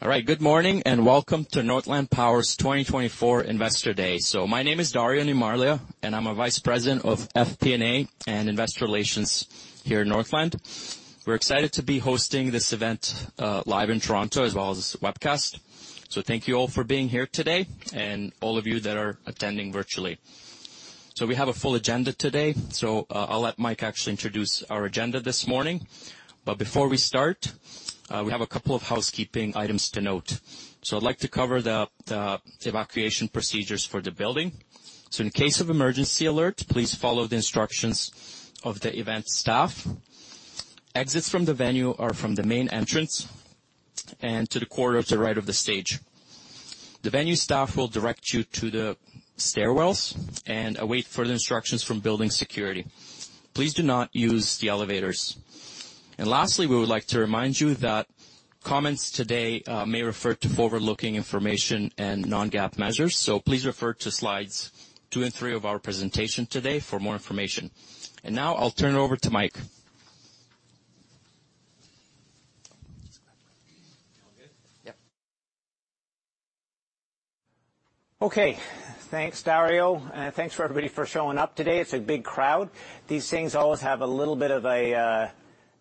All right, good morning and welcome to Northland Power's 2024 Investor Day. So my name is Dario Neimarlija, and I'm a Vice President of FP&A and Investor Relations here in Northland. We're excited to be hosting this event, live in Toronto as well as this webcast, so thank you all for being here today and all of you that are attending virtually. So we have a full agenda today, so, I'll let Mike actually introduce our agenda this morning. But before we start, we have a couple of housekeeping items to note. So I'd like to cover the, the evacuation procedures for the building. So in case of emergency alert, please follow the instructions of the event staff. Exits from the venue are from the main entrance and to the corner to the right of the stage. The venue staff will direct you to the stairwells and await further instructions from building security. Please do not use the elevators. And lastly, we would like to remind you that comments today may refer to forward-looking information and Non-GAAP measures, so please refer to slides 2 and 3 of our presentation today for more information. Now I'll turn it over to Mike. All good? Yep. Okay. Thanks, Dario, and thanks for everybody for showing up today. It's a big crowd. These things always have a little bit of a,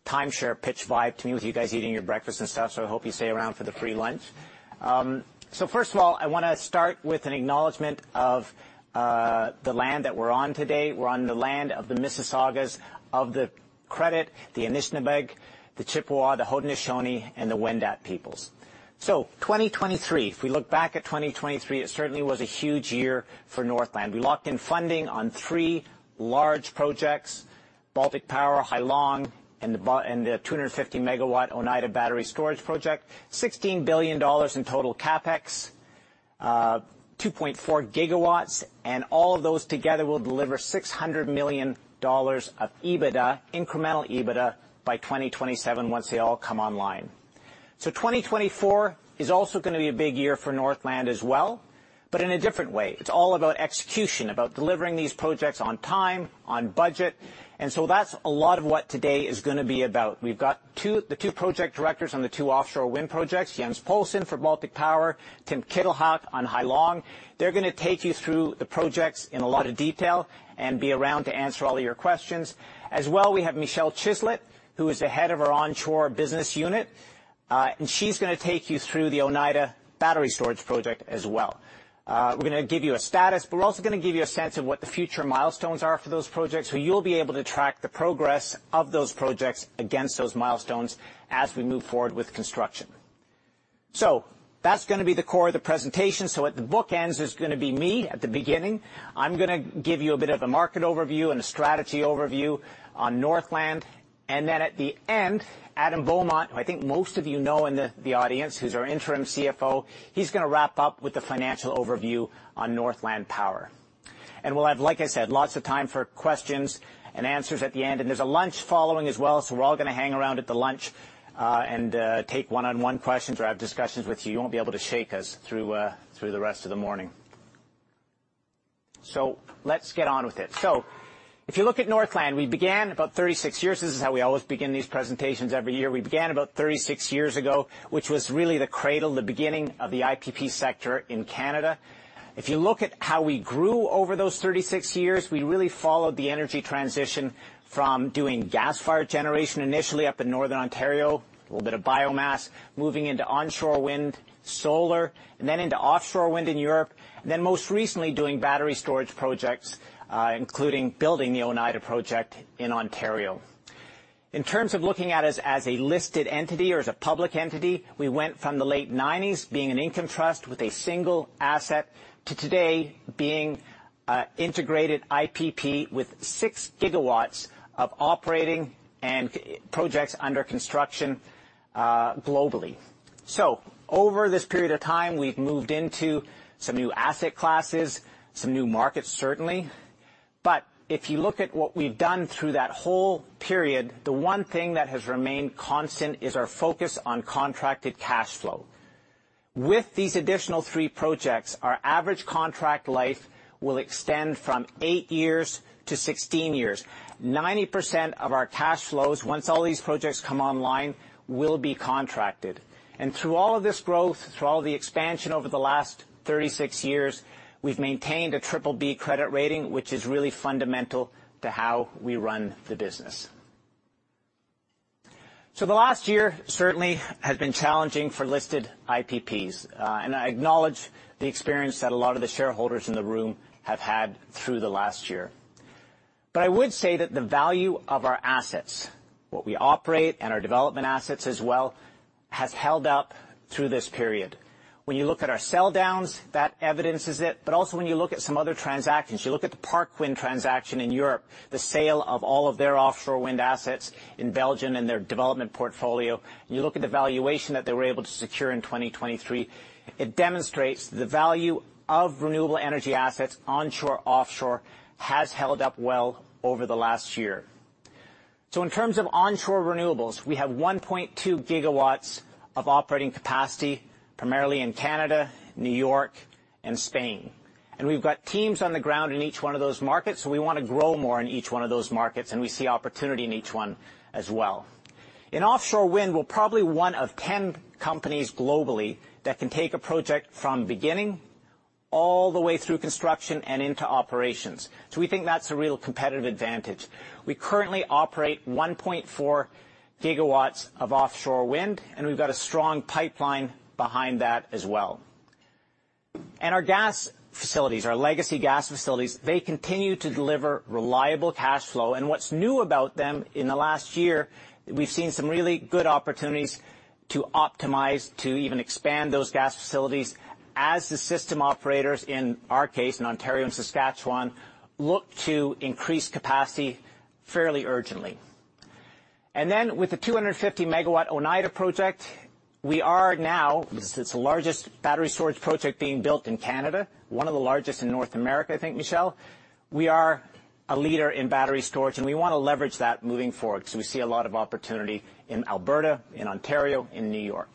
timeshare pitch vibe to me with you guys eating your breakfast and stuff, so I hope you stay around for the free lunch. So first of all, I wanna start with an acknowledgment of, the land that we're on today. We're on the land of the Mississaugas of the Credit, the Anishinabeg, the Chippewa, the Haudenosaunee, and the Wendat peoples. So 2023, if we look back at 2023, it certainly was a huge year for Northland. We locked in funding on three large projects: Baltic Power, Hai Long, and the 250MW Oneida battery storage project, 16 billion dollars in total CapEx, 2.4 GW, and all of those together will deliver 600 million dollars of EBITDA, incremental EBITDA, by 2027 once they all come online. So 2024 is also gonna be a big year for Northland as well, but in a different way. It's all about execution, about delivering these projects on time, on budget, and so that's a lot of what today is gonna be about. We've got two project directors on the two offshore wind projects, Jens Poulsen for Baltic Power, Tim Kittelhake on Hai Long. They're gonna take you through the projects in a lot of detail and be around to answer all of your questions. As well, we have Michelle Chislett, who is the head of our onshore business unit, and she's gonna take you through the Oneida battery storage project as well. We're gonna give you a status, but we're also gonna give you a sense of what the future milestones are for those projects, so you'll be able to track the progress of those projects against those milestones as we move forward with construction. So that's gonna be the core of the presentation. So at the bookends, there's gonna be me at the beginning. I'm gonna give you a bit of a market overview and a strategy overview on Northland, and then at the end, Adam Beaumont, who I think most of you know in the audience who's our Interim CFO, he's gonna wrap up with the financial overview on Northland Power. We'll have, like I said, lots of time for questions and answers at the end, and there's a lunch following as well, so we're all gonna hang around at the lunch, and take one-on-one questions or have discussions with you. You won't be able to shake us through the rest of the morning. So let's get on with it. So if you look at Northland Power, we began about 36 years, this is how we always begin these presentations every year, we began about 36 years ago, which was really the cradle, the beginning of the IPP sector in Canada. If you look at how we grew over those 36 years, we really followed the energy transition from doing gas-fired generation initially up in northern Ontario, a little bit of biomass, moving into onshore wind, solar, and then into offshore wind in Europe, and then most recently doing battery storage projects, including building the Oneida project in Ontario. In terms of looking at us as a listed entity or as a public entity, we went from the late 1990s being an integrated IPP with 6 GW of operating and construction projects under construction, globally. So over this period of time, we've moved into some new asset classes, some new markets, certainly, but if you look at what we've done through that whole period, the one thing that has remained constant is our focus on contracted cash flow. With these additional three projects, our average contract life will extend from eight years to 16 years. 90% of our cash flows, once all these projects come online, will be contracted. And through all of this growth, through all of the expansion over the last 36 years, we've maintained a BBB credit rating, which is really fundamental to how we run the business. So the last year, certainly, has been challenging for listed IPPs, and I acknowledge the experience that a lot of the shareholders in the room have had through the last year. But I would say that the value of our assets, what we operate and our development assets as well, has held up through this period. When you look at our sell-downs, that evidences it, but also when you look at some other transactions, you look at the Parkwind transaction in Europe, the sale of all of their offshore wind assets in Belgium and their development portfolio, and you look at the valuation that they were able to secure in 2023, it demonstrates the value of renewable energy assets onshore, offshore, has held up well over the last year. So in terms of onshore renewables, we have 1.2 GW of operating capacity primarily in Canada, New York, and Spain, and we've got teams on the ground in each one of those markets, so we wanna grow more in each one of those markets, and we see opportunity in each one as well. In offshore wind, we're probably one of 10 companies globally that can take a project from beginning all the way through construction and into operations, so we think that's a real competitive advantage. We currently operate 1.4 GW of offshore wind, and we've got a strong pipeline behind that as well. Our gas facilities, our legacy gas facilities, they continue to deliver reliable cash flow, and what's new about them in the last year, we've seen some really good opportunities to optimize, to even expand those gas facilities as the system operators, in our case, in Ontario and Saskatchewan, look to increase capacity fairly urgently. Then with the 250 MW Oneida project, we are now it's, it's the largest battery storage project being built in Canada, one of the largest in North America, I think, Michelle. We are a leader in battery storage, and we wanna leverage that moving forward 'cause we see a lot of opportunity in Alberta, in Ontario, in New York.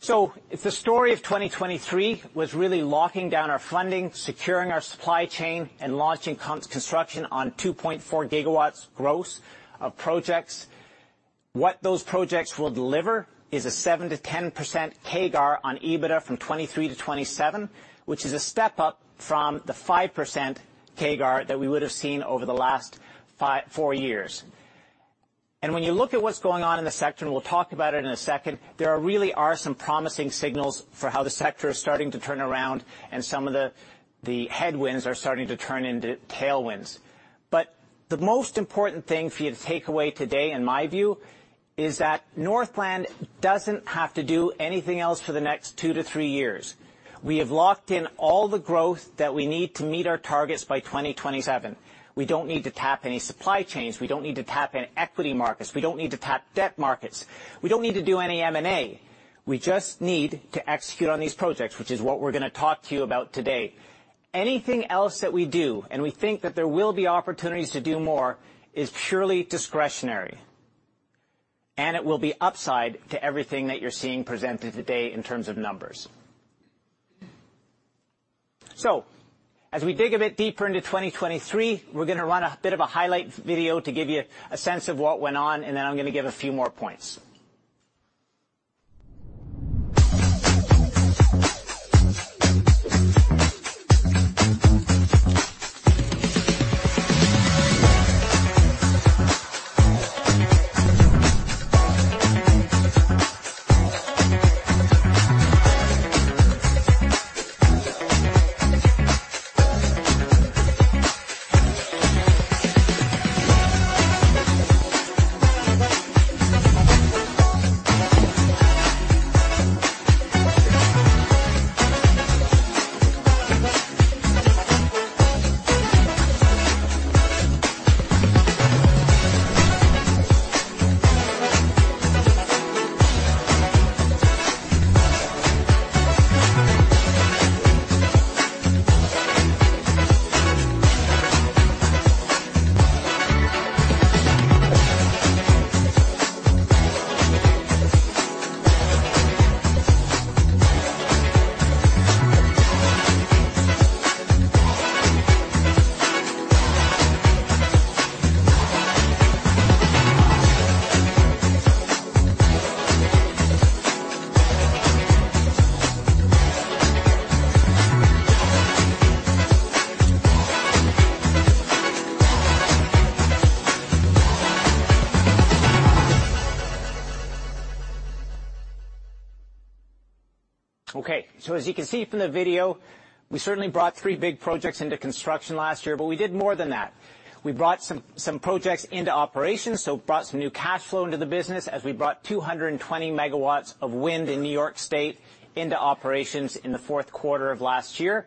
So the story of 2023 was really locking down our funding, securing our supply chain, and launching construction on 2.4 GW gross of projects. What those projects will deliver is a 7%-10% CAGR on EBITDA from 2023 to 2027, which is a step up from the 5% CAGR that we would have seen over the last five, four years. When you look at what's going on in the sector, and we'll talk about it in a second, there really are some promising signals for how the sector is starting to turn around, and some of the headwinds are starting to turn into tailwinds. But the most important thing for you to take away today, in my view, is that Northland doesn't have to do anything else for the next 2-3 years. We have locked in all the growth that we need to meet our targets by 2027. We don't need to tap any supply chains. We don't need to tap in equity markets. We don't need to tap debt markets. We don't need to do any M&A. We just need to execute on these projects, which is what we're gonna talk to you about today. Anything else that we do, and we think that there will be opportunities to do more, is purely discretionary, and it will be upside to everything that you're seeing presented today in terms of numbers. As we dig a bit deeper into 2023, we're gonna run a bit of a highlight video to give you a sense of what went on, and then I'm gonna give a few more points. Okay. As you can see from the video, we certainly brought 3 big projects into construction last year, but we did more than that. We brought some, some projects into operations, so brought some new cash flow into the business as we brought 220 MW of wind in New York State into operations in the fourth quarter of last year.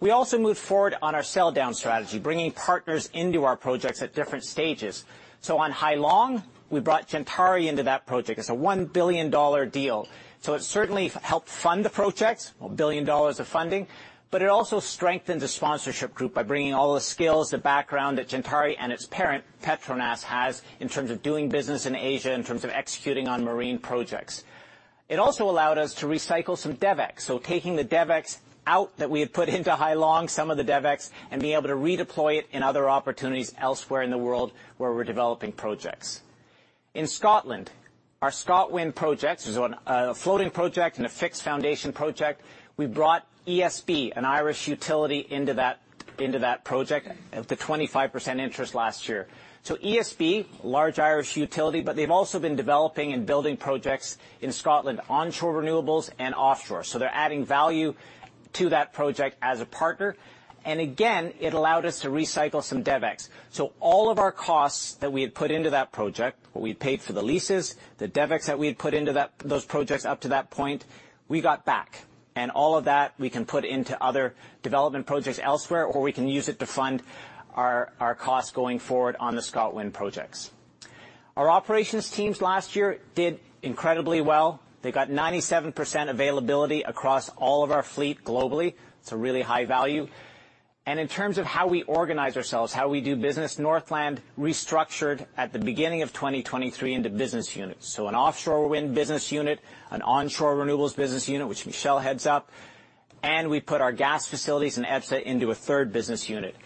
We also moved forward on our sell-down strategy, bringing partners into our projects at different stages. So on Hai Long, we brought Gentari into that project as a $1 billion deal, so it certainly helped fund the projects, $1 billion of funding, but it also strengthened the sponsorship group by bringing all the skills, the background that Gentari and its parent, Petronas, has in terms of doing business in Asia, in terms of executing on marine projects. It also allowed us to recycle some DevEx, so taking the DevEx out that we had put into Hai Long, some of the DevEx, and being able to redeploy it in other opportunities elsewhere in the world where we're developing projects. In Scotland, our ScotWind projects, there's one, a floating project and a fixed foundation project, we brought ESB, an Irish utility, into that, into that project at the 25% interest last year. So ESB, large Irish utility, but they've also been developing and building projects in Scotland, onshore renewables and offshore, so they're adding value to that project as a partner. And again, it allowed us to recycle some DevEx, so all of our costs that we had put into that project, what we had paid for the leases, the DevEx that we had put into those projects up to that point, we got back. And all of that, we can put into other development projects elsewhere, or we can use it to fund our, our costs going forward on the ScotWind projects. Our operations teams last year did incredibly well. They got 97% availability across all of our fleet globally. It's a really high value. And in terms of how we organize ourselves, how we do business, Northland restructured at the beginning of 2023 into business units, so an offshore wind business unit, an onshore renewables business unit, which Michelle heads up, and we put our gas facilities and ESB into a third business unit.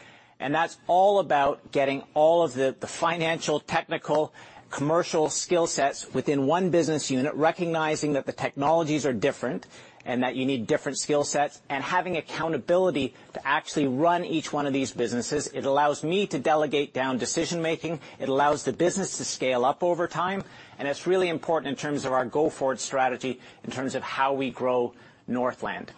And that's all about getting all of the financial, technical, commercial skill sets within one business unit, recognizing that the technologies are different and that you need different skill sets, and having accountability to actually run each one of these businesses. It allows me to delegate down decision-making. It allows the business to scale up over time, and it's really important in terms of our go-forward strategy in terms of how we grow Northland.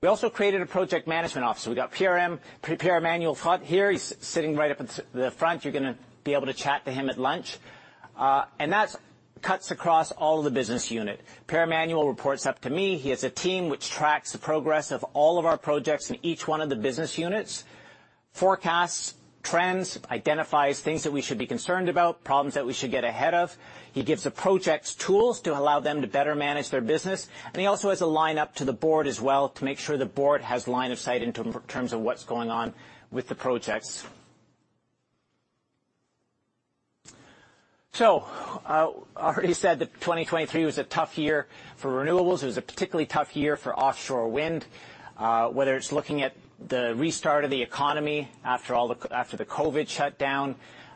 We also created a project management office. We got Pierre-Emmanuel Front here. He's sitting right up at the front. You're gonna be able to chat to him at lunch. That cuts across all of the business units. Pierre-Emmanuel reports up to me. He has a team which tracks the progress of all of our projects in each one of the business units, forecasts trends, identifies things that we should be concerned about, problems that we should get ahead of. He gives the projects tools to allow them to better manage their business, and he also has a line up to the board as well to make sure the board has line of sight in terms of what's going on with the projects. So, already said that 2023 was a tough year for renewables. It was a particularly tough year for offshore wind, whether it's looking at the restart of the economy after all the COVID shutdown,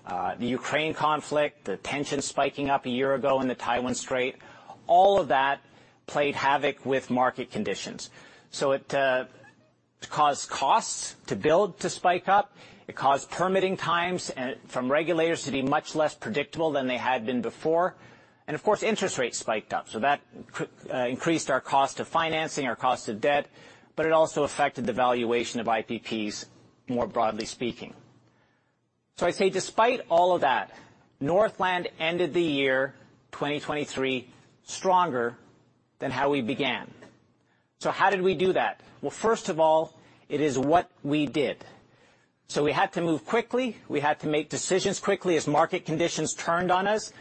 the Ukraine conflict, the tensions spiking up a year ago in the Taiwan Strait, all of that played havoc with market conditions. So it caused costs to build to spike up. It caused permitting times and from regulators to be much less predictable than they had been before. And of course, interest rates spiked up, so that increased our cost of financing, our cost of debt, but it also affected the valuation of IPPs, more broadly speaking. So I say, despite all of that, Northland ended the year, 2023, stronger than how we began. So how did we do that? Well, first of all, it is what we did. So we had to move quickly. We had to make decisions quickly as market conditions turned on us.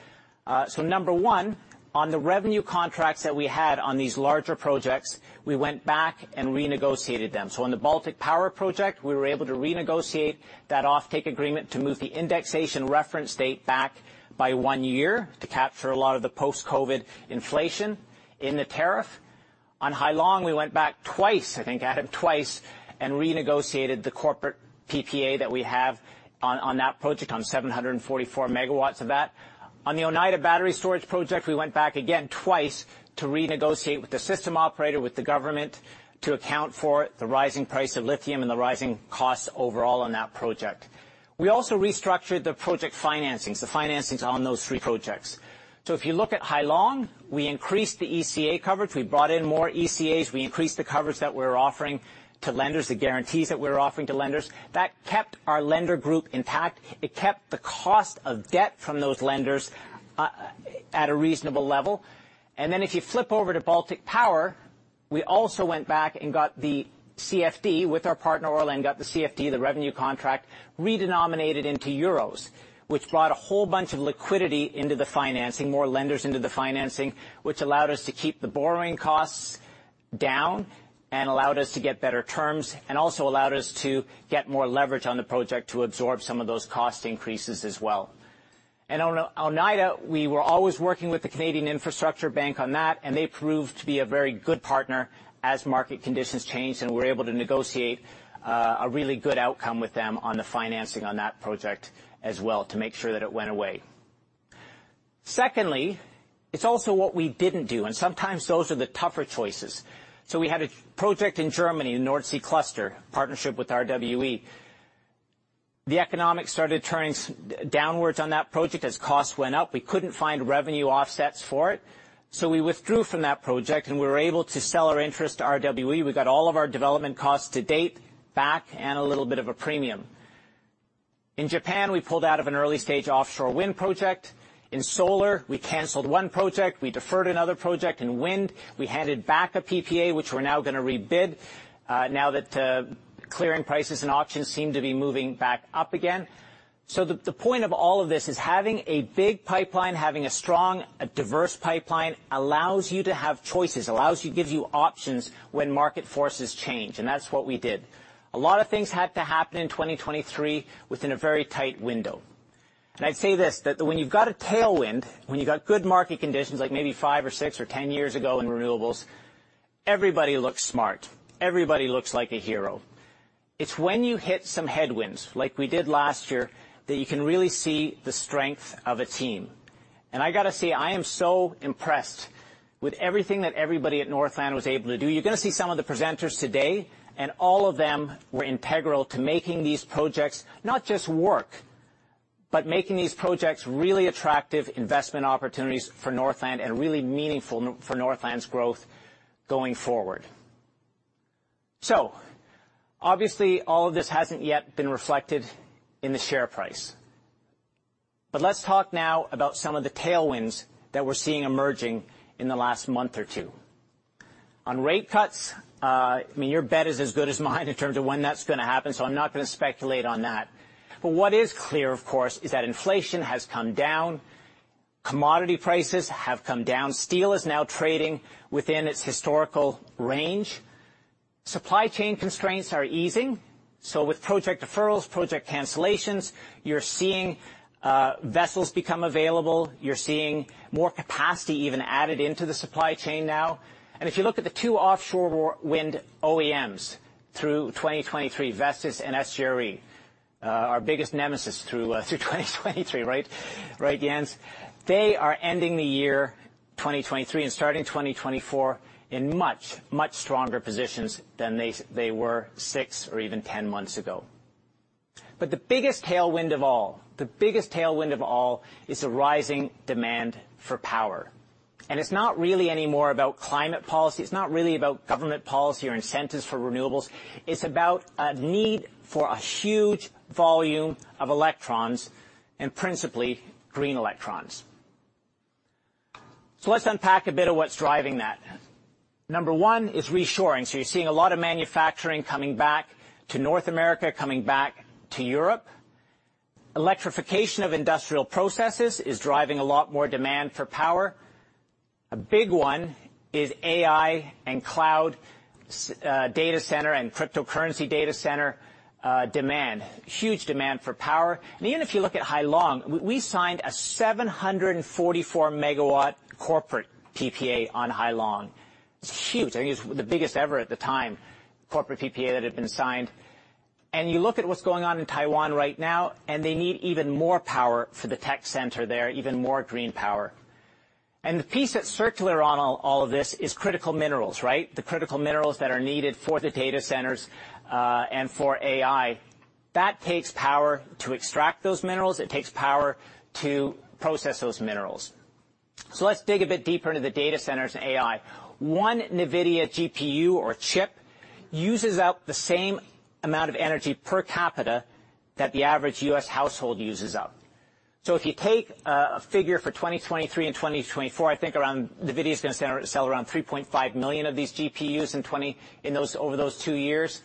So number one, on the revenue contracts that we had on these larger projects, we went back and renegotiated them. So on the Baltic Power project, we were able to renegotiate that offtake agreement to move the indexation reference date back by one year to capture a lot of the post-COVID inflation in the tariff. On Hai Long, we went back twice, I think, Adam, twice, and renegotiated the corporate PPA that we have on, on that project, on 744 MW of that. On the Oneida battery storage project, we went back again twice to renegotiate with the system operator, with the government, to account for the rising price of lithium and the rising costs overall on that project. We also restructured the project financings, the financings on those three projects. So if you look at Hai Long, we increased the ECA coverage. We brought in more ECAs. We increased the coverage that we were offering to lenders, the guarantees that we were offering to lenders. That kept our lender group intact. It kept the cost of debt from those lenders, at a reasonable level. And then if you flip over to Baltic Power, we also went back and got the CFD with our partner, ORLEN, got the CFD, the revenue contract, redenominated into euros, which brought a whole bunch of liquidity into the financing, more lenders into the financing, which allowed us to keep the borrowing costs down and allowed us to get better terms and also allowed us to get more leverage on the project to absorb some of those cost increases as well. On Oneida, we were always working with the Canada Infrastructure Bank on that, and they proved to be a very good partner as market conditions changed, and we were able to negotiate a really good outcome with them on the financing on that project as well to make sure that it went away. Secondly, it's also what we didn't do, and sometimes those are the tougher choices. So we had a project in Germany, the Nordseecluster, partnership with RWE. The economics started turning downwards on that project as costs went up. We couldn't find revenue offsets for it, so we withdrew from that project, and we were able to sell our interest to RWE. We got all of our development costs to date back and a little bit of a premium. In Japan, we pulled out of an early-stage offshore wind project. In solar, we canceled one project. We deferred another project. In wind, we handed back a PPA, which we're now gonna rebid, now that clearing prices and auctions seem to be moving back up again. So the point of all of this is having a big pipeline, having a strong, a diverse pipeline allows you to have choices, gives you options when market forces change, and that's what we did. A lot of things had to happen in 2023 within a very tight window. And I'd say this, that when you've got a tailwind, when you've got good market conditions like maybe five or six or 10 years ago in renewables, everybody looks smart. Everybody looks like a hero. It's when you hit some headwinds, like we did last year, that you can really see the strength of a team. And I gotta say, I am so impressed with everything that everybody at Northland was able to do. You're gonna see some of the presenters today, and all of them were integral to making these projects not just work, but making these projects really attractive investment opportunities for Northland and really meaningful for Northland's growth going forward. So obviously, all of this hasn't yet been reflected in the share price, but let's talk now about some of the tailwinds that we're seeing emerging in the last month or two. On rate cuts, I mean, your bet is as good as mine in terms of when that's gonna happen, so I'm not gonna speculate on that. But what is clear, of course, is that inflation has come down. Commodity prices have come down. Steel is now trading within its historical range. Supply chain constraints are easing, so with project deferrals, project cancellations, you're seeing vessels become available. You're seeing more capacity even added into the supply chain now. And if you look at the two offshore wind OEMs through 2023, Vestas and SGRE, our biggest nemesis through, through 2023, right, right, Jens, they are ending the year 2023 and starting 2024 in much, much stronger positions than they were six or even 10 months ago. But the biggest tailwind of all, the biggest tailwind of all is the rising demand for power. And it's not really anymore about climate policy. It's not really about government policy or incentives for renewables. It's about a need for a huge volume of electrons and principally green electrons. So let's unpack a bit of what's driving that. Number one is reshoring, so you're seeing a lot of manufacturing coming back to North America, coming back to Europe. Electrification of industrial processes is driving a lot more demand for power. A big one is AI and cloud, data center and cryptocurrency data center, demand, huge demand for power. Even if you look at Hai Long, we, we signed a 744MW corporate PPA on Hai Long. It's huge. I think it was the biggest ever at the time, corporate PPA that had been signed. You look at what's going on in Taiwan right now, and they need even more power for the tech center there, even more green power. The piece that's circular on all, all of this is critical minerals, right, the critical minerals that are needed for the data centers, and for AI. That takes power to extract those minerals. It takes power to process those minerals. So let's dig a bit deeper into the data centers and AI. One NVIDIA GPU or chip uses up the same amount of energy per capita that the average U.S. household uses up. So if you take a figure for 2023 and 2024, I think around NVIDIA's gonna sell around 3.5 million of these GPUs in 2024 in those over those two years.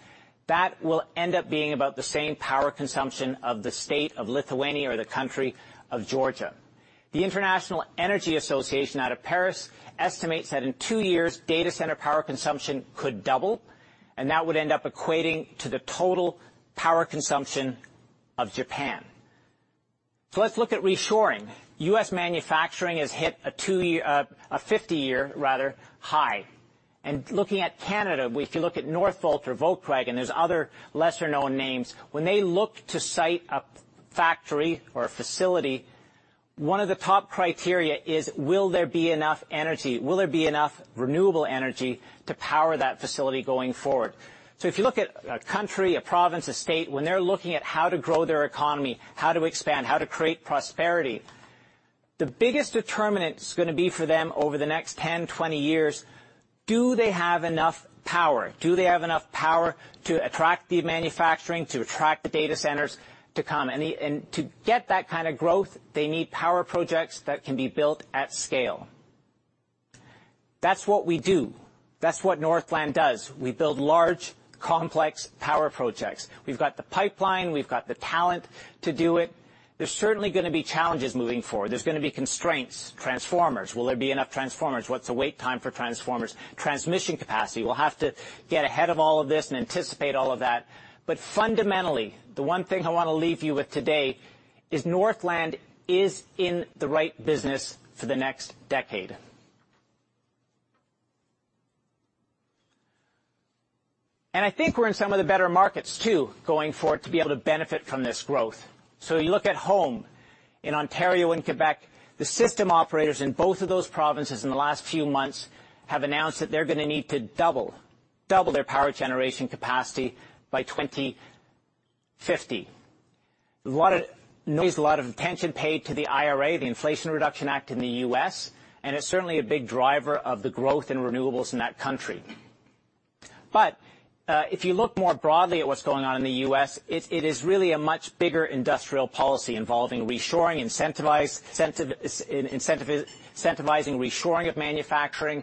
That will end up being about the same power consumption of the state of Lithuania or the country of Georgia. The International Energy Agency out of Paris estimates that in two years, data center power consumption could double, and that would end up equating to the total power consumption of Japan. So let's look at reshoring. U.S. manufacturing has hit a 50-year, rather, high. Looking at Canada, if you look at Northvolt or Volkswagen, there's other lesser-known names. When they look to site a factory or a facility, one of the top criteria is, will there be enough energy? Will there be enough renewable energy to power that facility going forward? So if you look at a country, a province, a state, when they're looking at how to grow their economy, how to expand, how to create prosperity, the biggest determinant's gonna be for them over the next 10, 20 years, do they have enough power? Do they have enough power to attract the manufacturing, to attract the data centers to come? And to get that kind of growth, they need power projects that can be built at scale. That's what we do. That's what Northland does. We build large, complex power projects. We've got the pipeline. We've got the talent to do it. There's certainly gonna be challenges moving forward. There's gonna be constraints, transformers. Will there be enough transformers? What's the wait time for transformers? Transmission capacity. We'll have to get ahead of all of this and anticipate all of that. But fundamentally, the one thing I wanna leave you with today is Northland is in the right business for the next decade. And I think we're in some of the better markets too going forward to be able to benefit from this growth. So you look at home in Ontario and Quebec, the system operators in both of those provinces in the last few months have announced that they're gonna need to double, double their power generation capacity by 2050. A lot of noise, a lot of attention paid to the IRA, the Inflation Reduction Act in the U.S., and it's certainly a big driver of the growth in renewables in that country. But, if you look more broadly at what's going on in the U.S., it is really a much bigger industrial policy involving reshoring, incentivizing reshoring of manufacturing.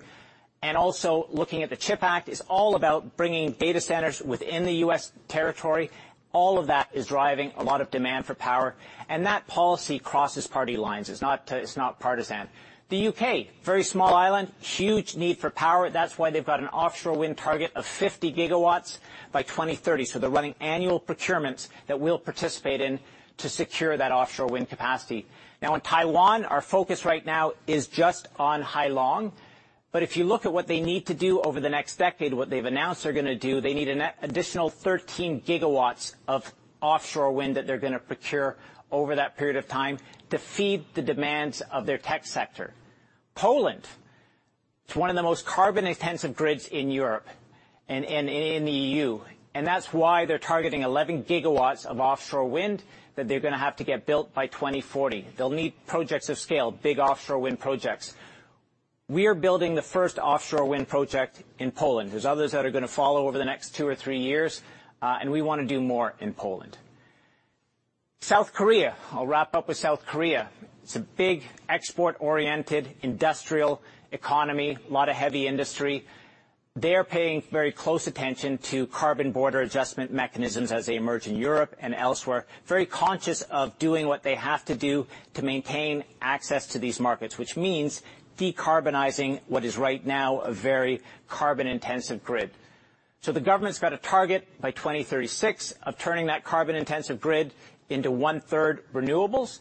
And also looking at the CHIPS Act is all about bringing data centers within the U.S. territory. All of that is driving a lot of demand for power, and that policy crosses party lines. It's not partisan. The U.K., very small island, huge need for power. That's why they've got an offshore wind target of 50 GW by 2030. So they're running annual procurements that we'll participate in to secure that offshore wind capacity. Now, in Taiwan, our focus right now is just on Hai Long. But if you look at what they need to do over the next decade, what they've announced they're gonna do, they need an additional 13 GW of offshore wind that they're gonna procure over that period of time to feed the demands of their tech sector. Poland, it's one of the most carbon-intensive grids in Europe and in the EU, and that's why they're targeting 11 GW of offshore wind that they're gonna have to get built by 2040. They'll need projects of scale, big offshore wind projects. We are building the first offshore wind project in Poland. There's others that are gonna follow over the next two or three years, and we wanna do more in Poland. South Korea, I'll wrap up with South Korea. It's a big export-oriented industrial economy, a lot of heavy industry. They are paying very close attention to carbon border adjustment mechanisms as they emerge in Europe and elsewhere, very conscious of doing what they have to do to maintain access to these markets, which means decarbonizing what is right now a very carbon-intensive grid. So the government's got a target by 2036 of turning that carbon-intensive grid into one-third renewables,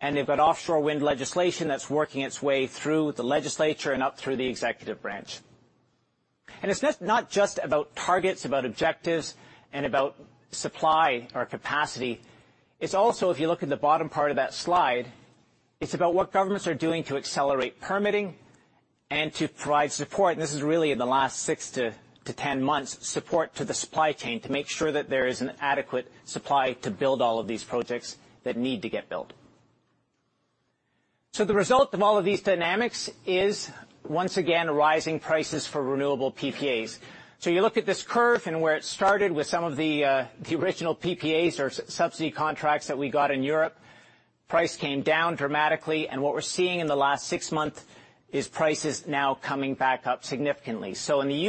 and they've got offshore wind legislation that's working its way through the legislature and up through the executive branch. And it's not just about targets, about objectives, and about supply or capacity. It's also, if you look at the bottom part of that slide, it's about what governments are doing to accelerate permitting and to provide support. This is really in the last 6-10 months, support to the supply chain to make sure that there is an adequate supply to build all of these projects that need to get built. So the result of all of these dynamics is, once again, rising prices for renewable PPAs. So you look at this curve and where it started with some of the original PPAs or subsidy contracts that we got in Europe, price came down dramatically, and what we're seeing in the last 6 months is prices now coming back up significantly. So in the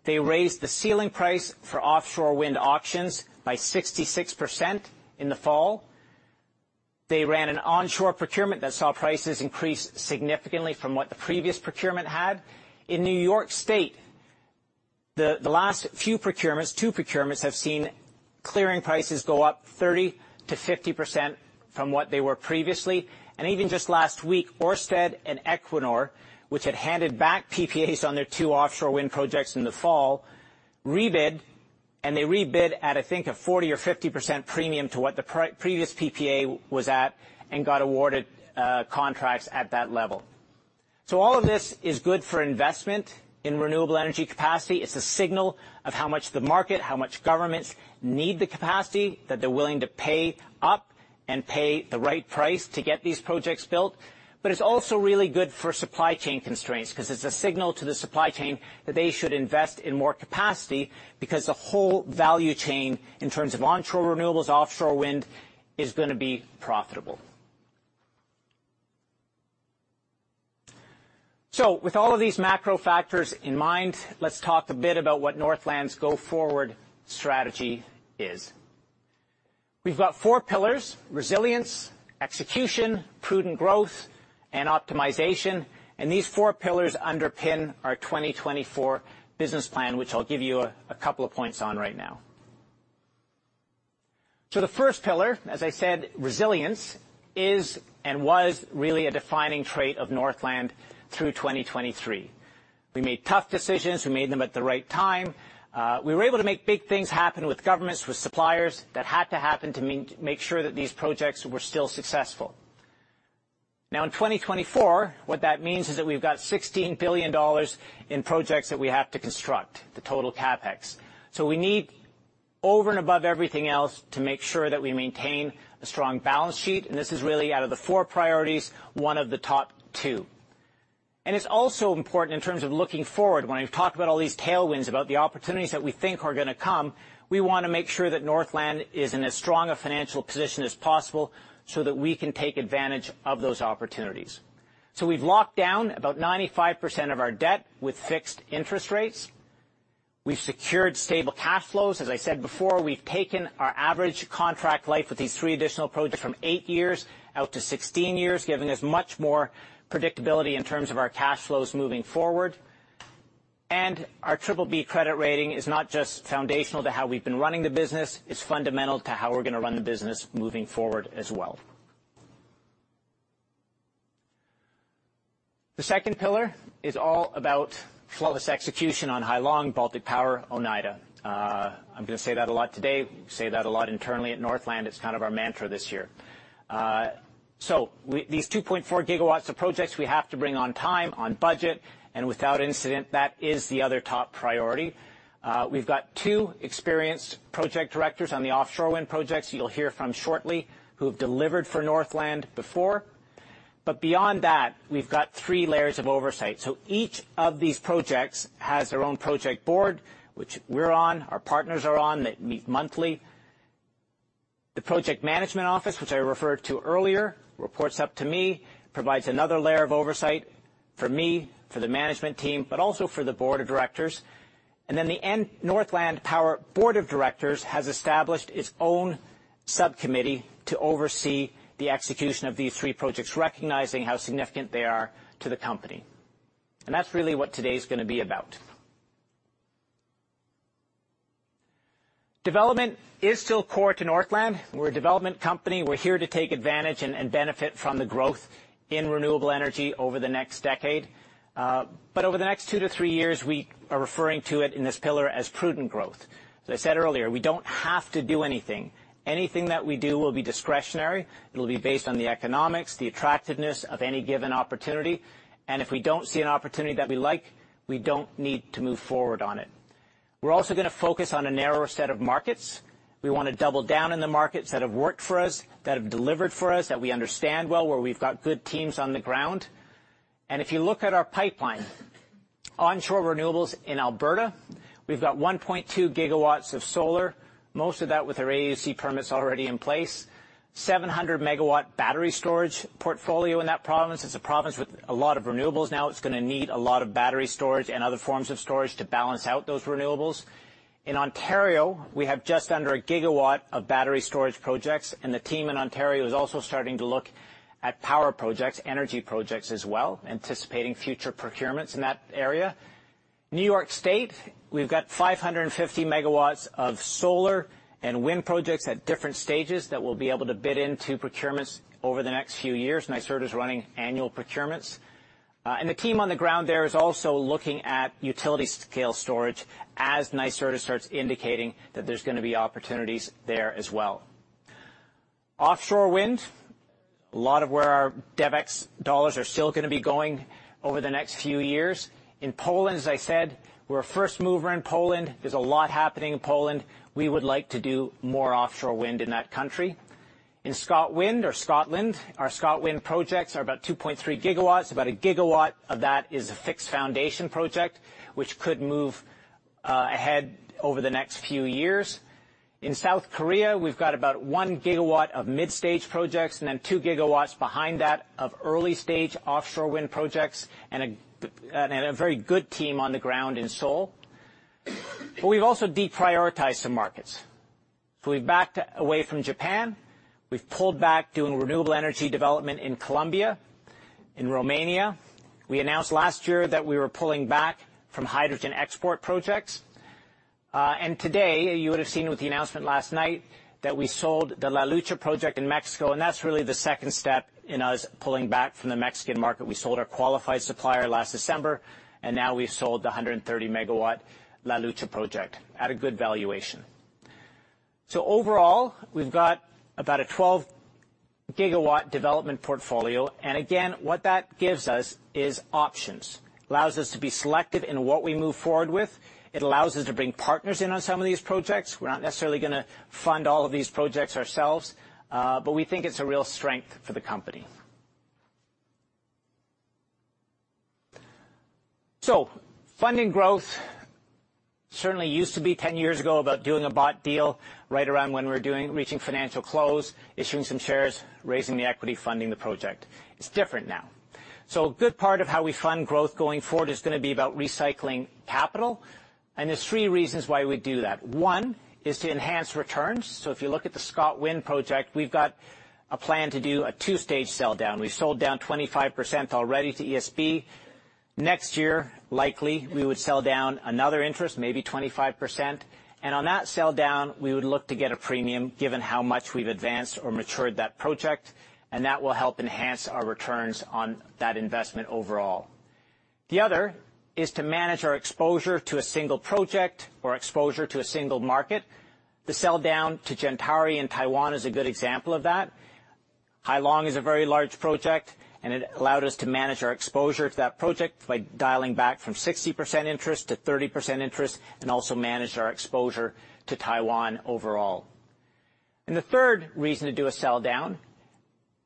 U.K., they raised the ceiling price for offshore wind auctions by 66% in the fall. They ran an onshore procurement that saw prices increase significantly from what the previous procurement had. In New York State, the last few procurements, two procurements, have seen clearing prices go up 30%-50% from what they were previously. Even just last week, Ørsted and Equinor, which had handed back PPAs on their two offshore wind projects in the fall, rebid, and they rebid at, I think, a 40% or 50% premium to what the previous PPA was at and got awarded contracts at that level. All of this is good for investment in renewable energy capacity. It's a signal of how much the market, how much governments need the capacity, that they're willing to pay up and pay the right price to get these projects built. But it's also really good for supply chain constraints 'cause it's a signal to the supply chain that they should invest in more capacity because the whole value chain in terms of onshore renewables, offshore wind, is gonna be profitable. So with all of these macro factors in mind, let's talk a bit about what Northland's go-forward strategy is. We've got four pillars: resilience, execution, prudent growth, and optimization. And these four pillars underpin our 2024 business plan, which I'll give you a, a couple of points on right now. So the first pillar, as I said, resilience, is and was really a defining trait of Northland through 2023. We made tough decisions. We made them at the right time. We were able to make big things happen with governments, with suppliers that had to happen to mean make sure that these projects were still successful. Now, in 2024, what that means is that we've got $16 billion in projects that we have to construct, the total CapEx. So we need, over and above everything else, to make sure that we maintain a strong balance sheet. And this is really, out of the four priorities, one of the top two. And it's also important in terms of looking forward, when we talk about all these tailwinds, about the opportunities that we think are gonna come, we wanna make sure that Northland is in as strong a financial position as possible so that we can take advantage of those opportunities. So we've locked down about 95% of our debt with fixed interest rates. We've secured stable cash flows. As I said before, we've taken our average contract life with these three additional projects from eight years out to 16 years, giving us much more predictability in terms of our cash flows moving forward. Our BBB credit rating is not just foundational to how we've been running the business. It's fundamental to how we're gonna run the business moving forward as well. The second pillar is all about flawless execution on Hai Long, Baltic Power, Oneida. I'm gonna say that a lot today. We say that a lot internally at Northland. It's kind of our mantra this year. So these 2.4 GW of projects, we have to bring on time, on budget, and without incident, that is the other top priority. We've got two experienced project directors on the offshore wind projects you'll hear from shortly who have delivered for Northland before. Beyond that, we've got three layers of oversight. Each of these projects has their own project board, which we're on, our partners are on that meet monthly. The project management office, which I referred to earlier, reports up to me, provides another layer of oversight for me, for the management team, but also for the board of directors. Then the Northland Power Board of Directors has established its own subcommittee to oversee the execution of these three projects, recognizing how significant they are to the company. And that's really what today's gonna be about. Development is still core to Northland. We're a development company. We're here to take advantage and, and benefit from the growth in renewable energy over the next decade. But over the next two to three years, we are referring to it in this pillar as prudent growth. As I said earlier, we don't have to do anything. Anything that we do will be discretionary. It'll be based on the economics, the attractiveness of any given opportunity. If we don't see an opportunity that we like, we don't need to move forward on it. We're also gonna focus on a narrower set of markets. We wanna double down in the markets that have worked for us, that have delivered for us, that we understand well, where we've got good teams on the ground. If you look at our pipeline, onshore renewables in Alberta, we've got 1.2 GW of solar, most of that with our AUC permits already in place, 700MW battery storage portfolio in that province. It's a province with a lot of renewables. Now, it's gonna need a lot of battery storage and other forms of storage to balance out those renewables. In Ontario, we have just under 1 GW of battery storage projects, and the team in Ontario is also starting to look at power projects, energy projects as well, anticipating future procurements in that area. New York State, we've got 550 MW of solar and wind projects at different stages that we'll be able to bid into procurements over the next few years. NYSERDA's running annual procurements. And the team on the ground there is also looking at utility-scale storage as NYSERDA starts indicating that there's gonna be opportunities there as well. Offshore wind, a lot of where our DevEx dollars are still gonna be going over the next few years. In Poland, as I said, we're a first mover in Poland. There's a lot happening in Poland. We would like to do more offshore wind in that country. In ScotWind or Scotland, our ScotWind projects are about 2.3 GW. About 1 GW of that is a fixed foundation project, which could move ahead over the next few years. In South Korea, we've got about 1 GW of mid-stage projects and then 2 GW behind that of early-stage offshore wind projects and a GW and a very good team on the ground in Seoul. But we've also deprioritized some markets. So we've backed away from Japan. We've pulled back doing renewable energy development in Colombia, in Romania. We announced last year that we were pulling back from hydrogen export projects. And today, you would have seen with the announcement last night that we sold the La Lucha project in Mexico, and that's really the second step in us pulling back from the Mexican market. We sold our qualified supplier last December, and now we've sold the 130MW La Lucha project at a good valuation. So overall, we've got about a 12-GW development portfolio. Again, what that gives us is options. It allows us to be selective in what we move forward with. It allows us to bring partners in on some of these projects. We're not necessarily gonna fund all of these projects ourselves, but we think it's a real strength for the company. Funding growth certainly used to be 10 years ago about doing a debt deal right around when we're reaching financial close, issuing some shares, raising the equity, funding the project. It's different now. A good part of how we fund growth going forward is gonna be about recycling capital. There's three reasons why we do that. One is to enhance returns. So if you look at the ScotWind project, we've got a plan to do a two-stage sell-down. We've sold down 25% already to ESB. Next year, likely, we would sell down another interest, maybe 25%. And on that sell-down, we would look to get a premium given how much we've advanced or matured that project, and that will help enhance our returns on that investment overall. The other is to manage our exposure to a single project or exposure to a single market. The sell-down to Gentari in Taiwan is a good example of that. Hai Long is a very large project, and it allowed us to manage our exposure to that project by dialing back from 60% interest to 30% interest and also manage our exposure to Taiwan overall. And the third reason to do a sell-down is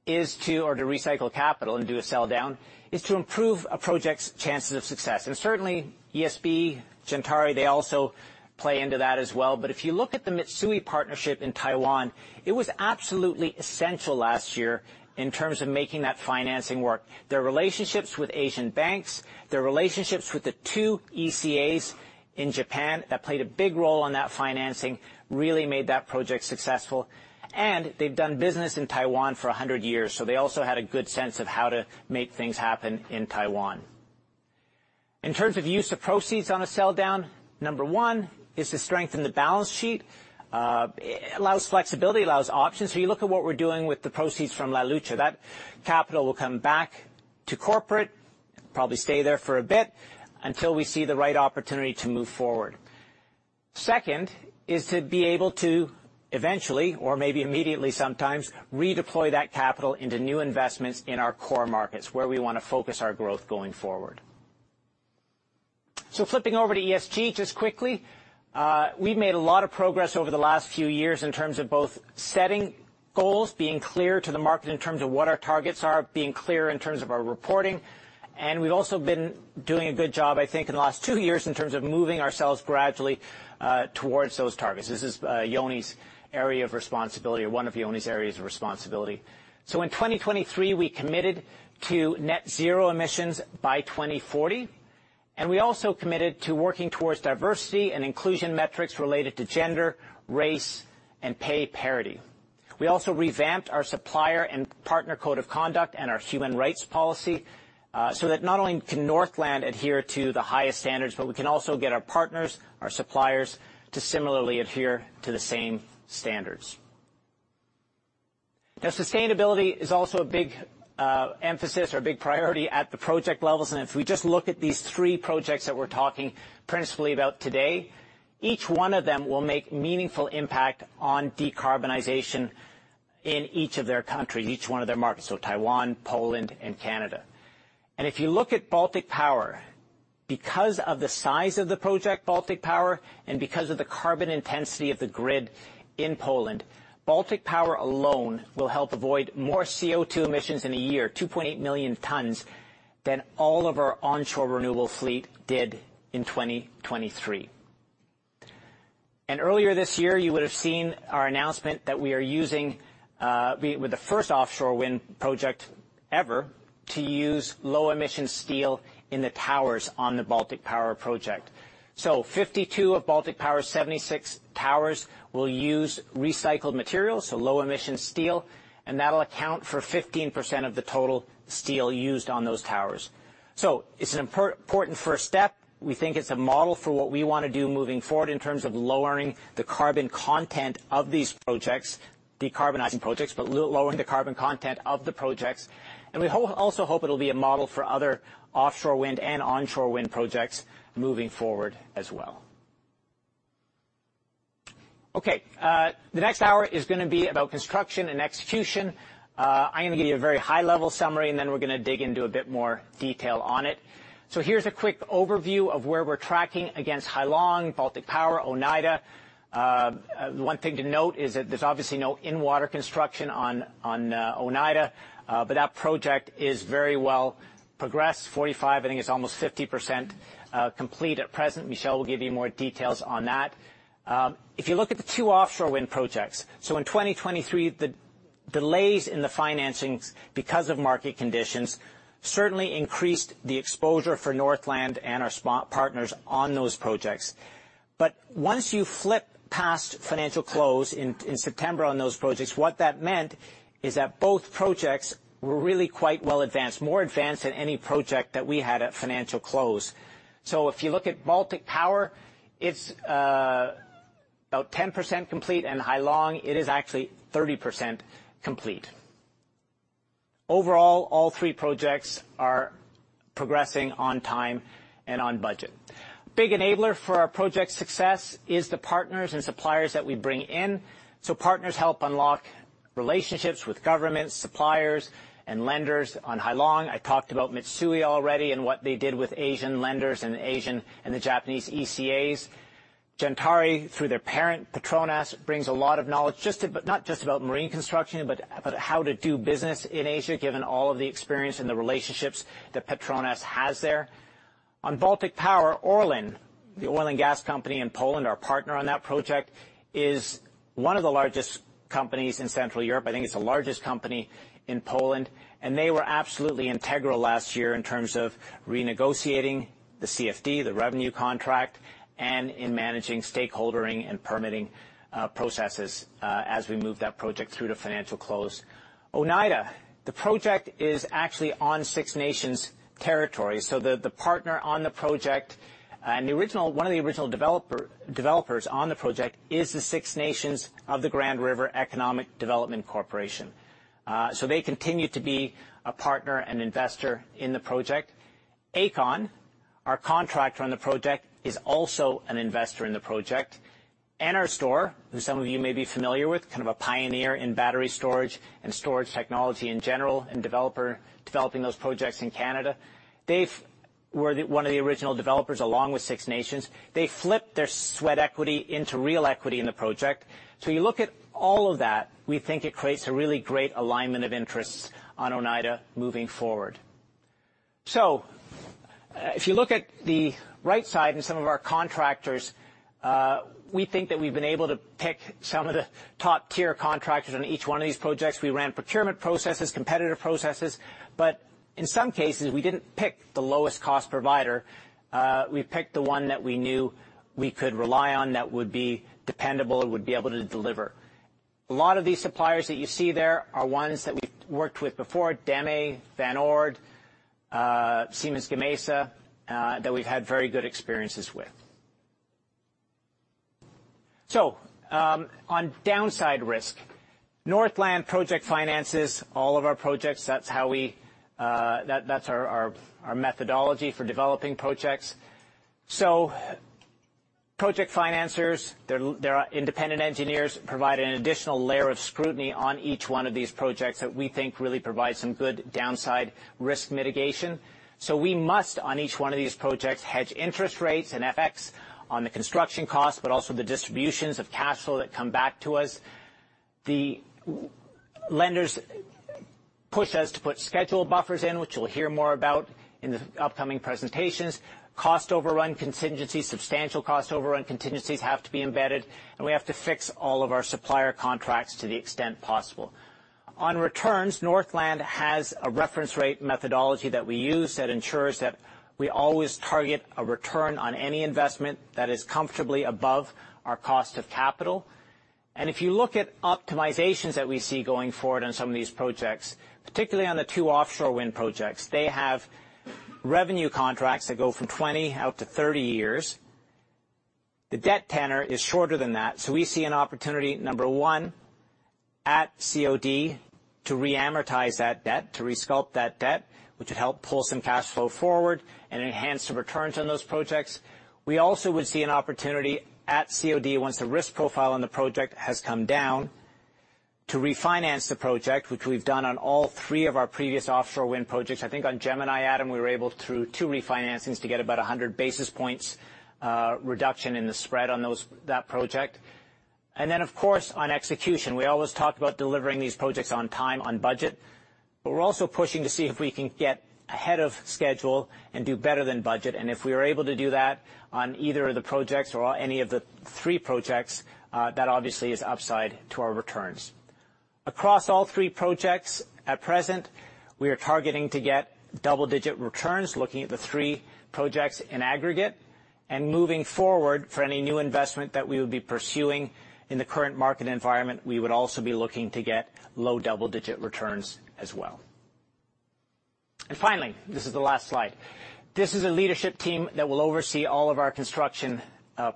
to or to recycle capital and do a sell-down is to improve a project's chances of success. And certainly, ESB, Gentari, they also play into that as well. If you look at the Mitsui partnership in Taiwan, it was absolutely essential last year in terms of making that financing work. Their relationships with Asian banks, their relationships with the two ECAs in Japan that played a big role on that financing really made that project successful. And they've done business in Taiwan for 100 years, so they also had a good sense of how to make things happen in Taiwan. In terms of use of proceeds on a sell-down, number one is to strengthen the balance sheet. It allows flexibility, allows options. So you look at what we're doing with the proceeds from La Lucha. That capital will come back to corporate, probably stay there for a bit until we see the right opportunity to move forward. Second is to be able to eventually or maybe immediately sometimes redeploy that capital into new investments in our core markets where we wanna focus our growth going forward. So flipping over to ESG just quickly, we've made a lot of progress over the last few years in terms of both setting goals, being clear to the market in terms of what our targets are, being clear in terms of our reporting. And we've also been doing a good job, I think, in the last two years in terms of moving ourselves gradually towards those targets. This is Yonni's area of responsibility or one of Yonni's areas of responsibility. So in 2023, we committed to net-zero emissions by 2040, and we also committed to working towards diversity and inclusion metrics related to gender, race, and pay parity. We also revamped our supplier and partner code of conduct and our human rights policy, so that not only can Northland adhere to the highest standards, but we can also get our partners, our suppliers to similarly adhere to the same standards. Now, sustainability is also a big emphasis or a big priority at the project levels. If we just look at these three projects that we're talking principally about today, each one of them will make meaningful impact on decarbonization in each of their countries, each one of their markets, so Taiwan, Poland, and Canada. If you look at Baltic Power, because of the size of the project, Baltic Power, and because of the carbon intensity of the grid in Poland, Baltic Power alone will help avoid more CO2 emissions in a year, 2.8 million tons, than all of our onshore renewable fleet did in 2023. Earlier this year, you would have seen our announcement that we are to be the first offshore wind project ever to use low-emission steel in the towers on the Baltic Power project. So 52 of Baltic Power's 76 towers will use recycled materials, so low-emission steel, and that'll account for 15% of the total steel used on those towers. So it's an important first step. We think it's a model for what we wanna do moving forward in terms of lowering the carbon content of these projects, decarbonizing projects, but lowering the carbon content of the projects. And we also hope it'll be a model for other offshore wind and onshore wind projects moving forward as well. Okay. The next hour is gonna be about construction and execution. I'm gonna give you a very high-level summary, and then we're gonna dig into a bit more detail on it. So here's a quick overview of where we're tracking against Hai Long, Baltic Power, Oneida. One thing to note is that there's obviously no in-water construction on Oneida, but that project is very well progressed. 45%, I think it's almost 50% complete at present. Michelle will give you more details on that. If you look at the two offshore wind projects, so in 2023, the delays in the financings because of market conditions certainly increased the exposure for Northland and our spot partners on those projects. But once you flip past financial close in September on those projects, what that meant is that both projects were really quite well advanced, more advanced than any project that we had at financial close. So if you look at Baltic Power, it's about 10% complete, and Hai Long, it is actually 30% complete. Overall, all three projects are progressing on time and on budget. A big enabler for our project's success is the partners and suppliers that we bring in. So partners help unlock relationships with governments, suppliers, and lenders on Hai Long. I talked about Mitsui already and what they did with Asian lenders and the Japanese ECAs. Gentari, through their parent, Petronas, brings a lot of knowledge just, but not just about marine construction, but how to do business in Asia given all of the experience and the relationships that Petronas has there. On Baltic Power, ORLEN, the oil and gas company in Poland, our partner on that project, is one of the largest companies in Central Europe. I think it's the largest company in Poland. They were absolutely integral last year in terms of renegotiating the CFD, the revenue contract, and in managing stakeholdering and permitting processes, as we move that project through to financial close. Oneida, the project is actually on Six Nations territory. So the partner on the project, and one of the original developers on the project is the Six Nations of the Grand River Development Corporation. So they continue to be a partner and investor in the project. Aecon, our contractor on the project, is also an investor in the project. NRStor, who some of you may be familiar with, kind of a pioneer in battery storage and storage technology in general and developing those projects in Canada, they were one of the original developers along with Six Nations. They flipped their sweat equity into real equity in the project. So you look at all of that, we think it creates a really great alignment of interests on Oneida moving forward. So, if you look at the right side and some of our contractors, we think that we've been able to pick some of the top-tier contractors on each one of these projects. We ran procurement processes, competitive processes, but in some cases, we didn't pick the lowest-cost provider. We picked the one that we knew we could rely on, that would be dependable, would be able to deliver. A lot of these suppliers that you see there are ones that we've worked with before: DEME, Van Oord, Siemens Gamesa, that we've had very good experiences with. So, on downside risk, Northland project finances, all of our projects, that's how we, that's our methodology for developing projects. So project financers, they're independent engineers, provide an additional layer of scrutiny on each one of these projects that we think really provides some good downside risk mitigation. So we must, on each one of these projects, hedge interest rates and FX on the construction costs, but also the distributions of cash flow that come back to us. The lenders push us to put schedule buffers in, which you'll hear more about in the upcoming presentations. Cost overrun contingencies, substantial cost overrun contingencies have to be embedded, and we have to fix all of our supplier contracts to the extent possible. On returns, Northland has a reference rate methodology that we use that ensures that we always target a return on any investment that is comfortably above our cost of capital. If you look at optimizations that we see going forward on some of these projects, particularly on the two offshore wind projects, they have revenue contracts that go from 20-30 years. The debt tenor is shorter than that. So we see an opportunity, number one, at COD to re-amortize that debt, to resculpt that debt, which would help pull some cash flow forward and enhance the returns on those projects. We also would see an opportunity at COD once the risk profile on the project has come down to refinance the project, which we've done on all three of our previous offshore wind projects. I think on Gemini, Adam, we were able, through two refinancings, to get about 100 basis points reduction in the spread on that project. And then, of course, on execution, we always talk about delivering these projects on time, on budget, but we're also pushing to see if we can get ahead of schedule and do better than budget. And if we are able to do that on either of the projects or all any of the three projects, that obviously is upside to our returns. Across all three projects at present, we are targeting to get double-digit returns, looking at the three projects in aggregate. And moving forward, for any new investment that we would be pursuing in the current market environment, we would also be looking to get low double-digit returns as well. And finally, this is the last slide. This is a leadership team that will oversee all of our construction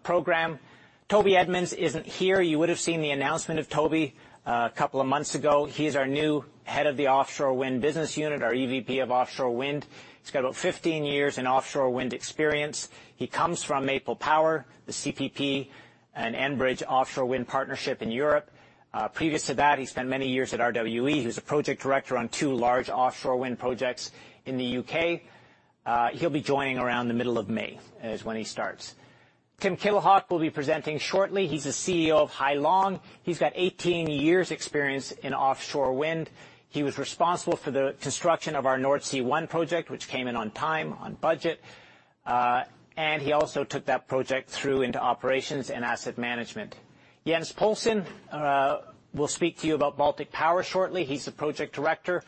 program. Toby Edmonds isn't here. You would have seen the announcement of Toby, a couple of months ago. He is our new head of the Offshore Wind Business Unit, our EVP of Offshore Wind. He's got about 15 years in offshore wind experience. He comes from Maple Power, the CPP, an Enbridge offshore wind partnership in Europe. Previous to that, he spent many years at RWE. He was a project director on two large offshore wind projects in the U.K.. He'll be joining around the middle of May; that's when he starts. Tim Kittelhake will be presenting shortly. He's the CEO of Hai Long. He's got 18 years' experience in offshore wind. He was responsible for the construction of our Nordsee One project, which came in on time, on budget. He also took that project through into operations and asset management. Jens Poulsen will speak to you about Baltic Power shortly. He's the project director,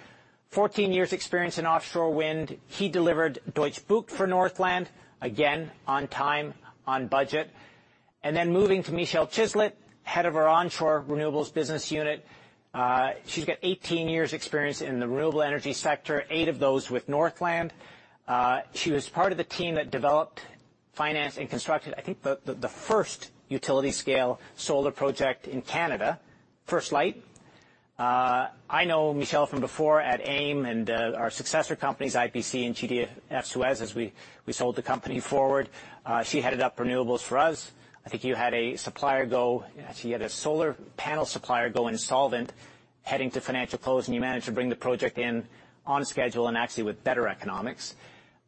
14 years' experience in offshore wind. He delivered Deutsche Bucht for Northland, again, on time, on budget. Then moving to Michelle Chislett, head of our Onshore Renewables Business Unit. She's got 18 years' experience in the renewable energy sector, 8 of those with Northland. She was part of the team that developed, financed, and constructed, I think, the first utility-scale solar project in Canada, First Light. I know Michelle from before at AIM and, our successor companies, IPC and GDF Suez, as we, we sold the company forward. She headed up renewables for us. I think you had a supplier go actually, you had a solar panel supplier go insolvent heading to financial close, and you managed to bring the project in on schedule and actually with better economics.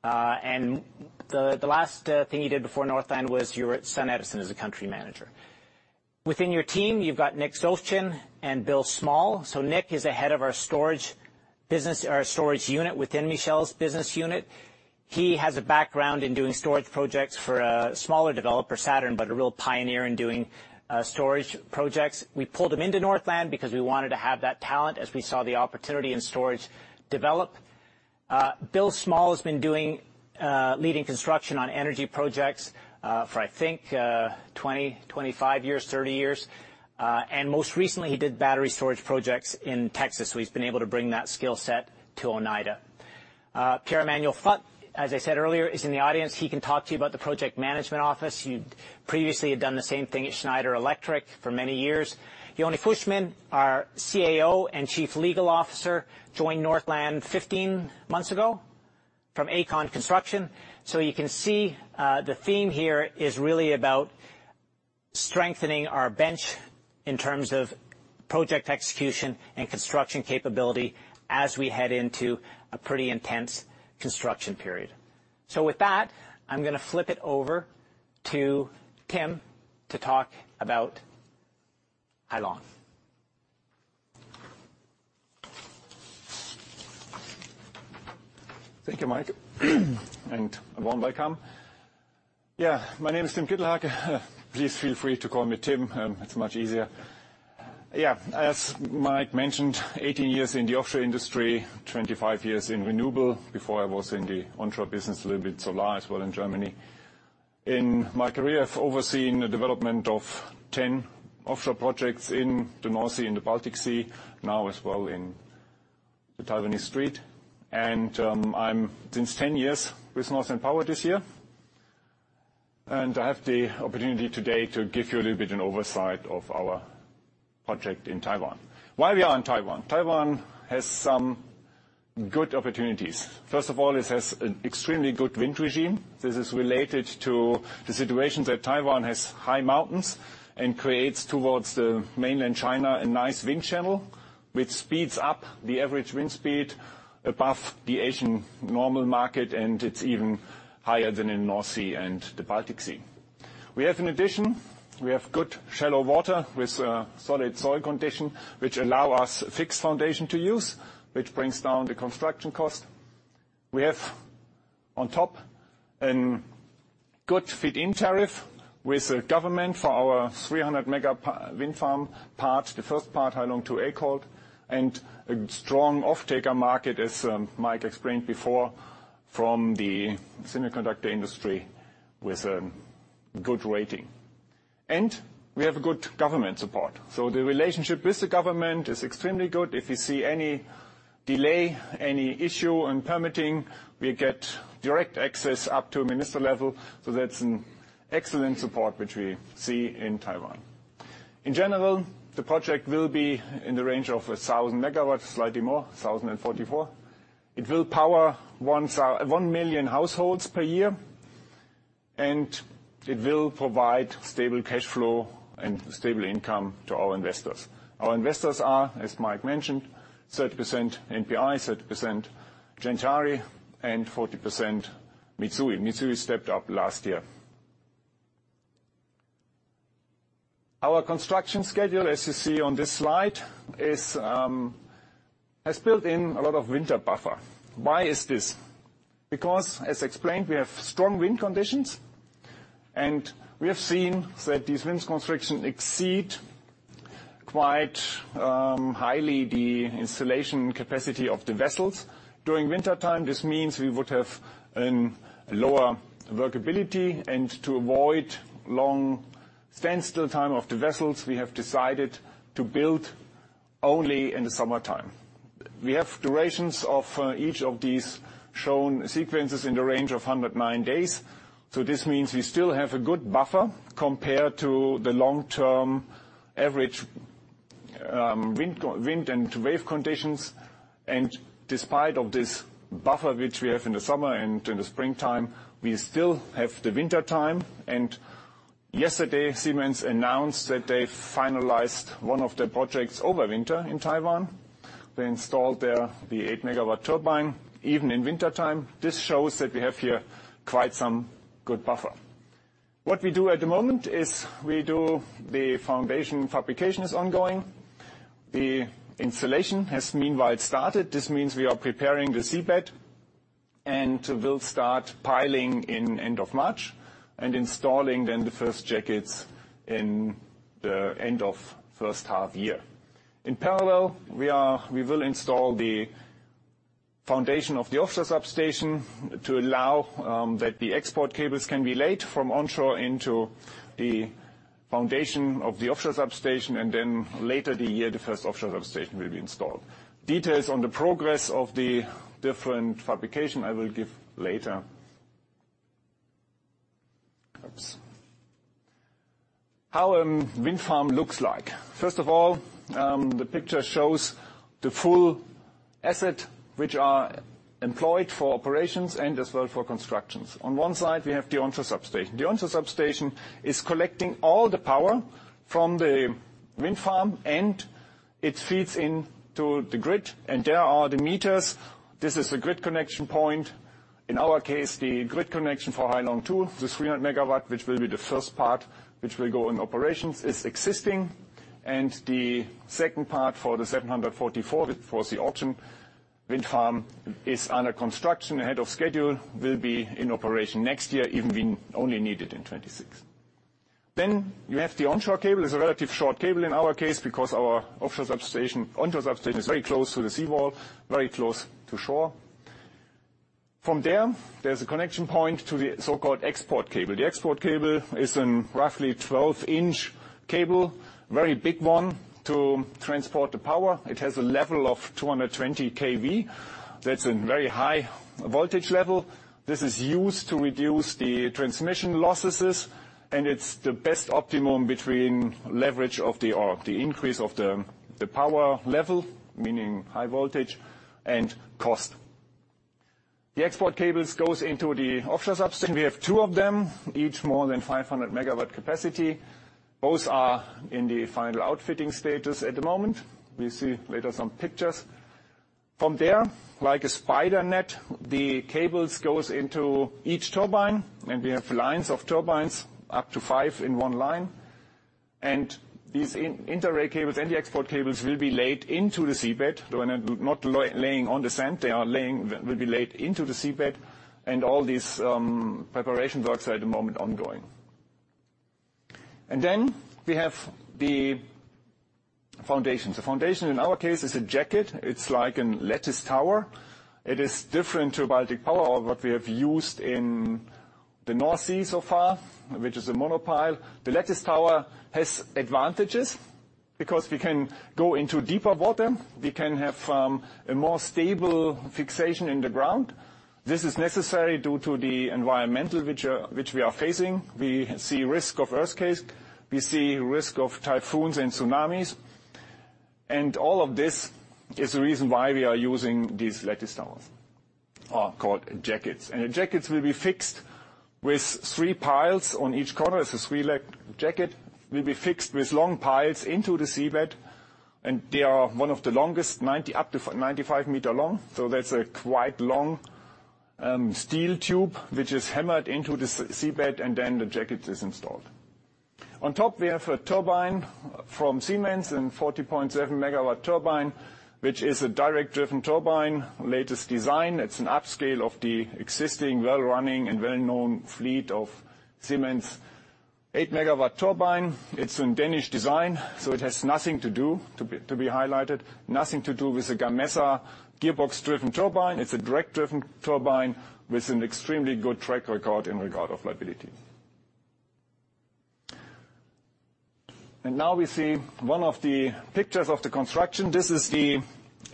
And the last thing you did before Northland was you were at SunEdison as a country manager. Within your team, you've got Nick Sjolshagen and Bill Small. So Nick is the head of our storage business or storage unit within Michelle's business unit. He has a background in doing storage projects for a smaller developer, Saturn Power, but a real pioneer in doing storage projects. We pulled him into Northland Power because we wanted to have that talent as we saw the opportunity in storage develop. Bill Small has been doing leading construction on energy projects for, I think, 20, 25 years, 30 years, and most recently, he did battery storage projects in Texas, so he's been able to bring that skill set to Oneida. Pierre-Emmanuel Front, as I said earlier, is in the audience. He can talk to you about the project management office. You previously had done the same thing at Schneider Electric for many years. Yonni Fushman, our CAO and Chief Legal Officer, joined Northland 15 months ago from Aecon Construction. So you can see, the theme here is really about strengthening our bench in terms of project execution and construction capability as we head into a pretty intense construction period. So with that, I'm gonna flip it over to Tim to talk about Hai Long. Thank you, Mike, and welcome. Yeah, my name is Tim Kittelhake. Please feel free to call me Tim. It's much easier. Yeah, as Mike mentioned, 18 years in the offshore industry, 25 years in renewable before I was in the onshore business, a little bit solar as well in Germany. In my career, I've overseen the development of 10 offshore projects in the North Sea, in the Baltic Sea, now as well in the Taiwan Strait. And, I'm since 10 years with Northland Power this year. And I have the opportunity today to give you a little bit of an oversight of our project in Taiwan. Why are we on Taiwan? Taiwan has some good opportunities. First of all, it has an extremely good wind regime. This is related to the situation that Taiwan has high mountains and creates towards the mainland China a nice wind channel, which speeds up the average wind speed above the Asian normal market, and it's even higher than in the North Sea and the Baltic Sea. We have, in addition, we have good shallow water with solid soil condition, which allow us fixed foundation to use, which brings down the construction cost. We have, on top, a good feed-in tariff with the government for our 300 MW wind farm part, the first part, Hai Long 2 COD, and a strong off-taker market, as Mike explained before, from the semiconductor industry with a good rating. We have good government support. The relationship with the government is extremely good. If you see any delay, any issue in permitting, we get direct access up to minister level. So that's an excellent support, which we see in Taiwan. In general, the project will be in the range of 1,000 megawatts, slightly more, 1,044. It will power 1 million households per year, and it will provide stable cash flow and stable income to our investors. Our investors are, as Mike mentioned, 30% NPI, 30% Gentari, and 40% Mitsui. Mitsui stepped up last year. Our construction schedule, as you see on this slide, is, has built in a lot of winter buffer. Why is this? Because, as explained, we have strong wind conditions, and we have seen that these wind constructions exceed quite, highly the installation capacity of the vessels. During wintertime, this means we would have a lower workability. And to avoid long standstill time of the vessels, we have decided to build only in the summertime. We have durations of each of these shown sequences in the range of 109 days. So this means we still have a good buffer compared to the long-term average wind, current, and wave conditions. And despite of this buffer, which we have in the summer and in the springtime, we still have the wintertime. And yesterday, Siemens announced that they finalized one of their projects overwinter in Taiwan. They installed there the 8MW turbine even in wintertime. This shows that we have here quite some good buffer. What we do at the moment is we do the foundation fabrication is ongoing. The installation has meanwhile started. This means we are preparing the seabed and will start piling in end of March and installing then the first jackets in the end of first half year. In parallel, we will install the foundation of the offshore substation to allow that the export cables can be laid from onshore into the foundation of the offshore substation, and then later the year, the first offshore substation will be installed. Details on the progress of the different fabrication I will give later. Oops. How wind farm looks like. First of all, the picture shows the full assets, which are employed for operations and as well for constructions. On one side, we have the onshore substation. The onshore substation is collecting all the power from the wind farm, and it feeds into the grid. And there are the m. This is the grid connection point. In our case, the grid connection for Hai Long 2, the 300MW, which will be the first part, which will go in operations, is existing. The second part for the 744 for the auction wind farm is under construction, ahead of schedule, will be in operation next year, even if we only need it in 2026. Then you have the onshore cable. It's a relatively short cable in our case because our offshore substation onshore substation is very close to the seawall, very close to shore. From there, there's a connection point to the so-called export cable. The export cable is a roughly 12 in cable, a very big one to transport the power. It has a level of 220 kV. That's a very high voltage level. This is used to reduce the transmission losses, and it's the best optimum between leverage of the increase of the power level, meaning high voltage, and cost. The export cables go into the offshore substation. We have two of them, each more than 500 MW capacity. Both are in the final outfitting status at the moment. We'll see later some pictures. From there, like a spider net, the cables go into each turbine, and we have lines of turbines, up to five in one line. And these inter-array cables and the export cables will be laid into the seabed, though not laying on the sand. They will be laid into the seabed, and all these preparation works are at the moment ongoing. Then we have the foundations. The foundation, in our case, is a jacket. It's like a lattice tower. It is different to Baltic Power or what we have used in the North Sea so far, which is a monopile. The lattice tower has advantages because we can go into deeper water. We can have a more stable fixation in the ground. This is necessary due to the environmental challenges which we are facing. We see risk of earthquakes. We see risk of typhoons and tsunamis. All of this is the reason why we are using these lattice towers or called jackets. The jackets will be fixed with three piles on each corner. It's a three-legged jacket. It will be fixed with long piles into the seabed. They are one of the longest, 90-95 m long. That's a quite long steel tube, which is hammered into the seabed, and then the jacket is installed. On top, we have a turbine from Siemens, a 40.7 MW turbine, which is a direct-driven turbine, latest design. It's an upscale of the existing, well-running, and well-known fleet of Siemens' 8 MW turbine. It's a Danish design, so it has nothing to do with being highlighted, nothing to do with a Gamesa gearbox-driven turbine. It's a direct-drive turbine with an extremely good track record in regard to reliability. And now we see one of the pictures of the construction. This is the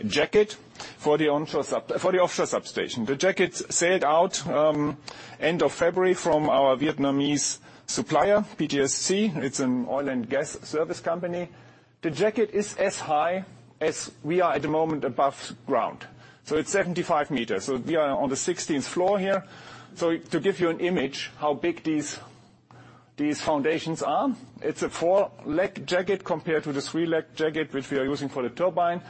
jacket for the offshore sub for the offshore substation. The jacket sailed out end of February from our Vietnamese supplier, PTSC. It's an oil and gas service company. The jacket is as high as we are at the moment above ground. So it's 75 m. So we are on the 16th floor here. So to give you an image how big these, these foundations are. It's a four-legged jacket compared to the three-legged jacket, which we are using for the turbine,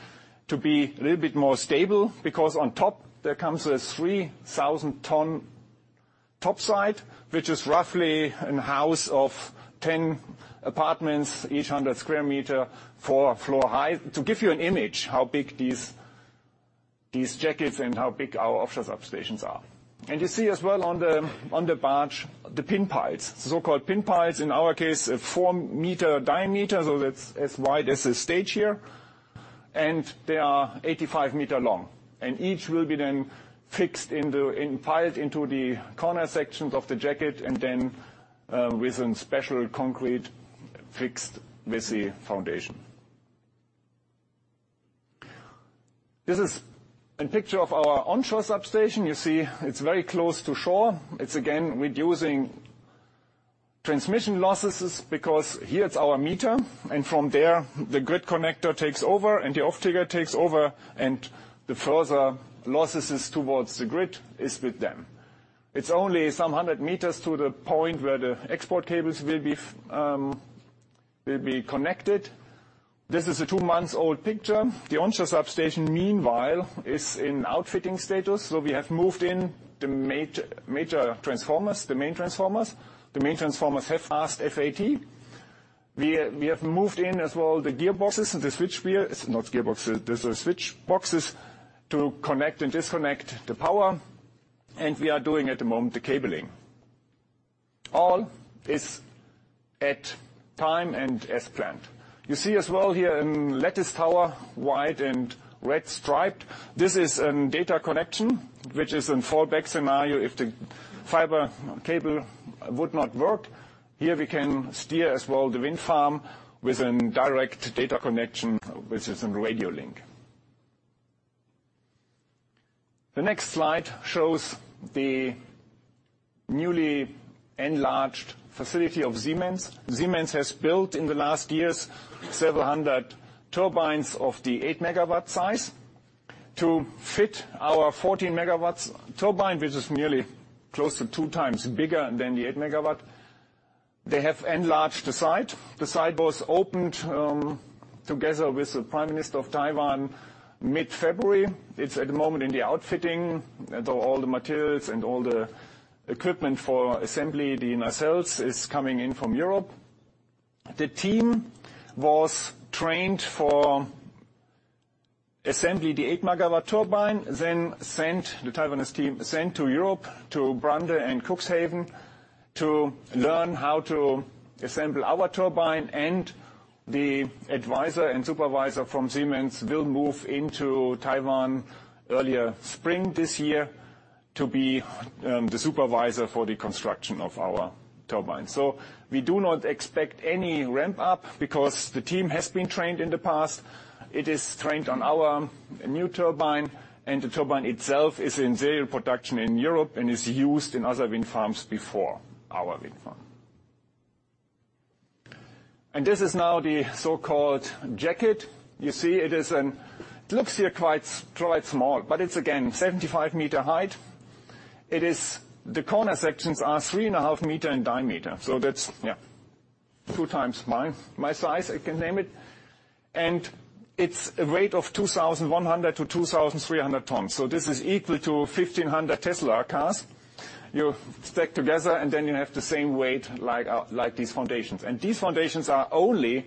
to be a little bit more stable because on top, there comes a 3,000-ton topside, which is roughly a house of 10 apartments, each 100 sq m, four floors high, to give you an image how big these, these jackets and how big our offshore substations are. And you see as well on the barge the pin piles, so-called pin piles, in our case, a four-meter diameter. So that's as wide as the stage here. And they are 85 m long. And each will be then fixed into piled into the corner sections of the jacket and then, with a special concrete fixed with the foundation. This is a picture of our onshore substation. You see it's very close to shore. It's, again, reducing transmission losses because here it's our meter. And from there, the grid connector takes over, and the offtaker takes over, and the further losses towards the grid is with them. It's only some 100 m to the point where the export cables will be, will be connected. This is a two-month-old picture. The onshore substation, meanwhile, is in outfitting status. So we have moved in the major, major transformers, the main transformers. The main transformers have fast FAT. We, we have moved in as well the gearboxes and the switch wheels not gearboxes. These are switch boxes to connect and disconnect the power. And we are doing at the moment the cabling. All is at time and as planned. You see as well here a lattice tower, white and red striped. This is a data connection, which is a fallback scenario if the fiber cable would not work. Here, we can steer as well the wind farm with a direct data connection, which is a radio link. The next slide shows the newly enlarged facility of Siemens. Siemens has built in the last years several hundred turbines of the 8 MW size. To fit our 14 MW turbine, which is nearly close to two times bigger than the 8 MW, they have enlarged the site. The site was opened, together with the Prime Minister of Taiwan mid-February. It's at the moment in the outfitting, though all the materials and all the equipment for assembling the nacelles is coming in from Europe. The team was trained for assembling the 8 MW turbine, then the Taiwanese team sent to Europe, to Brandenburg and Cuxhaven, to learn how to assemble our turbine. The advisor and supervisor from Siemens will move into Taiwan earlier spring this year to be the supervisor for the construction of our turbine. We do not expect any ramp-up because the team has been trained in the past. It is trained on our new turbine, and the turbine itself is in serial production in Europe and is used in other wind farms before our wind farm. This is now the so-called jacket. You see it is it looks here quite, quite small, but it's, again, 75-meter high. It is the corner sections are 3.5 meter in diameter. So that's, yeah, two times my, my size, I can name it. It's a weight of 2,100-2,300 tons. So this is equal to 1,500 Tesla cars. You stack together, and then you have the same weight like our like these foundations. These foundations are only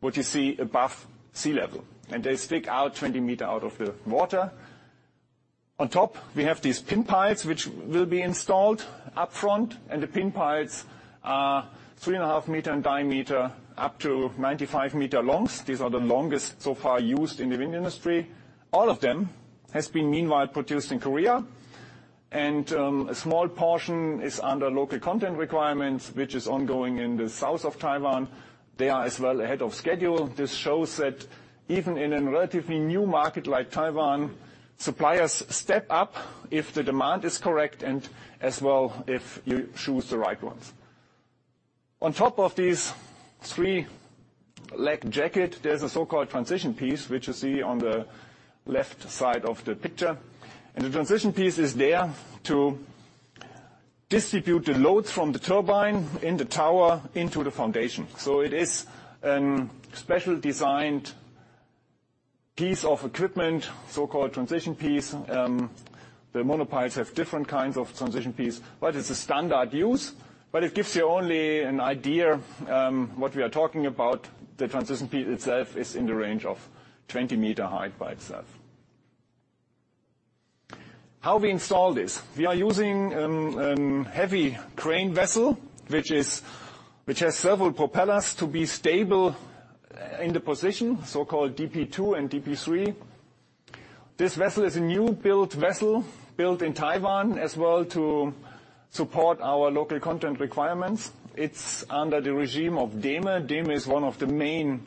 what you see above sea level, and they stick out 20 m out of the water. On top, we have these pin piles, which will be installed upfront. The pin piles are 3.5 m in diameter, up to 95 m long. These are the longest so far used in the wind industry. All of them have been, meanwhile, produced in Korea. A small portion is under local content requirements, which is ongoing in the south of Taiwan. They are as well ahead of schedule. This shows that even in a relatively new market like Taiwan, suppliers step up if the demand is correct and as well if you choose the right ones. On top of these three-legged jackets, there's a transition piece, which you see on the left side of the picture. And transition piece is there to distribute the loads from the turbine in the tower into the foundation. So it is a special designed piece of equipment, transition piece. the monopiles have different kinds transition piece, but it's a standard use. But it gives you only an idea, what we are talking about. transition piece itself is in the range of 20 m high by itself. How we install this. We are using a heavy crane vessel, which has several propellers to be stable in the position, so-called DP2 and DP3. This vessel is a new-built vessel, built in Taiwan as well to support our local content requirements. It's under the regime of DEME. DEME is one of the main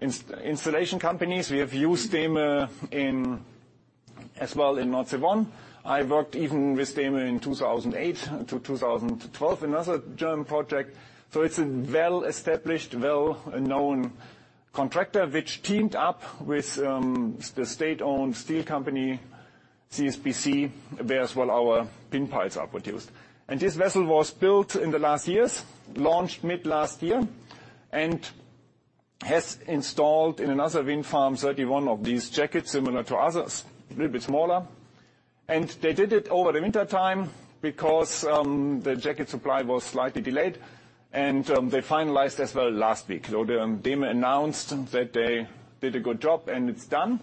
installation companies. We have used DEME as well in North Taiwan. I worked even with DEME in 2008 to 2012 in another German project. So it's a well-established, well-known contractor, which teamed up with the state-owned steel company, CSBC, where as well our pin piles are produced. And this vessel was built in the last years, launched mid-last year, and has installed in another wind farm 31 of these jackets, similar to others, a little bit smaller. And they did it over the wintertime because the jacket supply was slightly delayed. And they finalized as well last week. So the DEME announced that they did a good job, and it's done.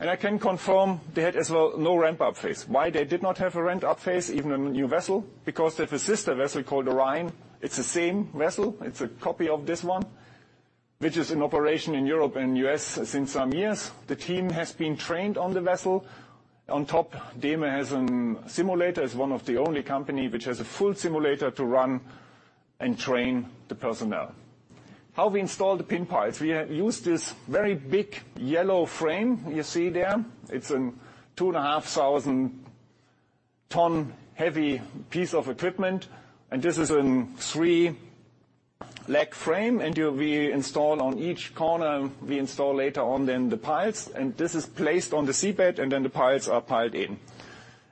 And I can confirm they had as well no ramp-up phase. Why they did not have a ramp-up phase, even a new vessel? Because they have a sister vessel called Orion. It's the same vessel. It's a copy of this one, which is in operation in Europe and the U.S. since some years. The team has been trained on the vessel. On top, DEME has a simulator. It's one of the only companies which has a full simulator to run and train the personnel. How we install the pin piles. We use this very big yellow frame you see there. It's a 2,500-ton heavy piece of equipment. And this is a three-legged frame. And we install on each corner, we install later on then the piles. And this is placed on the seabed, and then the piles are piled in.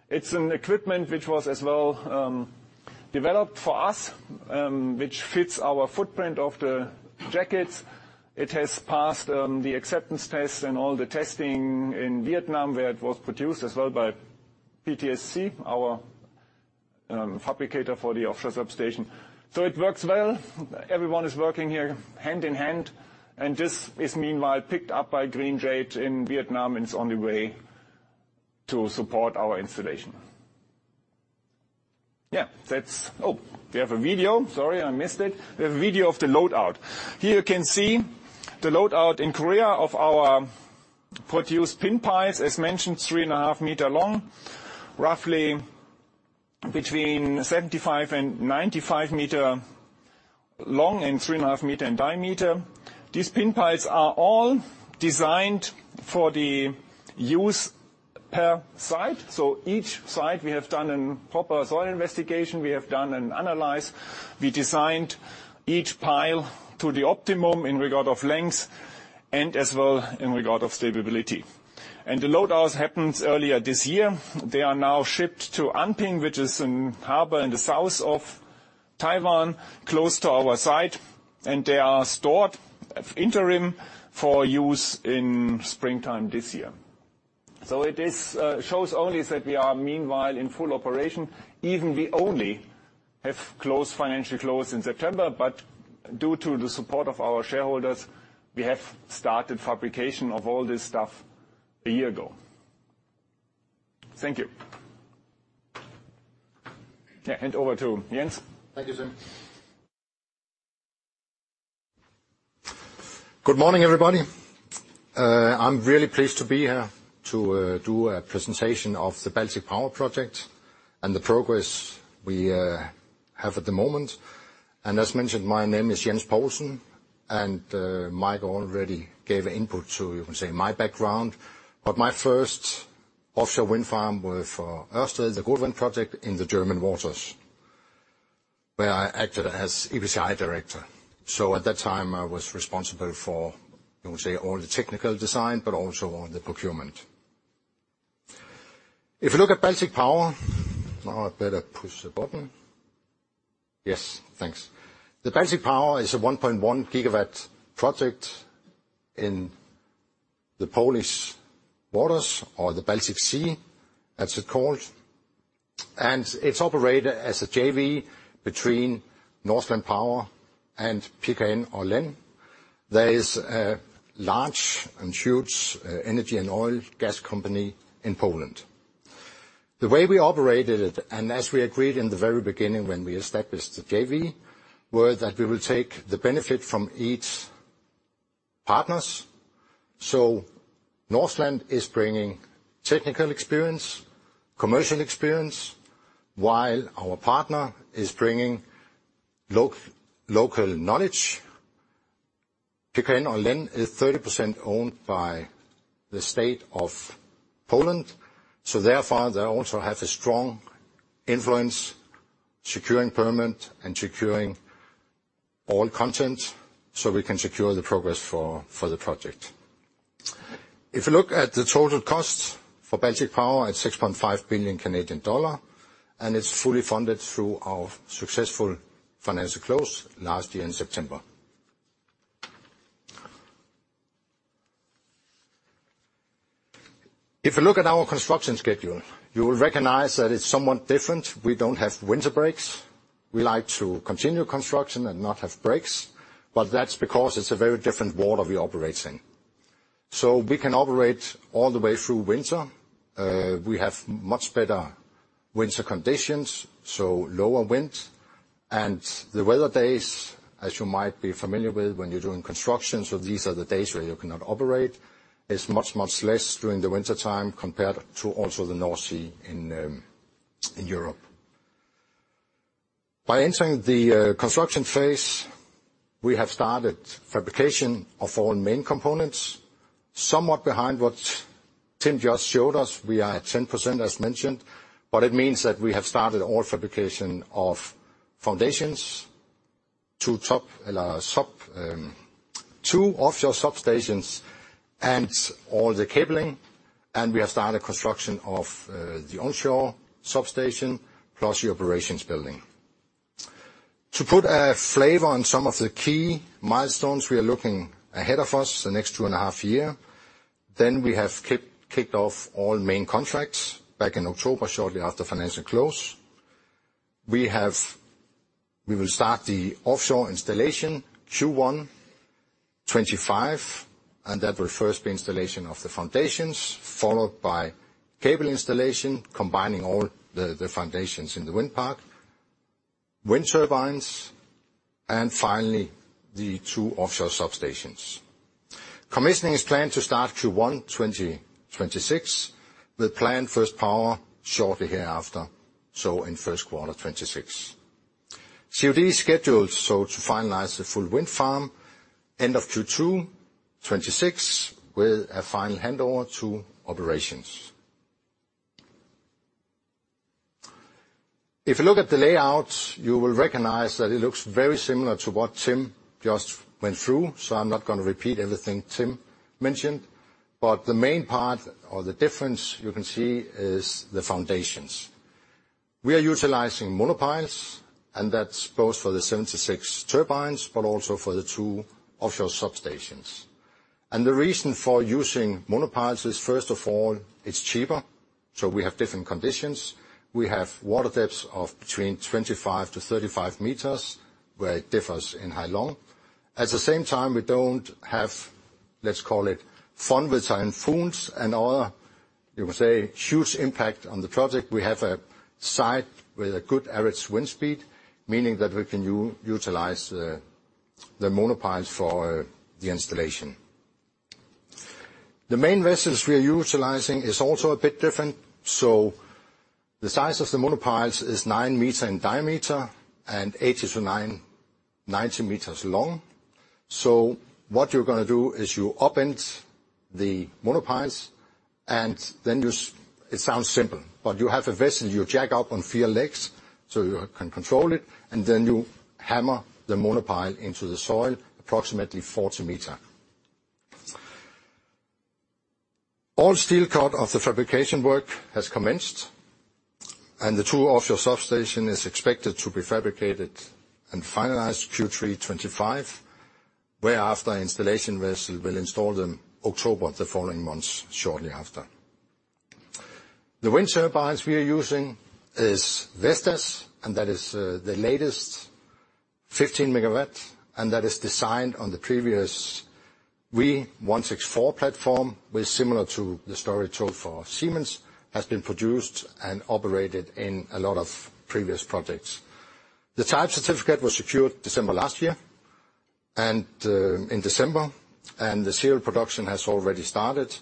It's an equipment which was as well, developed for us, which fits our footprint of the jackets. It has passed, the acceptance tests and all the testing in Vietnam where it was produced as well by PTSC, our, fabricator for the offshore substation. It works well. Everyone is working here hand in hand. This is, meanwhile, picked up by Green Jade in Vietnam, and it's on the way to support our installation. Yeah, that's. Oh, we have a video. Sorry, I missed it. We have a video of the loadout. Here you can see the loadout in Korea of our produced pin piles, as mentioned, 3.5 m long, roughly between 75 and 95 m long and 3.5 m in diameter. These pin piles are all designed for the use per site. Each site, we have done a proper soil investigation. We have done an analysis. We designed each pile to the optimum in regard to length and as well in regard to stability. The loadouts happened earlier this year. They are now shipped to Anping, which is a harbor in the south of Taiwan, close to our site. They are stored interim for use in springtime this year. So it is, shows only that we are, meanwhile, in full operation. Even we only have closed financial close in September. But due to the support of our shareholders, we have started fabrication of all this stuff a year ago. Thank you. Yeah, hand over to Jens. Thank you, Tim. Good morning, everybody. I'm really pleased to be here to, do a presentation of the Baltic Power Project and the progress we, have at the moment. And as mentioned, my name is Jens Poulsen. And, Mike already gave an input to, you can say, my background. But my first offshore wind farm was for Ørsted, the Gode Wind Project, in the German waters, where I acted as EPCI director. So at that time, I was responsible for, you can say, all the technical design but also all the procurement. If you look at Baltic Power now, I better push the button. Yes, thanks. The Baltic Power is a 1.1 GW project in the Polish waters, or the Baltic Sea, as it's called. It's operated as a JV between Northland Power and ORLEN. There is a large and huge, energy and oil gas company in Poland. The way we operated it, and as we agreed in the very beginning when we established the JV, was that we will take the benefit from each partner. Northland is bringing technical experience, commercial experience, while our partner is bringing local, local knowledge. ORLEN is 30% owned by the state of Poland. Therefore, they also have a strong influence securing permit and securing all content so we can secure the progress for the project. If you look at the total costs for Baltic Power, it's 6.5 billion Canadian dollar. It's fully funded through our successful financial close last year in September. If you look at our construction schedule, you will recognize that it's somewhat different. We don't have winter breaks. We like to continue construction and not have breaks. That's because it's a very different water we operate in. So we can operate all the way through winter. We have much better winter conditions, so lower wind. And the weather days, as you might be familiar with when you're doing construction, so these are the days where you cannot operate, is much, much less during the wintertime compared to also the North Sea in Europe. By entering the construction phase, we have started fabrication of all main components. Somewhat behind what Tim just showed us, we are at 10%, as mentioned. But it means that we have started all fabrication of foundations to top, sub, two offshore substations and all the cabling. And we have started construction of the onshore substation plus the operations building. To put a flavor on some of the key milestones we are looking ahead of us the next 2.5 years, then we have kicked off all main contracts back in October shortly after financial close. We will start the offshore installation Q1 2025. And that will first be installation of the foundations, followed by cable installation, combining all the, the foundations in the wind park, wind turbines, and finally the two offshore substations. Commissioning is planned to start Q1 2026 with planned first power shortly hereafter, so in first quarter 2026. COD is scheduled, so to finalize the full wind farm, end of Q2 2026 with a final handover to operations. If you look at the layout, you will recognize that it looks very similar to what Tim just went through. So I'm not gonna repeat everything Tim mentioned. But the main part or the difference you can see is the foundations. We are utilizing monopiles. That's both for the 76 turbines but also for the 2 offshore substations. The reason for using monopiles is, first of all, it's cheaper. So we have different conditions. We have water depths of between 25-35 m, where it differs in Hai Long. At the same time, we don't have, let's call it, wind, weather, and fronts and other, you can say, huge impact on the project. We have a site with a good average wind speed, meaning that we can utilize the monopiles for the installation. The main vessels we are utilizing is also a bit different. So the size of the monopiles is 9 m in diameter and 80-90 m long. So what you're gonna do is you upend the monopiles. And then you—it sounds simple, but you have a vessel you jack up on four legs so you can control it. And then you hammer the monopile into the soil approximately 40 m. All steel cut of the fabrication work has commenced. And the two offshore substations are expected to be fabricated and finalized Q3 2025, whereafter installation vessel will install them October the following months shortly after. The wind turbines we are using is Vestas. And that is the latest 15-megawatt. That is designed on the previous V164 platform, which is similar to the story told for Siemens, has been produced and operated in a lot of previous projects. The type certificate was secured December last year and, in December. The serial production has already started.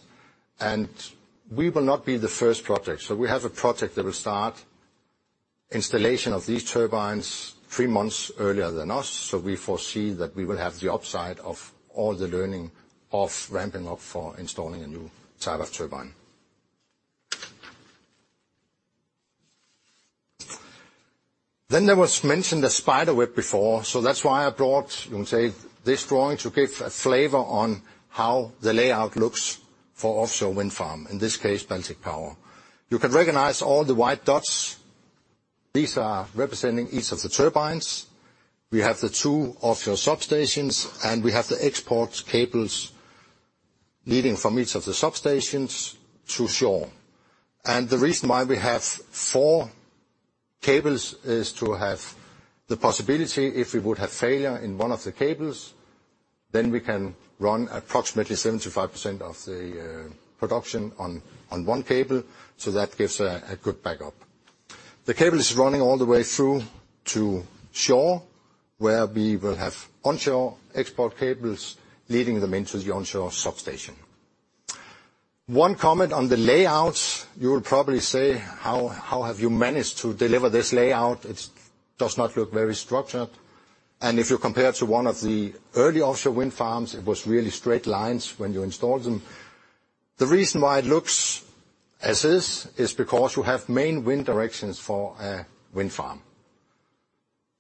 We will not be the first project. So we have a project that will start installation of these turbines three months earlier than us. So we foresee that we will have the upside of all the learning of ramping up for installing a new type of turbine. Then there was mentioned a spiderweb before. So that's why I brought, you can say, this drawing to give a flavor on how the layout looks for offshore wind farm, in this case, Baltic Power. You can recognize all the white dots. These are representing each of the turbines. We have the two offshore substations. We have the export cables leading from each of the substations to shore. The reason why we have four cables is to have the possibility if we would have failure in one of the cables, then we can run approximately 75% of the production on one cable. So that gives a good backup. The cable is running all the way through to shore, where we will have onshore export cables leading them into the onshore substation. One comment on the layouts. You will probably say, "How have you managed to deliver this layout? It does not look very structured." If you compare it to one of the early offshore wind farms, it was really straight lines when you installed them. The reason why it looks as it is is because you have main wind directions for a wind farm.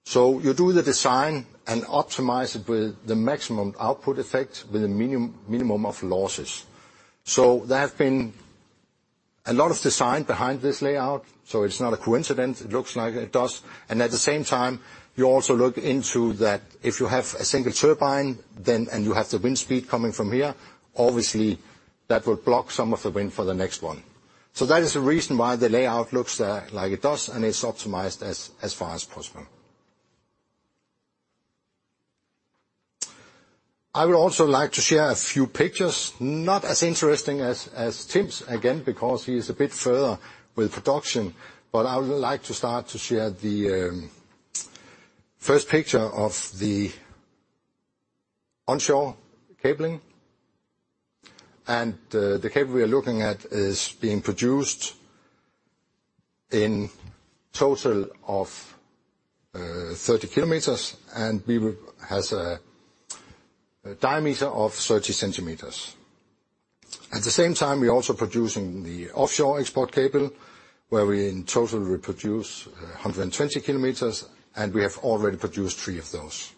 So you do the design and optimize it with the maximum output effect with a minimum, minimum of losses. So there have been a lot of design behind this layout. So it's not a coincidence. It looks like it does. And at the same time, you also look into that if you have a single turbine, then and you have the wind speed coming from here, obviously, that will block some of the wind for the next one. So that is the reason why the layout looks there, like it does. And it's optimized as far as possible. I would also like to share a few pictures, not as interesting as Tim's, again, because he is a bit further with production. But I would like to start to share the first picture of the onshore cabling. The cable we are looking at is being produced in total of 30 km. And we will has a diameter of 30 cm. At the same time, we are also producing the offshore export cable, where we in total reproduce 120 km. And we have already produced 3 of those.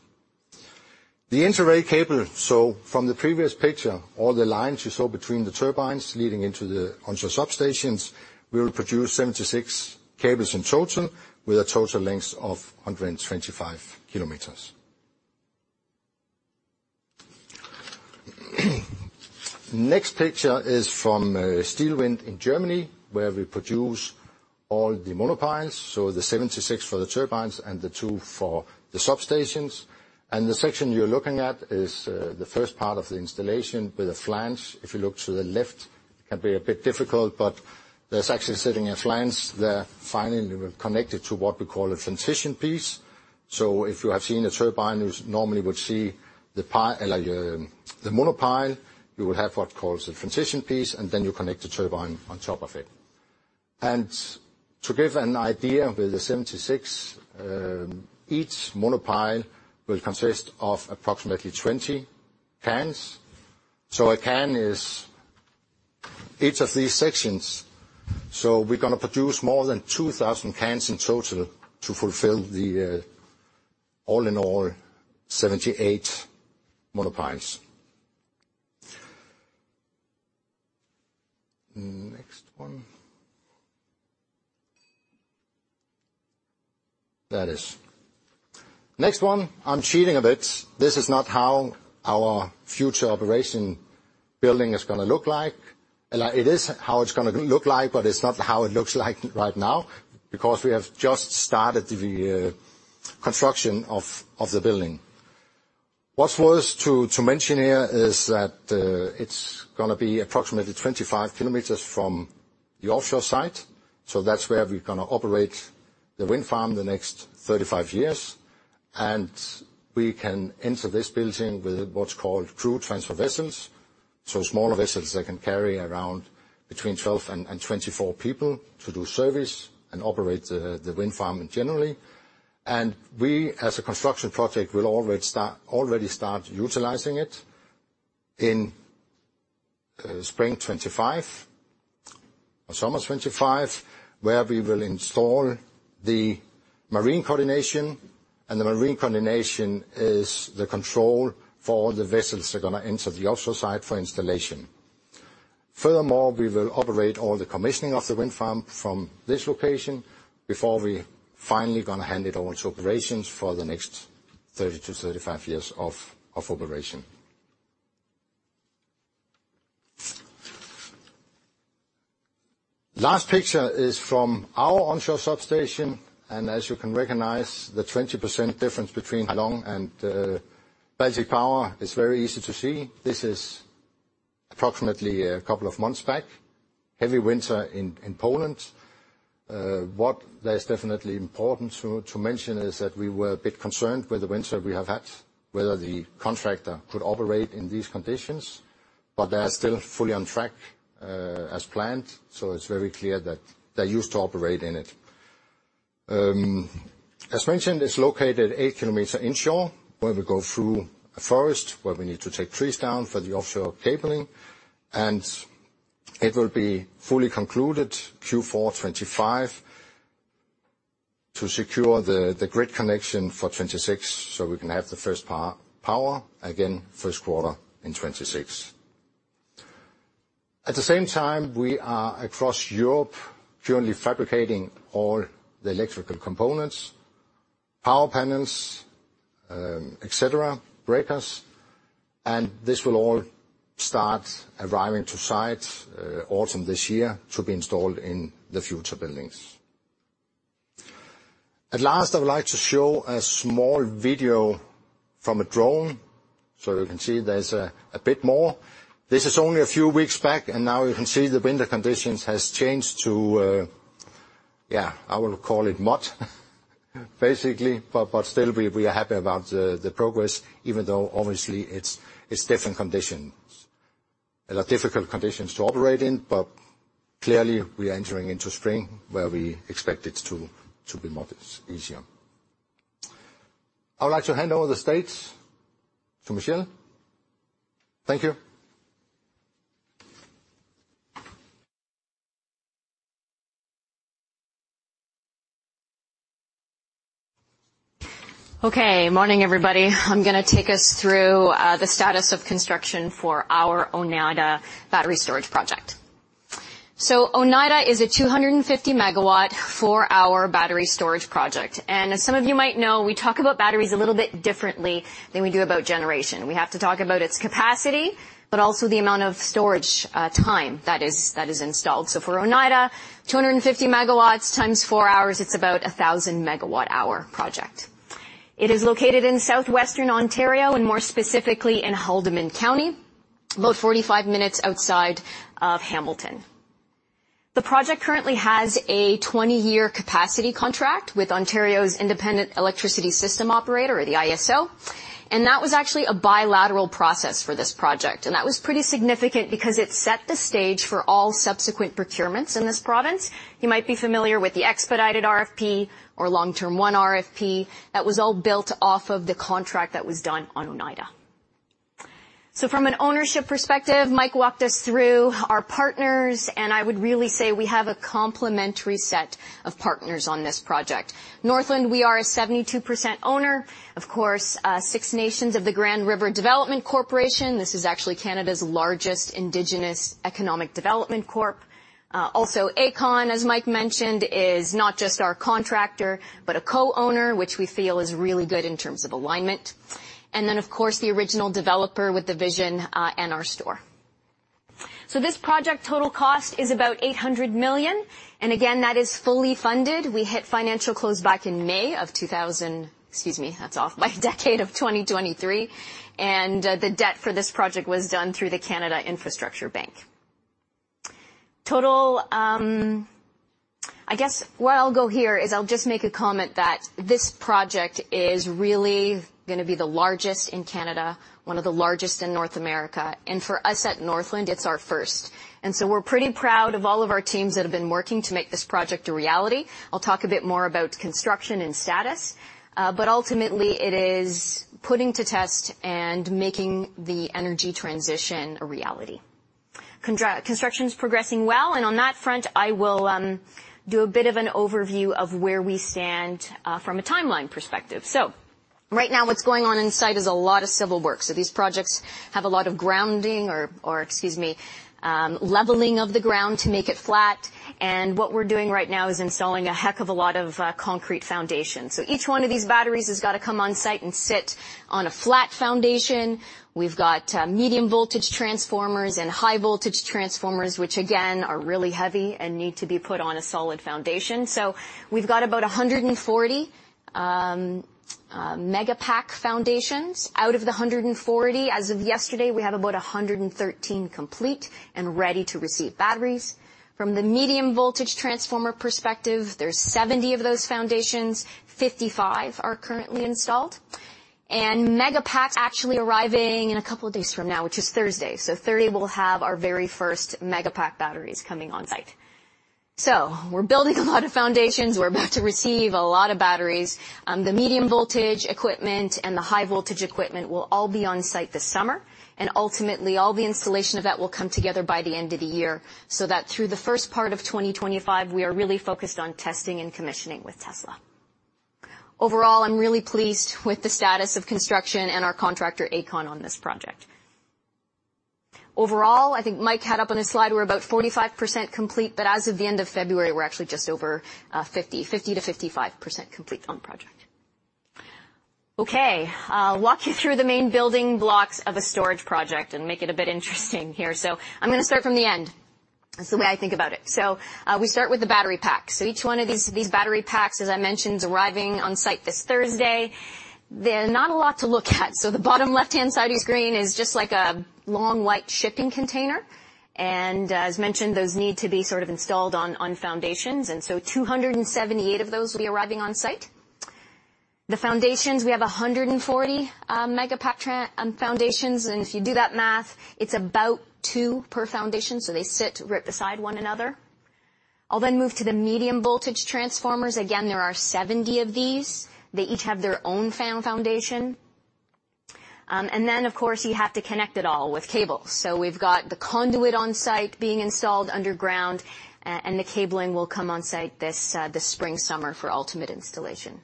The inter-array cable, so from the previous picture, all the lines you saw between the turbines leading into the onshore substations, we will produce 76 cables in total with a total length of 125 km. Next picture is from Steelwind in Germany, where we produce all the monopiles, so the 76 for the turbines and the two for the substations. And the section you're looking at is the first part of the installation with a flange. If you look to the left, it can be a bit difficult. But there's actually sitting a flange there. Finally, we'll connect it to what we call transition piece. so if you have seen a turbine, you normally would see the pile like, the monopile, you will have what's called transition piece. and then you connect the turbine on top of it. And to give an idea with the 76, each monopile will consist of approximately 20 cans. So a can is each of these sections. So we're gonna produce more than 2,000 cans in total to fulfill the, all in all, 78 monopiles. Next one. Next one, I'm cheating a bit. This is not how our future operation building is gonna look like. Like, it is how it's gonna look like, but it's not how it looks like right now because we have just started the construction of the building. What's worth to mention here is that, it's gonna be approximately 25 km from the offshore site. So that's where we're gonna operate the wind farm the next 35 years. And we can enter this building with what's called crew transfer vessels, so smaller vessels that can carry around between 12 and 24 people to do service and operate the wind farm in general. And we, as a construction project, will already start utilizing it in spring 2025 or summer 2025, where we will install the marine coordination. And the marine coordination is the control for all the vessels that are gonna enter the offshore site for installation. Furthermore, we will operate all the commissioning of the wind farm from this location before we finally gonna hand it over to operations for the next 30-35 years of operation. Last picture is from our onshore substation. As you can recognize, the 20% difference between Hai Long and Baltic Power is very easy to see. This is approximately a couple of months back, heavy winter in Poland. What that is definitely important to mention is that we were a bit concerned with the winter we have had, whether the contractor could operate in these conditions. But they are still fully on track, as planned. It's very clear that they used to operate in it. As mentioned, it's located 8 km inshore, where we go through a forest, where we need to take trees down for the offshore cabling. And it will be fully concluded Q4 2025 to secure the grid connection for 2026 so we can have the first power, again, first quarter in 2026. At the same time, we are across Europe currently fabricating all the electrical components, power panels, etc., breakers. And this will all start arriving to site, autumn this year to be installed in the future buildings. At last, I would like to show a small video from a drone. So you can see there's a bit more. This is only a few weeks back. And now you can see the winter conditions has changed to, yeah, I will call it mud, basically. But still, we are happy about the progress, even though obviously, it's different conditions, difficult conditions to operate in. But clearly, we are entering into spring, where we expect it to be muddish, easier. I would like to hand over the stage to Michelle. Thank you. Okay. Morning, everybody. I'm gonna take us through the status of construction for our Oneida battery storage project. So Oneida is a 250MW four-hour battery storage project. And as some of you might know, we talk about batteries a little bit differently than we do about generation. We have to talk about its capacity but also the amount of storage time that is installed. So for Oneida, 250 MW times four hours, it's about 1,000MWh project. It is located in southwestern Ontario and more specifically in Haldimand County, about 45 minutes outside of Hamilton. The project currently has a 20-year capacity contract with Ontario's Independent Electricity System Operator, or the IESO. And that was actually a bilateral process for this project. And that was pretty significant because it set the stage for all subsequent procurements in this province. You might be familiar with the Expedited RFP or Long-Term 1 RFP. That was all built off of the contract that was done on Oneida. So from an ownership perspective, Mike walked us through our partners. And I would really say we have a complementary set of partners on this project. Northland, we are a 72% owner. Of course, Six Nations of the Grand River Development Corporation. This is actually Canada's largest Indigenous economic development Corp. also, Aecon, as Mike mentioned, is not just our contractor but a co-owner, which we feel is really good in terms of alignment. And then, of course, the original developer with the vision, and NRStor. So this project total cost is about 800 million. And again, that is fully funded. We hit financial close back in May of 2000 excuse me. That's off by a decade of 2023. And, the debt for this project was done through the Canada Infrastructure Bank. Total, I guess where I'll go here is I'll just make a comment that this project is really gonna be the largest in Canada, one of the largest in North America. For us at Northland, it's our first. So we're pretty proud of all of our teams that have been working to make this project a reality. I'll talk a bit more about construction and status, but ultimately, it is putting to test and making the energy transition a reality. Construction's progressing well. And on that front, I will do a bit of an overview of where we stand, from a timeline perspective. So right now, what's going on on site is a lot of civil work. So these projects have a lot of grounding or, excuse me, leveling of the ground to make it flat. What we're doing right now is installing a heck of a lot of concrete foundation. So each one of these batteries has gotta come on site and sit on a flat foundation. We've got medium voltage transformers and high voltage transformers, which again are really heavy and need to be put on a solid foundation. So we've got about 140 Megapack foundations. Out of the 140, as of yesterday, we have about 113 complete and ready to receive batteries. From the medium voltage transformer perspective, there's 70 of those foundations. 55 are currently installed. Megapacks actually arriving in a couple of days from now, which is Thursday. So Thursday, we'll have our very first Megapack batteries coming on site. So we're building a lot of foundations. We're about to receive a lot of batteries. The medium voltage equipment and the high voltage equipment will all be on site this summer. Ultimately, all the installation of that will come together by the end of the year so that through the first part of 2025, we are really focused on testing and commissioning with Tesla. Overall, I'm really pleased with the status of construction and our contractor, Aecon, on this project. Overall, I think Mike had up on his slide we're about 45% complete. But as of the end of February, we're actually just over 50%-55% complete on project. Okay. I'll walk you through the main building blocks of a storage project and make it a bit interesting here. So I'm gonna start from the end. That's the way I think about it. So, we start with the battery packs. So each one of these battery packs, as I mentioned, is arriving on site this Thursday. They're not a lot to look at. So the bottom left-hand side of your screen is just like a long white shipping container. And, as mentioned, those need to be sort of installed on foundations. And so 278 of those will be arriving on site. The foundations, we have 140 Megapack transformer foundations. And if you do that math, it's about 2 per foundation. So they sit right beside one another. I'll then move to the medium voltage transformers. Again, there are 70 of these. They each have their own foundation. And then, of course, you have to connect it all with cables. So we've got the conduit on site being installed underground. And the cabling will come on site this spring, summer for ultimate installation.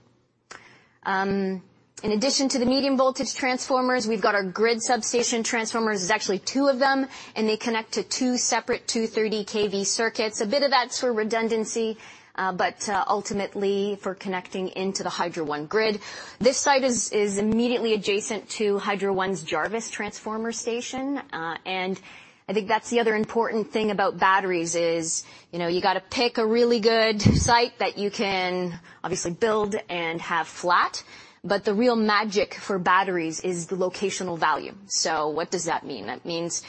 In addition to the medium voltage transformers, we've got our grid substation transformers. There's actually two of them. And they connect to two separate 230 kV circuits. A bit of that's for redundancy, but, ultimately for connecting into the Hydro One grid. This site is immediately adjacent to Hydro One's Jarvis Transformer Station. And I think that's the other important thing about batteries is, you know, you gotta pick a really good site that you can obviously build and have flat. But the real magic for batteries is the locational value. So what does that mean? That means,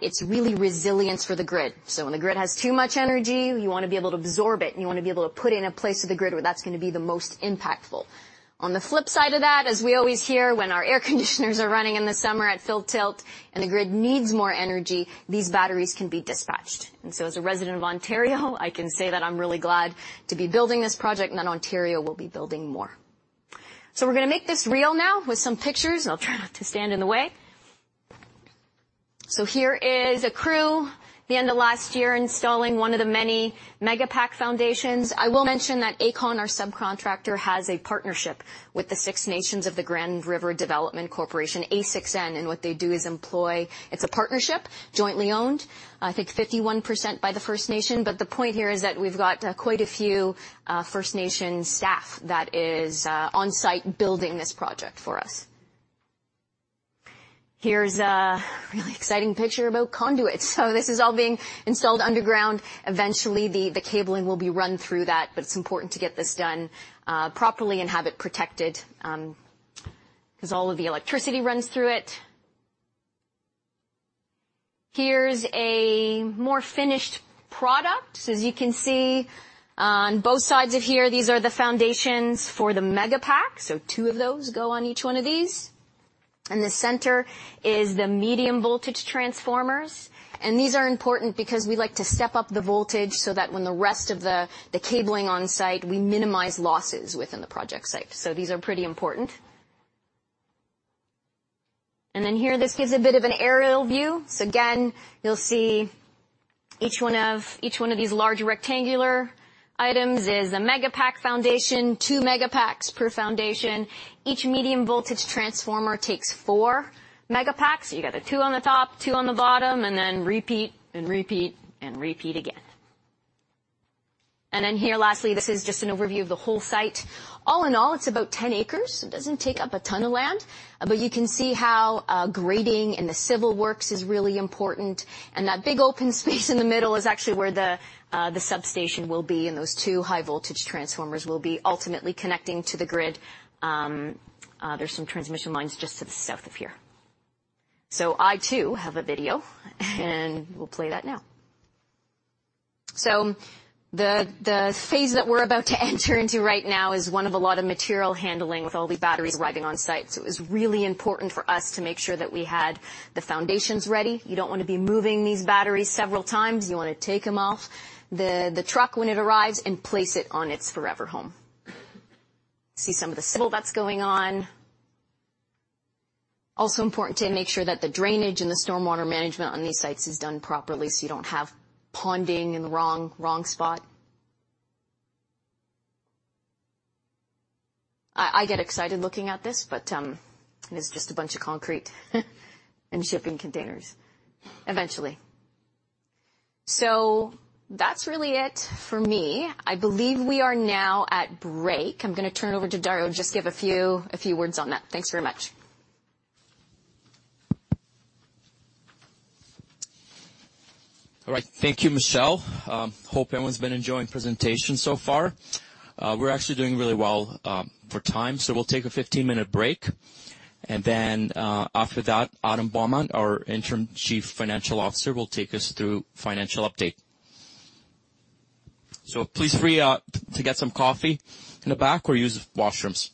it's really resilience for the grid. So when the grid has too much energy, you wanna be able to absorb it. And you wanna be able to put it in a place of the grid where that's gonna be the most impactful. On the flip side of that, as we always hear when our air conditioners are running in the summer at full tilt and the grid needs more energy, these batteries can be dispatched. And so as a resident of Ontario, I can say that I'm really glad to be building this project. And that Ontario will be building more. So we're gonna make this real now with some pictures. And I'll try not to stand in the way. So here is a crew the end of last year installing one of the many Megapack foundations. I will mention that Aecon, our subcontractor, has a partnership with the Six Nations of the Grand River Development Corporation, SNGRDC. And what they do is employ it's a partnership, jointly owned, I think 51% by the First Nation. But the point here is that we've got quite a few First Nation staff that is on site building this project for us. Here's a really exciting picture about conduits. So this is all being installed underground. Eventually, the cabling will be run through that. But it's important to get this done properly and have it protected, 'cause all of the electricity runs through it. Here's a more finished product. So as you can see, on both sides of here, these are the foundations for the Megapack. So two of those go on each one of these. And the center is the medium voltage transformers. And these are important because we like to step up the voltage so that when the rest of the cabling on site, we minimize losses within the project site. So these are pretty important. And then here, this gives a bit of an aerial view. So again, you'll see each one of each one of these large rectangular items is a Megapack foundation, two Megapacks per foundation. Each medium voltage transformer takes four Megapacks. So you got a two on the top, two on the bottom, and then repeat and repeat and repeat again. And then here lastly, this is just an overview of the whole site. All in all, it's about 10 acres. It doesn't take up a ton of land. But you can see how, grading and the civil works is really important. And that big open space in the middle is actually where the, the substation will be and those two high voltage transformers will be ultimately connecting to the grid. There's some transmission lines just to the south of here. So I, too, have a video. We'll play that now. So the, the phase that we're about to enter into right now is one of a lot of material handling with all the batteries arriving on site. So it was really important for us to make sure that we had the foundations ready. You don't wanna be moving these batteries several times. You wanna take them off the, the truck when it arrives and place it on its forever home. See some of the civil that's going on. Also important to make sure that the drainage and the stormwater management on these sites is done properly so you don't have ponding in the wrong, wrong spot. I, I get excited looking at this. It is just a bunch of concrete and shipping containers eventually. So that's really it for me. I believe we are now at break. I'm gonna turn it over to Dario to just give a few, a few words on that. Thanks very much. All right. Thank you, Michelle. Hope everyone's been enjoying presentation so far. We're actually doing really well for time. So we'll take a 15-minute break. And then, after that, Adam Beaumont, our interim chief financial officer, will take us through financial update. So please feel free to get some coffee in the back or use washrooms.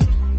All right.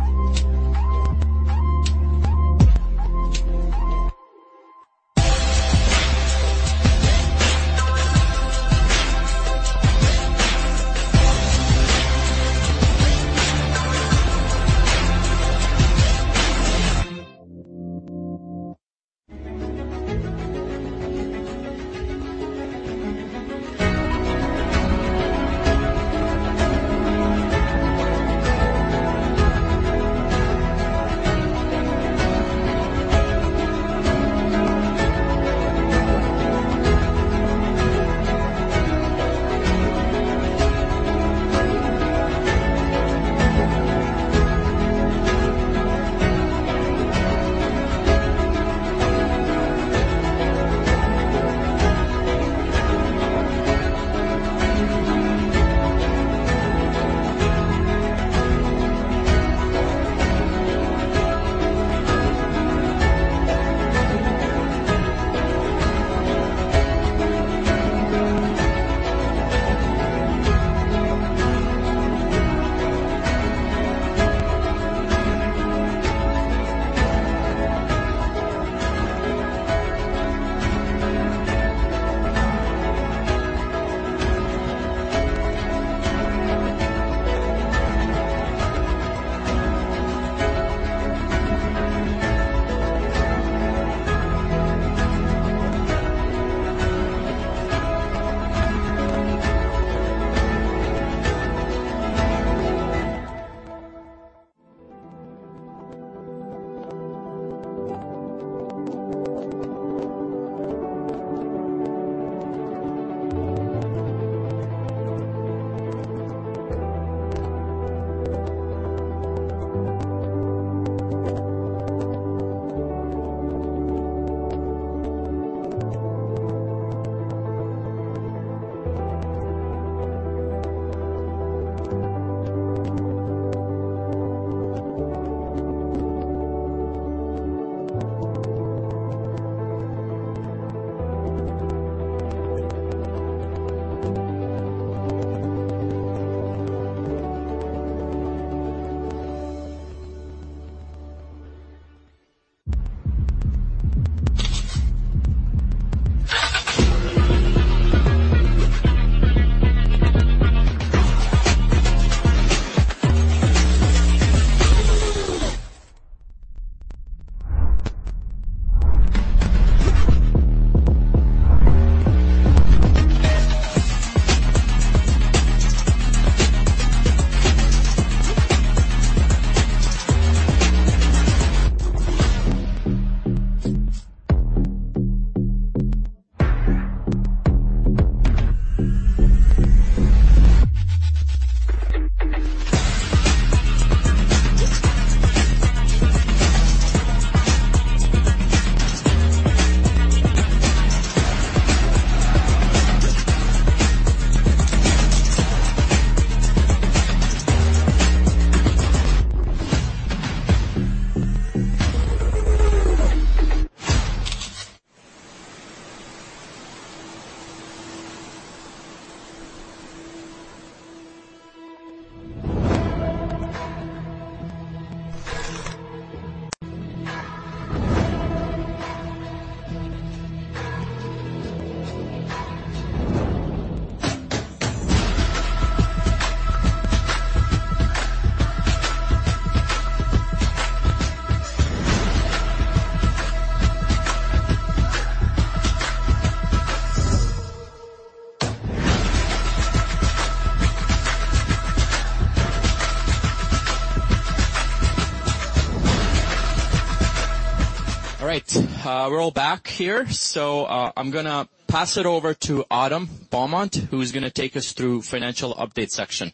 We're all back here. So, I'm gonna pass it over to Adam Beaumont, who's gonna take us through the financial update section.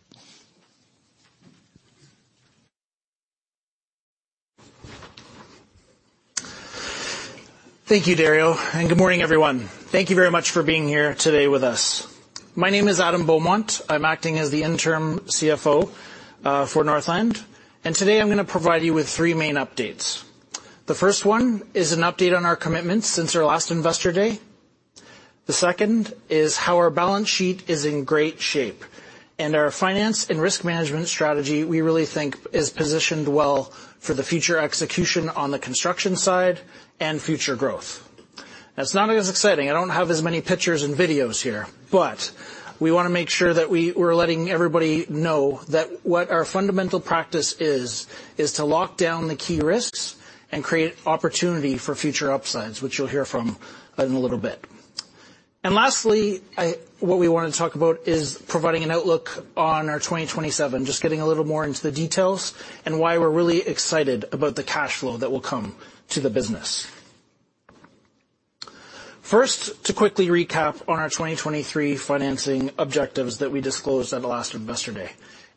Thank you, Dario. And good morning, everyone. Thank you very much for being here today with us. My name is Adam Beaumont. I'm acting as the interim CFO for Northland. And today, I'm gonna provide you with three main updates. The first one is an update on our commitments since our last investor day. The second is how our balance sheet is in great shape. Our finance and risk management strategy, we really think, is positioned well for the future execution on the construction side and future growth. Now, it's not as exciting. I don't have as many pictures and videos here. But we wanna make sure that we were letting everybody know that what our fundamental practice is, is to lock down the key risks and create opportunity for future upsides, which you'll hear from, in a little bit. And lastly, I what we wanna talk about is providing an outlook on our 2027, just getting a little more into the details and why we're really excited about the cash flow that will come to the business. First, to quickly recap on our 2023 financing objectives that we disclosed at the last investor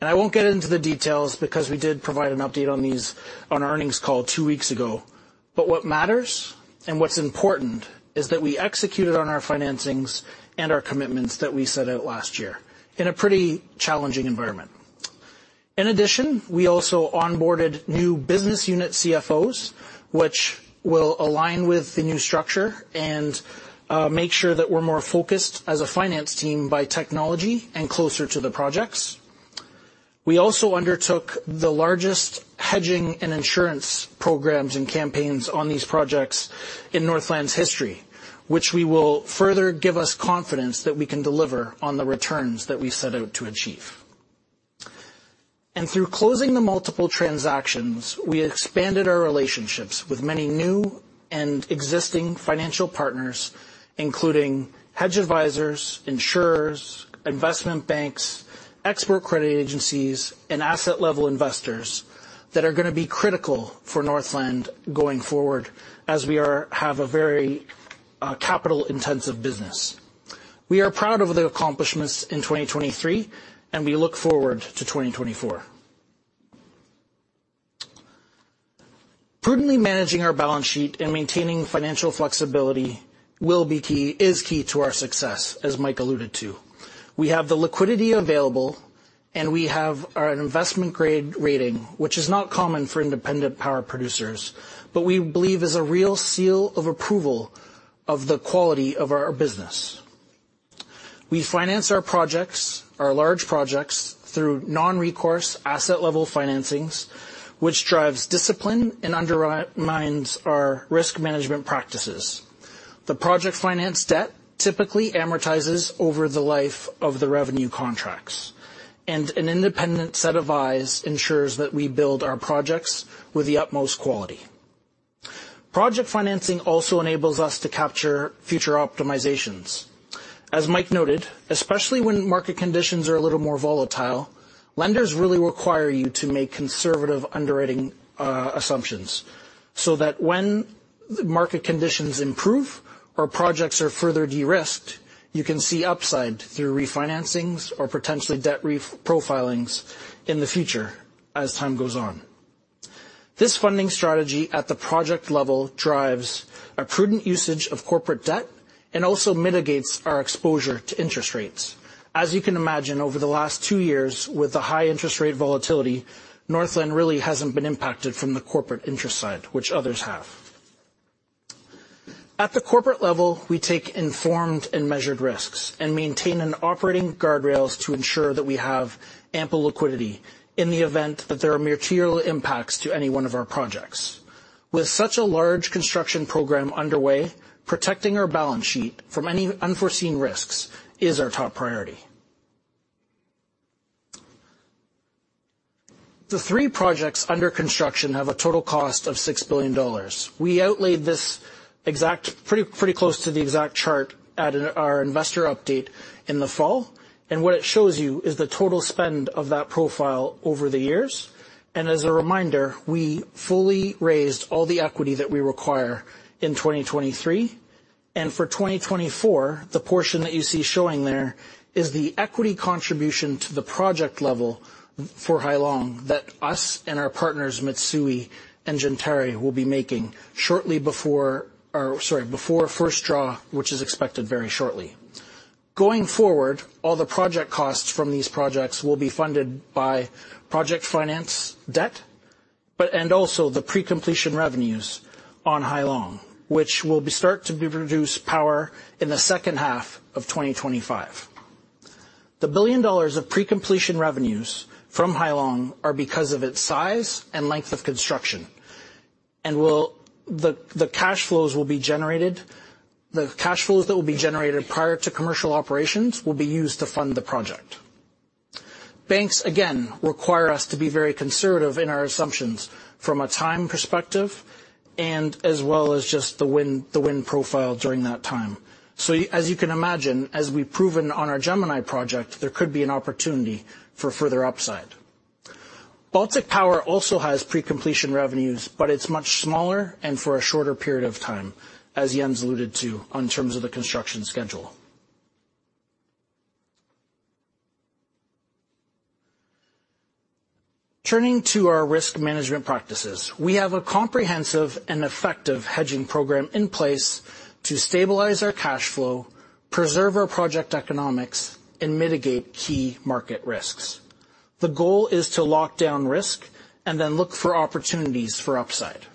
day. I won't get into the details because we did provide an update on these on our earnings call two weeks ago. What matters and what's important is that we executed on our financings and our commitments that we set out last year in a pretty challenging environment. In addition, we also onboarded new business unit CFOs, which will align with the new structure and make sure that we're more focused as a finance team by technology and closer to the projects. We also undertook the largest hedging and insurance programs and campaigns on these projects in Northland's history, which we will further give us confidence that we can deliver on the returns that we set out to achieve. Through closing the multiple transactions, we expanded our relationships with many new and existing financial partners, including hedge advisors, insurers, investment banks, export credit agencies, and asset-level investors that are gonna be critical for Northland going forward as we have a very capital-intensive business. We are proud of the accomplishments in 2023, and we look forward to 2024. Prudently managing our balance sheet and maintaining financial flexibility will be key to our success, as Mike alluded to. We have the liquidity available, and we have our investment-grade rating, which is not common for independent power producers, but we believe is a real seal of approval of the quality of our business. We finance our projects, our large projects, through non-recourse asset-level financings, which drives discipline and underpins our risk management practices. The project finance debt typically amortizes over the life of the revenue contracts. An independent set of eyes ensures that we build our projects with the utmost quality. Project financing also enables us to capture future optimizations. As Mike noted, especially when market conditions are a little more volatile, lenders really require you to make conservative underwriting, assumptions so that when the market conditions improve or projects are further de-risked, you can see upside through refinancings or potentially debt reprofilings in the future as time goes on. This funding strategy at the project level drives a prudent usage of corporate debt and also mitigates our exposure to interest rates. As you can imagine, over the last two years, with the high interest rate volatility, Northland really hasn't been impacted from the corporate interest side, which others have. At the corporate level, we take informed and measured risks and maintain operating guardrails to ensure that we have ample liquidity in the event that there are material impacts to any one of our projects. With such a large construction program underway, protecting our balance sheet from any unforeseen risks is our top priority. The three projects under construction have a total cost of $6 billion. We outlined this exact pretty, pretty close to the exact chart at our investor update in the fall. And what it shows you is the total spend of that profile over the years. And as a reminder, we fully raised all the equity that we require in 2023. And for 2024, the portion that you see showing there is the equity contribution to the project level for Hai Long that us and our partners, Mitsui and Gentari, will be making shortly before or sorry, before first draw, which is expected very shortly. Going forward, all the project costs from these projects will be funded by project finance debt but and also the pre-completion revenues on Hai Long, which will be start to be produced power in the second half of 2025. The $1 billion of pre-completion revenues from Hai Long are because of its size and length of construction. The cash flows that will be generated prior to commercial operations will be used to fund the project. Banks, again, require us to be very conservative in our assumptions from a time perspective and as well as just the wind profile during that time. So, yeah, as you can imagine, as we've proven on our Gemini project, there could be an opportunity for further upside. Baltic Power also has pre-completion revenues, but it's much smaller and for a shorter period of time, as Jens alluded to, in terms of the construction schedule. Turning to our risk management practices, we have a comprehensive and effective hedging program in place to stabilize our cash flow, preserve our project economics, and mitigate key market risks. The goal is to lock down risk and then look for opportunities for upside.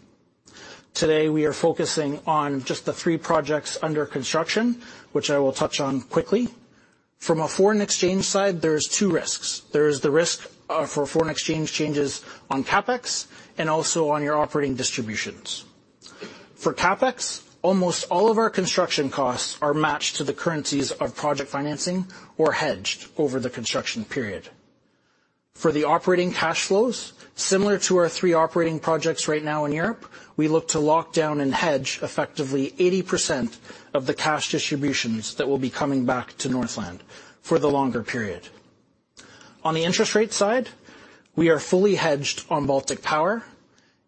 Today, we are focusing on just the three projects under construction, which I will touch on quickly. From a foreign exchange side, there's two risks. There is the risk, for foreign exchange changes on CapEx and also on your operating distributions. For CapEx, almost all of our construction costs are matched to the currencies of project financing or hedged over the construction period. For the operating cash flows, similar to our three operating projects right now in Europe, we look to lock down and hedge effectively 80% of the cash distributions that will be coming back to Northland for the longer period. On the interest rate side, we are fully hedged on Baltic Power.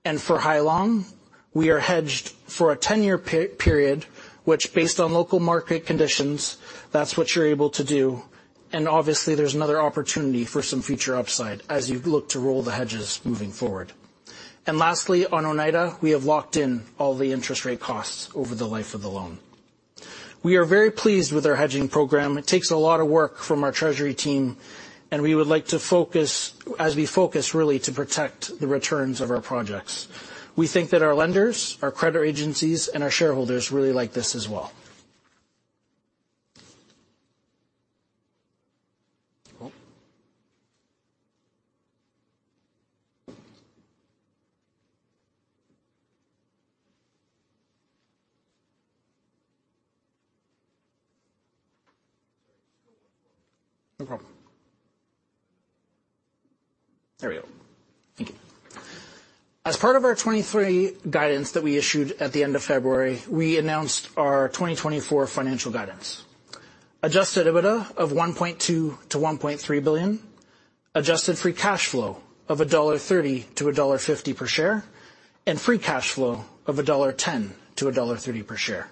And for Hai Long, we are hedged for a 10-year pay period, which based on local market conditions, that's what you're able to do. And obviously, there's another opportunity for some future upside as you look to roll the hedges moving forward. And lastly, on Oneida, we have locked in all the interest rate costs over the life of the loan. We are very pleased with our hedging program. It takes a lot of work from our treasury team. We would like to focus as we focus, really, to protect the returns of our projects. We think that our lenders, our credit agencies, and our shareholders really like this as well. Sorry. Just go one for me. No problem. There we go. Thank you. As part of our 2023 guidance that we issued at the end of February, we announced our 2024 financial guidance: Adjusted EBITDA of 1.2-1.3 billion, adjusted free cash flow of 1.30-1.50 dollar per share, and free cash flow of 1.10-1.30 dollar per share.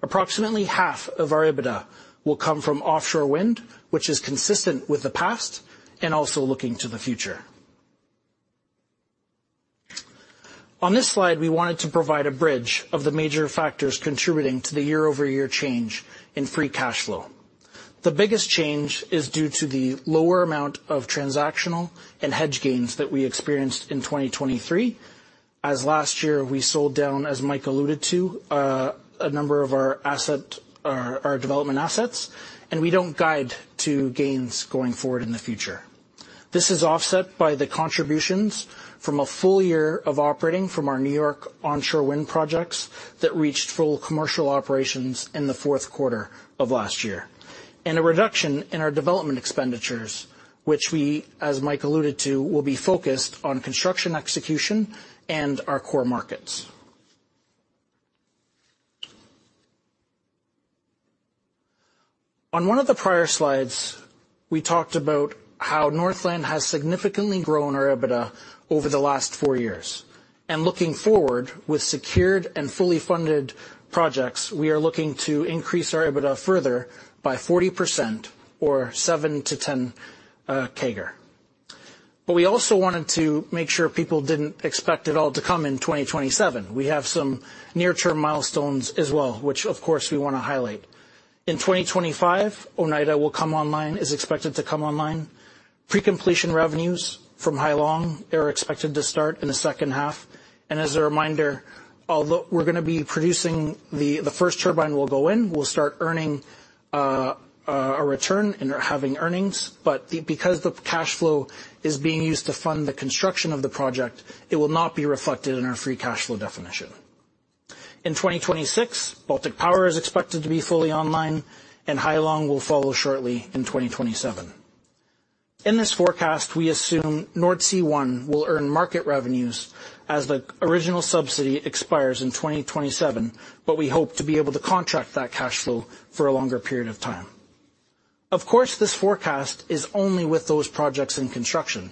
Approximately half of our EBITDA will come from offshore wind, which is consistent with the past and also looking to the future. On this slide, we wanted to provide a bridge of the major factors contributing to the year-over-year change in free cash flow. The biggest change is due to the lower amount of transactional and hedge gains that we experienced in 2023, as last year, we sold down, as Mike alluded to, a number of our assets, our development assets. We don't guide to gains going forward in the future. This is offset by the contributions from a full year of operating from our New York onshore wind projects that reached full commercial operations in the fourth quarter of last year and a reduction in our development expenditures, which we, as Mike alluded to, will be focused on construction execution and our core markets. On one of the prior slides, we talked about how Northland has significantly grown our EBITDA over the last four years. Looking forward, with secured and fully funded projects, we are looking to increase our EBITDA further by 40% or 7-10 CAGR. But we also wanted to make sure people didn't expect it all to come in 2027. We have some near-term milestones as well, which, of course, we wanna highlight. In 2025, Oneida is expected to come online. Pre-completion revenues from Hai Long are expected to start in the second half. And as a reminder, although we're gonna be producing the first turbine will go in, we'll start earning a return or having earnings. But because the cash flow is being used to fund the construction of the project, it will not be reflected in our free cash flow definition. In 2026, Baltic Power is expected to be fully online, and Hai Long will follow shortly in 2027. In this forecast, we assume Nordsee One will earn market revenues as the original subsidy expires in 2027, but we hope to be able to contract that cash flow for a longer period of time. Of course, this forecast is only with those projects in construction.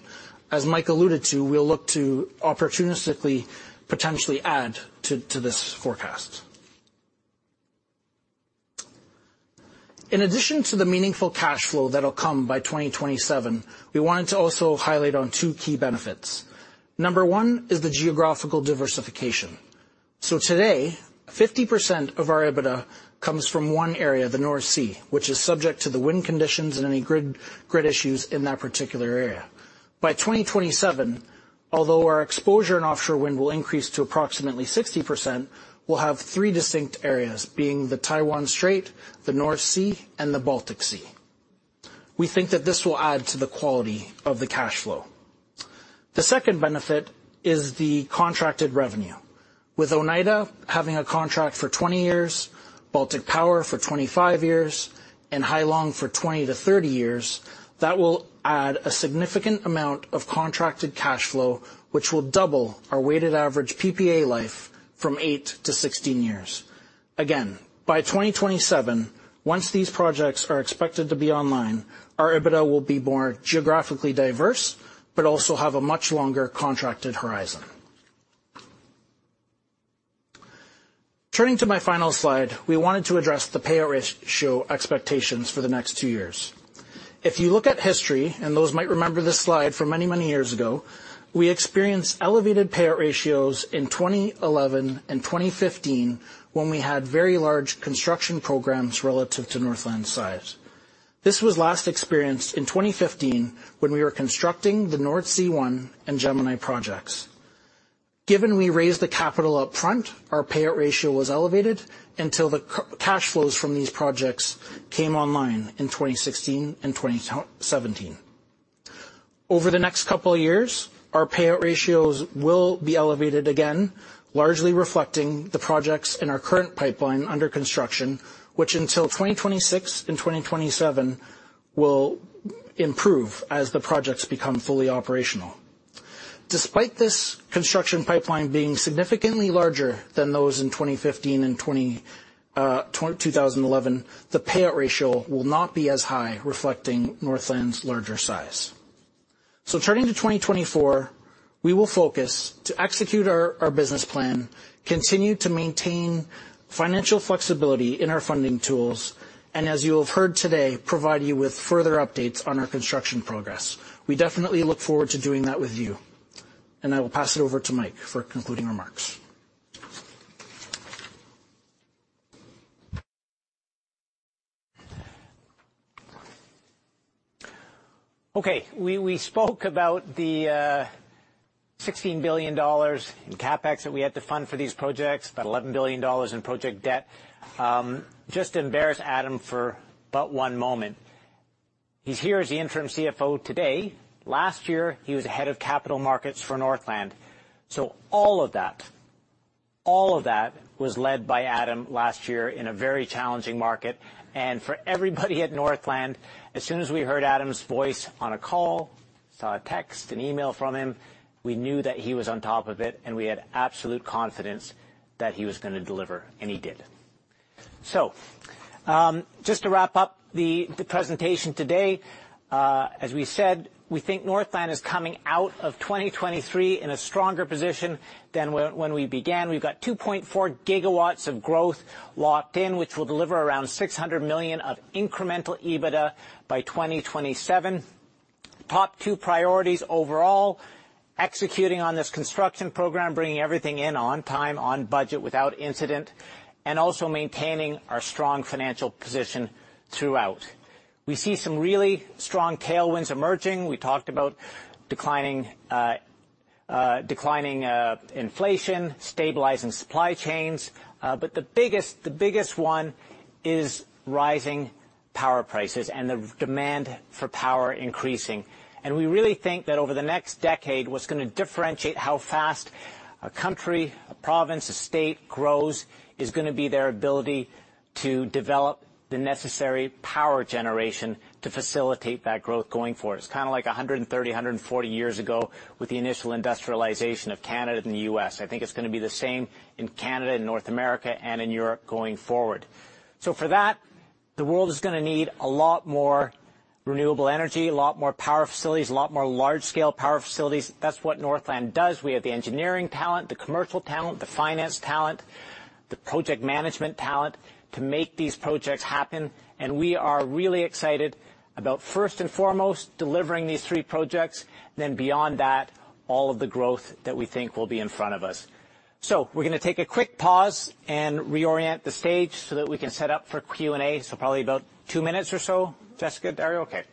As Mike alluded to, we'll look to opportunistically potentially add to this forecast. In addition to the meaningful cash flow that'll come by 2027, we wanted to also highlight two key benefits. Number one is the geographical diversification. So today, 50% of our EBITDA comes from one area, the North Sea, which is subject to the wind conditions and any grid, grid issues in that particular area. By 2027, although our exposure in offshore wind will increase to approximately 60%, we'll have three distinct areas being the Taiwan Strait, the North Sea, and the Baltic Sea. We think that this will add to the quality of the cash flow. The second benefit is the contracted revenue. With Oneida having a contract for 20 years, Baltic Power for 25 years, and Hai Long for 20-30 years, that will add a significant amount of contracted cash flow, which will double our weighted average PPA life from 8-16 years. Again, by 2027, once these projects are expected to be online, our EBITDA will be more geographically diverse but also have a much longer contracted horizon. Turning to my final slide, we wanted to address the payout ratio expectations for the next two years. If you look at history - and those might remember this slide from many, many years ago - we experienced elevated payout ratios in 2011 and 2015 when we had very large construction programs relative to Northland's size. This was last experienced in 2015 when we were constructing the Nordsee One and Gemini projects. Given we raised the capital upfront, our payout ratio was elevated until the cash flows from these projects came online in 2016 and 2017. Over the next couple of years, our payout ratios will be elevated again, largely reflecting the projects in our current pipeline under construction, which until 2026 and 2027 will improve as the projects become fully operational. Despite this construction pipeline being significantly larger than those in 2015 and 2011, the payout ratio will not be as high, reflecting Northland's larger size. Turning to 2024, we will focus to execute our business plan, continue to maintain financial flexibility in our funding tools, and as you have heard today, provide you with further updates on our construction progress. We definitely look forward to doing that with you. And I will pass it over to Mike for concluding remarks. Okay. We, we spoke about the, 16 billion dollars in CapEx that we had to fund for these projects, about 11 billion dollars in project debt. Just embarrass Adam for but one moment. He's here as the Interim CFO today. Last year, he was head of capital markets for Northland. So all of that all of that was led by Adam last year in a very challenging market. And for everybody at Northland, as soon as we heard Adam's voice on a call, saw a text, an email from him, we knew that he was on top of it, and we had absolute confidence that he was gonna deliver. And he did. So, just to wrap up the, the presentation today, as we said, we think Northland is coming out of 2023 in a stronger position than when, when we began. We've got 2.4 GW of growth locked in, which will deliver around 600 million of incremental EBITDA by 2027. Top two priorities overall: executing on this construction program, bringing everything in on time, on budget, without incident, and also maintaining our strong financial position throughout. We see some really strong tailwinds emerging. We talked about declining inflation, stabilizing supply chains. But the biggest one is rising power prices and the demand for power increasing. And we really think that over the next decade, what's gonna differentiate how fast a country, a province, a state grows is gonna be their ability to develop the necessary power generation to facilitate that growth going forward. It's kinda like 130-140 years ago with the initial industrialization of Canada and the U.S. I think it's gonna be the same in Canada, in North America, and in Europe going forward. So for that, the world is gonna need a lot more renewable energy, a lot more power facilities, a lot more large-scale power facilities. That's what Northland does. We have the engineering talent, the commercial talent, the finance talent, the project management talent to make these projects happen. And we are really excited about, first and foremost, delivering these three projects. Then beyond that, all of the growth that we think will be in front of us. So we're gonna take a quick pause and reorient the stage so that we can set up for Q&A. So probably about two minutes or so. Jessica, Dario? Okay.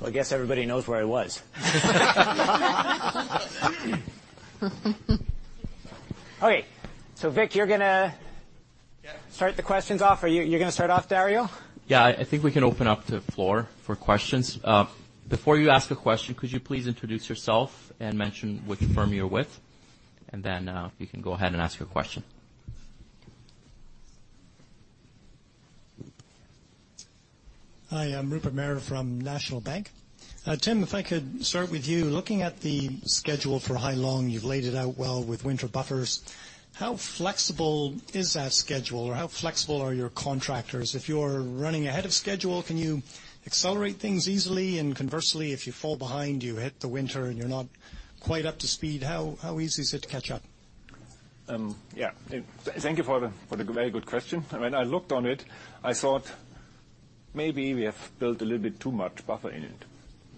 That's where you're going. It's gonna be obvious I've been swinging. I had a belt off for it. I didn't have it. I heard you go. Oh my gosh. So I guess everybody knows where I was. Okay. So Vic, you're gonna start the questions off, or you're gonna start off, Dario? Yeah. I think we can open up the floor for questions. Before you ask a question, could you please introduce yourself and mention which firm you're with? Then, you can go ahead and ask your question. Hi. I'm Rupert Merer from National Bank. Tim, if I could start with you. Looking at the schedule for Hai Long, you've laid it out well with winter buffers. How flexible is that schedule, or how flexible are your contractors? If you're running ahead of schedule, can you accelerate things easily? And conversely, if you fall behind, you hit the winter, and you're not quite up to speed, how easy is it to catch up? Yeah. Thank you for the very good question. I mean, I looked on it. I thought maybe we have built a little bit too much buffer in it.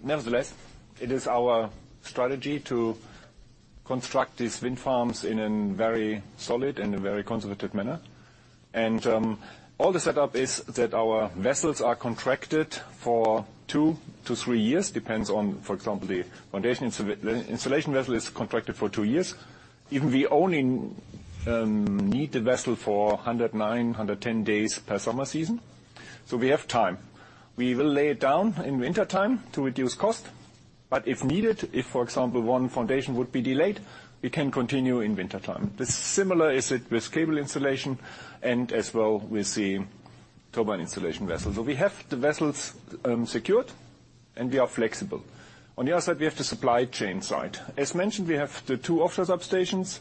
Nevertheless, it is our strategy to construct these wind farms in a very solid and a very conservative manner. All the setup is that our vessels are contracted for 2-3 years. Depends on, for example, the foundation installation vessel is contracted for two years. Even we only need the vessel for 109-110 days per summer season. So we have time. We will lay it down in wintertime to reduce cost. But if needed, if, for example, one foundation would be delayed, we can continue in wintertime. The similar is it with cable installation and as well with the turbine installation vessel. So we have the vessels secured, and we are flexible. On the other side, we have the supply chain side. As mentioned, we have the two offshore substations.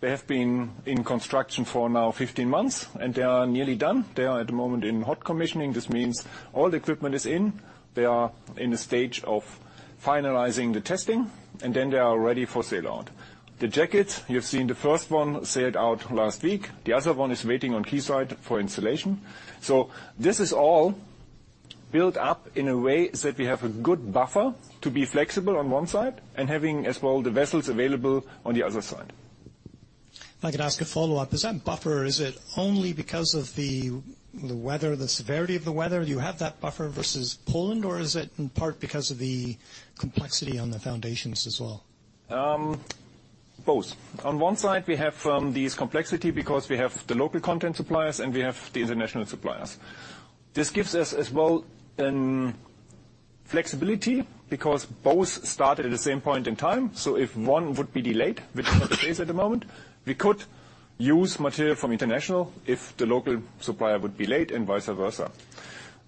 They have been in construction for now 15 months, and they are nearly done. They are at the moment in hot commissioning. This means all the equipment is in. They are in a stage of finalizing the testing, and then they are ready for sail out. The jackets, you've seen the first one sailed out last week. The other one is waiting on quayside for installation. So this is all built up in a way that we have a good buffer to be flexible on one side and having as well the vessels available on the other side. If I could ask a follow-up. Is that buffer, is it only because of the, the weather, the severity of the weather? Do you have that buffer versus Poland, or is it in part because of the complexity on the foundations as well? both. On one side, we have this complexity because we have the local content suppliers, and we have the international suppliers. This gives us as well flexibility because both started at the same point in time. So if one would be delayed, which is the case at the moment, we could use material from international if the local supplier would be late and vice versa.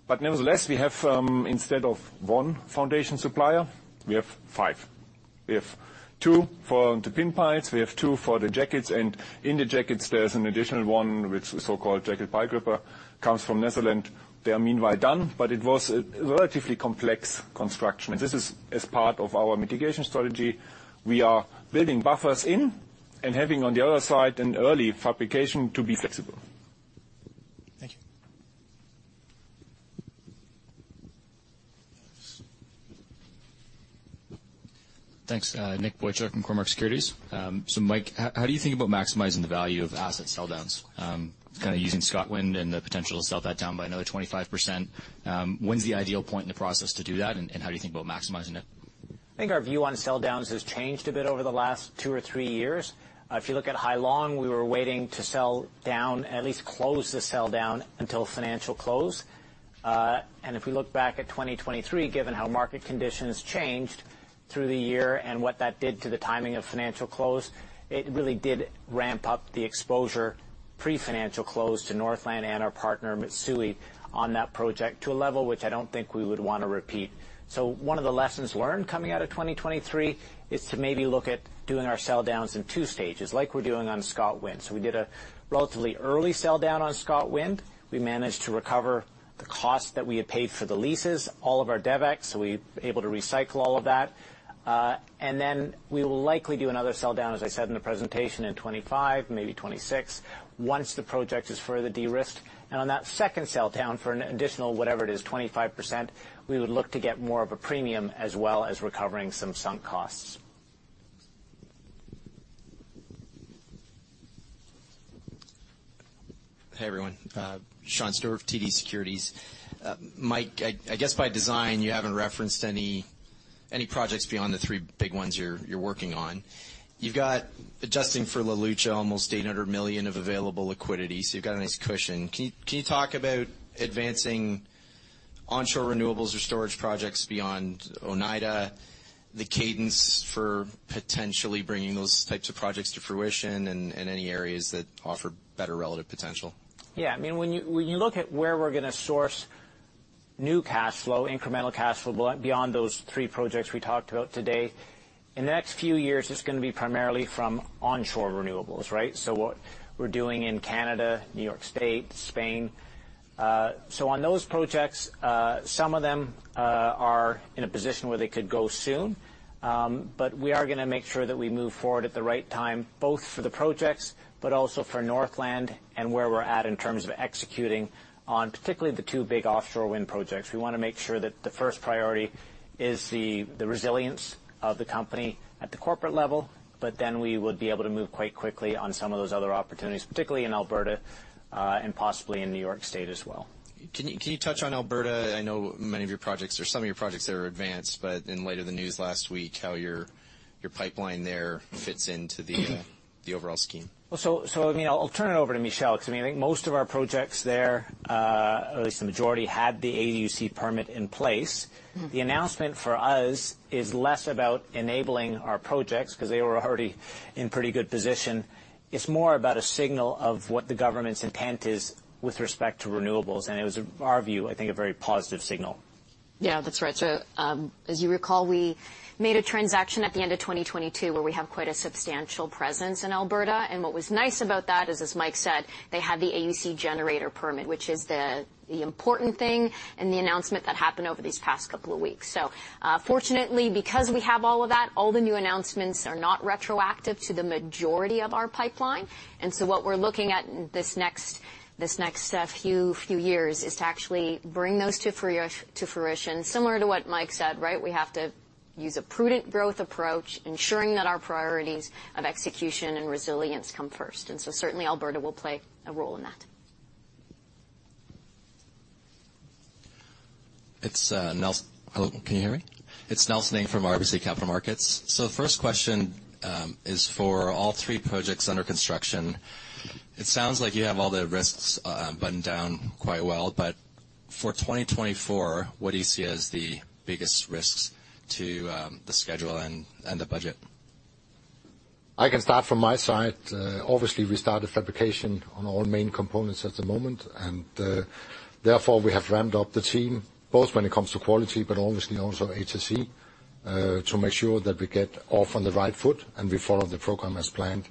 But nevertheless, we have, instead of one foundation supplier, we have five. We have two for the pin piles. We have two for the jackets. And in the jackets, there's an additional one with the so-called jacket pile gripper. Comes from Netherlands. They are meanwhile done, but it was a relatively complex construction. And this is as part of our mitigation strategy. We are building buffers in and having on the other side an early fabrication to be flexible. Thank you. Thanks. Nick Boychuk from Cormark Securities. So Mike, how do you think about maximizing the value of asset sell-downs? Kinda using ScotWind and the potential to sell that down by another 25%. When's the ideal point in the process to do that, and how do you think about maximizing it? I think our view on sell-downs has changed a bit over the last two or three years. If you look at Hai Long, we were waiting to sell down, at least close the sell-down until financial close. If we look back at 2023, given how market conditions changed through the year and what that did to the timing of financial close, it really did ramp up the exposure pre-financial close to Northland and our partner, Mitsui, on that project to a level which I don't think we would wanna repeat. One of the lessons learned coming out of 2023 is to maybe look at doing our sell-downs in two stages like we're doing on ScotWind. We did a relatively early sell-down on ScotWind. We managed to recover the cost that we had paid for the leases, all of our DevEx. So we were able to recycle all of that. And then we will likely do another sell-down, as I said in the presentation, in 2025, maybe 2026, once the project is further de-risked. And on that second sell-down for an additional whatever it is, 25%, we would look to get more of a premium as well as recovering some sunk costs. Hey, everyone. Sean Steuart, TD Securities. Mike, I guess by design, you haven't referenced any projects beyond the three big ones you're working on. You've got, adjusting for La Lucha, almost 800 million of available liquidity. So you've got a nice cushion. Can you talk about advancing onshore renewables or storage projects beyond Oneida, the cadence for potentially bringing those types of projects to fruition and any areas that offer better relative potential? Yeah. I mean, when you when you look at where we're gonna source new cash flow, incremental cash flow beyond those three projects we talked about today, in the next few years, it's gonna be primarily from onshore renewables, right? So what we're doing in Canada, New York State, Spain, so on those projects, some of them, are in a position where they could go soon, but we are gonna make sure that we move forward at the right time both for the projects but also for Northland and where we're at in terms of executing on particularly the two big offshore wind projects. We wanna make sure that the first priority is the, the resilience of the company at the corporate level. But then we would be able to move quite quickly on some of those other opportunities, particularly in Alberta, and possibly in New York State as well. Can you touch on Alberta? I know many of your projects or some of your projects that were advanced, but in light of the news last week, how your pipeline there fits into the overall scheme. Well, I mean, I'll turn it over to Michelle 'cause I mean, I think most of our projects there, or at least the majority, had the AUC permit in place. The announcement for us is less about enabling our projects 'cause they were already in pretty good position. It's more about a signal of what the government's intent is with respect to renewables. It was, our view, I think, a very positive signal. Yeah. That's right. So, as you recall, we made a transaction at the end of 2022 where we have quite a substantial presence in Alberta. And what was nice about that is, as Mike said, they had the AUC generator permit, which is the important thing and the announcement that happened over these past couple of weeks. So, fortunately, because we have all of that, all the new announcements are not retroactive to the majority of our pipeline. And so what we're looking at this next few years is to actually bring those to fruition. Similar to what Mike said, right, we have to use a prudent growth approach, ensuring that our priorities of execution and resilience come first. And so certainly, Alberta will play a role in that. It's Nelson, hello, can you hear me? It's Nelson Ng from RBC Capital Markets. So the first question is for all three projects under construction. It sounds like you have all the risks buttoned down quite well. But for 2024, what do you see as the biggest risks to the schedule and the budget? I can start from my side. Obviously, we started fabrication on all main components at the moment. Therefore, we have ramped up the team, both when it comes to quality but obviously also HSE, to make sure that we get off on the right foot and we follow the program as planned.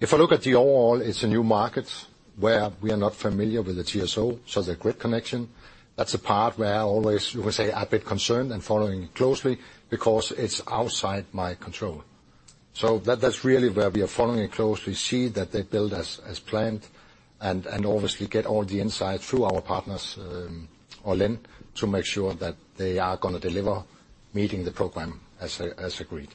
If I look at the overall, it's a new market where we are not familiar with the TSO. The grid connection, that's a part where I always, you would say, I've been concerned and following it closely because it's outside my control. That's really where we are following it closely, see that they build as planned, and obviously get all the insights through our partners, Orlen to make sure that they are gonna deliver, meeting the program as agreed.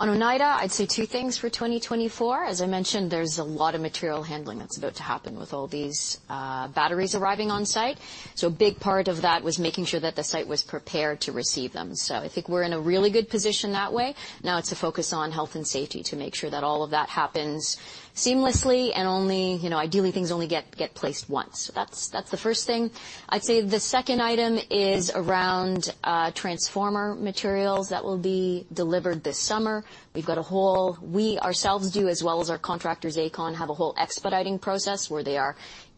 On Oneida, I'd say two things for 2024. As I mentioned, there's a lot of material handling that's about to happen with all these batteries arriving on site. So a big part of that was making sure that the site was prepared to receive them. So I think we're in a really good position that way. Now, it's a focus on health and safety to make sure that all of that happens seamlessly and only, you know, ideally, things only get placed once. So that's the first thing. I'd say the second item is around transformer materials that will be delivered this summer. We've got a whole we ourselves do, as well as our contractors, Aecon, have a whole expediting process where they are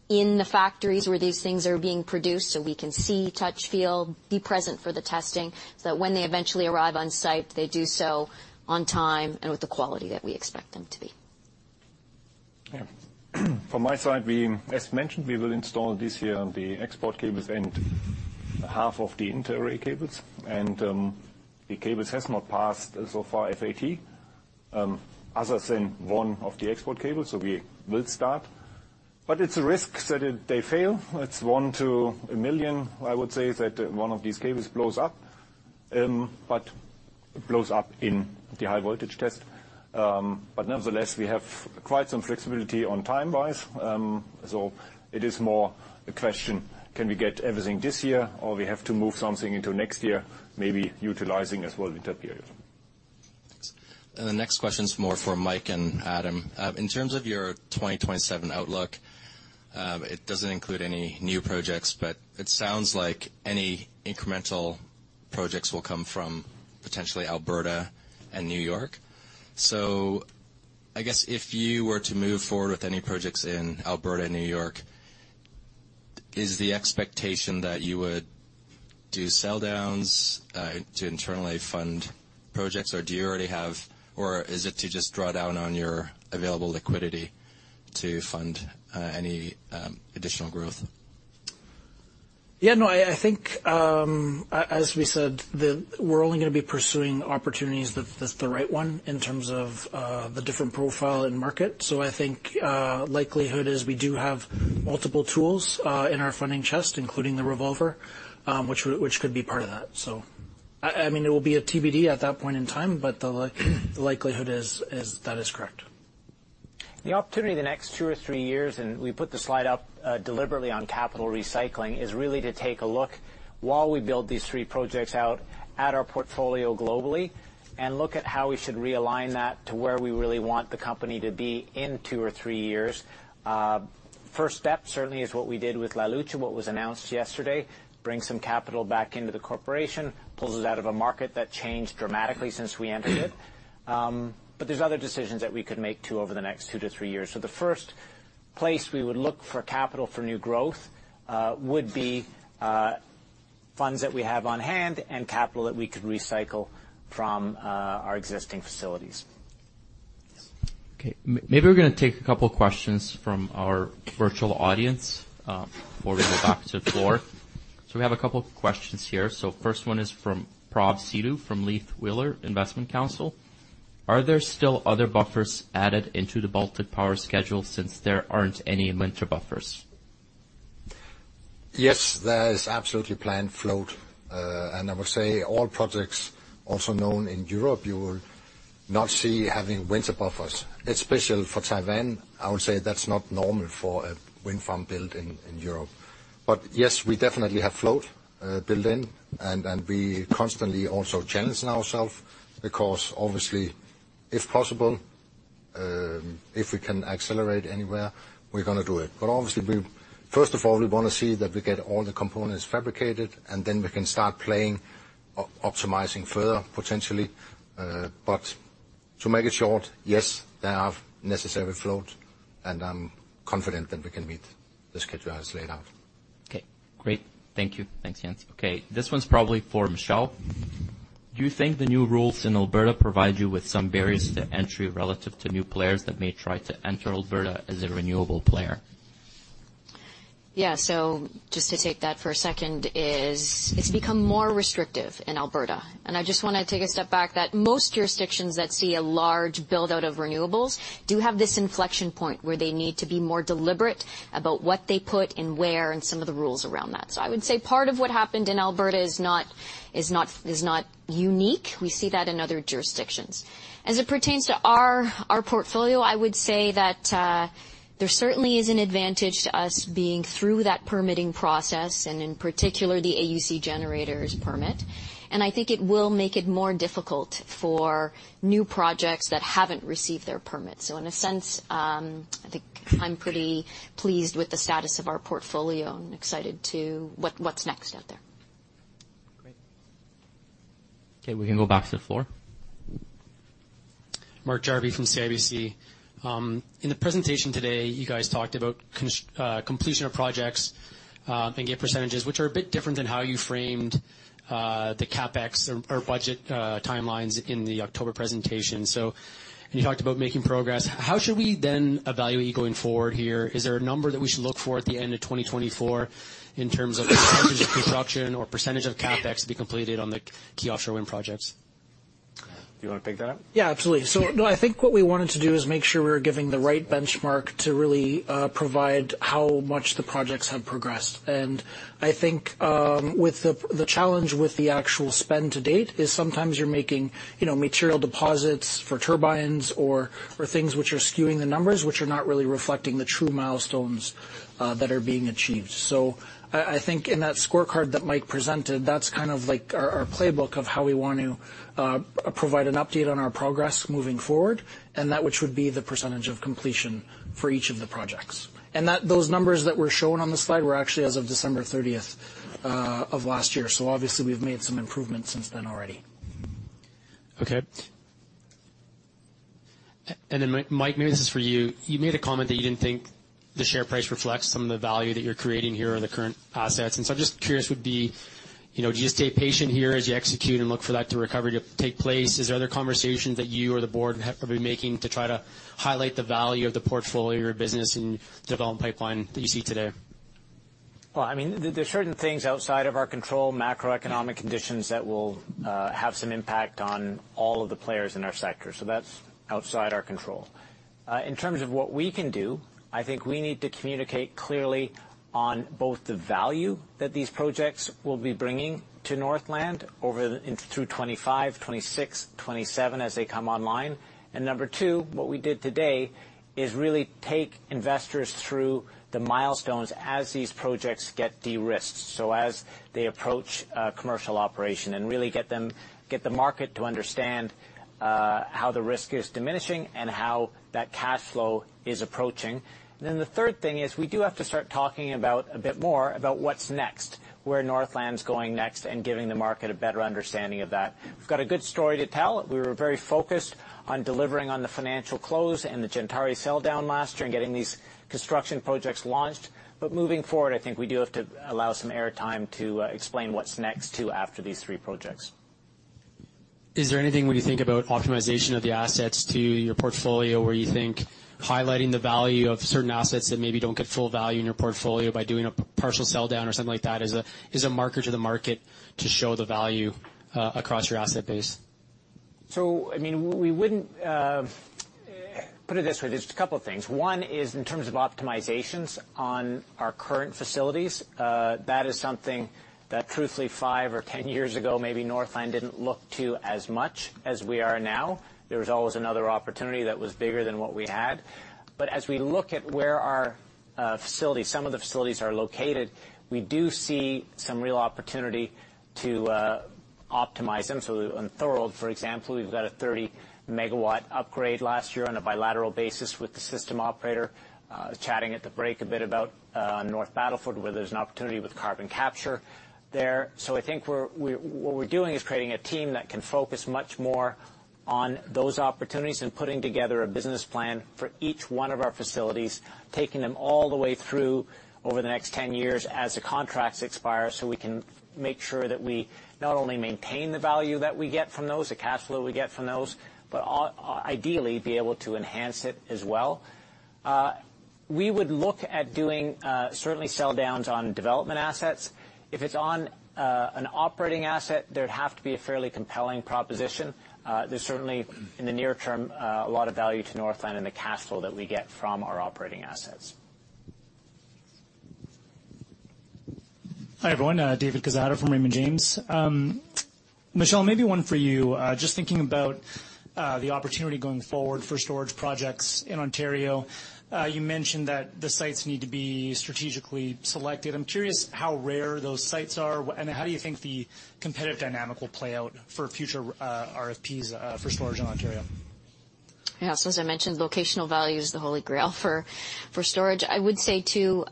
in the factories where these things are being produced so we can see, touch, feel, be present for the testing so that when they eventually arrive on site, they do so on time and with the quality that we expect them to be. Yeah. From my side, we, as mentioned, we will install this year the export cables and half of the inter-array cables. The cables have not passed so far FAT, other than one of the export cables. We will start. But it's a risk that it they fail. It's one to a million, I would say, that one of these cables blows up, but blows up in the high-voltage test. But nevertheless, we have quite some flexibility on time-wise. It is more a question, can we get everything this year, or we have to move something into next year, maybe utilizing as well winter period. Thanks. And the next question's more for Mike and Adam. In terms of your 2027 outlook, it doesn't include any new projects, but it sounds like any incremental projects will come from potentially Alberta and New York. So I guess if you were to move forward with any projects in Alberta, New York, is the expectation that you would do sell-downs, to internally fund projects, or do you already have or is it to just draw down on your available liquidity to fund, any, additional growth? Yeah. No, I think, as we said, we're only gonna be pursuing opportunities that that's the right one in terms of the different profile and market. So I think likelihood is we do have multiple tools in our funding chest, including the revolver, which could be part of that. So I mean, it will be a TBD at that point in time, but the likelihood is that is correct. The opportunity the next two or three years and we put the slide up, deliberately on capital recycling is really to take a look while we build these three projects out at our portfolio globally and look at how we should realign that to where we really want the company to be in two or three years. First step certainly is what we did with La Lucha, what was announced yesterday, brings some capital back into the corporation, pulls it out of a market that changed dramatically since we entered it. But there's other decisions that we could make too over the next two to three years. So the first place we would look for capital for new growth, would be, funds that we have on hand and capital that we could recycle from, our existing facilities. Yes. Okay. Maybe we're gonna take a couple of questions from our virtual audience, before we go back to the floor. So we have a couple of questions here. So first one is from Prab Sidhu from Leith Wheeler Investment Counsel. Are there still other buffers added into the Baltic Power schedule since there aren't any winter buffers? Yes. There is absolutely planned float, and I would say all projects also known in Europe. You will not see having winter buffers, especially for Taiwan. I would say that's not normal for a wind farm built in Europe. But yes, we definitely have float built in. And we constantly also challenge ourselves because obviously, if possible, if we can accelerate anywhere, we're gonna do it. But obviously, we first of all, we wanna see that we get all the components fabricated, and then we can start playing, optimizing further, potentially. But to make it short, yes, there are necessary floats. And I'm confident that we can meet the schedule as laid out. Okay. Great. Thank you. Thanks, Jens. Okay. This one's probably for Michelle. Do you think the new rules in Alberta provide you with some barriers to entry relative to new players that may try to enter Alberta as a renewable player? Yeah. So just to take that for a second, it's become more restrictive in Alberta. I just wanna take a step back that most jurisdictions that see a large buildout of renewables do have this inflection point where they need to be more deliberate about what they put and where and some of the rules around that. So I would say part of what happened in Alberta is not unique. We see that in other jurisdictions. As it pertains to our portfolio, I would say that there certainly is an advantage to us being through that permitting process and in particular the AUC generator's permit. And I think it will make it more difficult for new projects that haven't received their permit. In a sense, I think I'm pretty pleased with the status of our portfolio and excited to what's next out there. Great. Okay. We can go back to the floor. Mark Jarvi from CIBC. In the presentation today, you guys talked about construction completion of projects, and gate percentages, which are a bit different than how you framed the CapEx or budget timelines in the October presentation. So you talked about making progress. How should we then evaluate you going forward here? Is there a number that we should look for at the end of 2024 in terms of percentage of construction or percentage of CapEx to be completed on the key offshore wind projects? Do you wanna pick that up? Yeah. Absolutely. So no, I think what we wanted to do is make sure we were giving the right benchmark to really provide how much the projects have progressed. And I think, with the, the challenge with the actual spend to date is sometimes you're making, you know, material deposits for turbines or, or things which are skewing the numbers, which are not really reflecting the true milestones that are being achieved. So I think in that scorecard that Mike presented, that's kind of like our playbook of how we wanna provide an update on our progress moving forward and that which would be the percentage of completion for each of the projects. And those numbers that were shown on the slide were actually as of December 30th of last year. So obviously, we've made some improvements since then already. Okay. And then Mike, Mike, maybe this is for you. You made a comment that you didn't think the share price reflects some of the value that you're creating here or the current assets. And so I'm just curious would be, you know, do you just stay patient here as you execute and look for that to recovery to take place? Is there other conversations that you or the board have been making to try to highlight the value of the portfolio or business and development pipeline that you see today? Well, I mean, there's certain things outside of our control, macroeconomic conditions that will have some impact on all of the players in our sector. So that's outside our control. In terms of what we can do, I think we need to communicate clearly on both the value that these projects will be bringing to Northland over the in through 2025, 2026, 2027 as they come online. And number two, what we did today is really take investors through the milestones as these projects get de-risked, so as they approach commercial operation, and really get the market to understand how the risk is diminishing and how that cash flow is approaching. And then the third thing is we do have to start talking about a bit more about what's next, where Northland's going next, and giving the market a better understanding of that. We've got a good story to tell. We were very focused on delivering on the financial close and the Gentari sell-down last year and getting these construction projects launched. But moving forward, I think we do have to allow some airtime to explain what's next too after these three projects. Is there anything when you think about optimization of the assets to your portfolio where you think highlighting the value of certain assets that maybe don't get full value in your portfolio by doing a partial sell-down or something like that is a marker to the market to show the value across your asset base? So I mean, we wouldn't, put it this way. There's a couple of things. One is in terms of optimizations on our current facilities. That is something that truthfully, five or 10 years ago, maybe Northland didn't look to as much as we are now. There was always another opportunity that was bigger than what we had. But as we look at where our facilities, some of the facilities are located, we do see some real opportunity to optimize them. So on Thorold, for example, we've got a 30 MW upgrade last year on a bilateral basis with the system operator, chatting at the break a bit about North Battleford where there's an opportunity with carbon capture there. So I think we're what we're doing is creating a team that can focus much more on those opportunities and putting together a business plan for each one of our facilities, taking them all the way through over the next 10 years as the contracts expire so we can make sure that we not only maintain the value that we get from those, the cash flow we get from those, but ideally, be able to enhance it as well. We would look at doing, certainly sell-downs on development assets. If it's an operating asset, there'd have to be a fairly compelling proposition. There's certainly in the near term, a lot of value to Northland in the cash flow that we get from our operating assets. Hi everyone. David Quezada from Raymond James. Michelle, maybe one for you. Just thinking about the opportunity going forward for storage projects in Ontario, you mentioned that the sites need to be strategically selected. I'm curious how rare those sites are. And how do you think the competitive dynamic will play out for future RFPs for storage in Ontario? Yeah. So as I mentioned, locational value is the holy grail for storage. I would say too,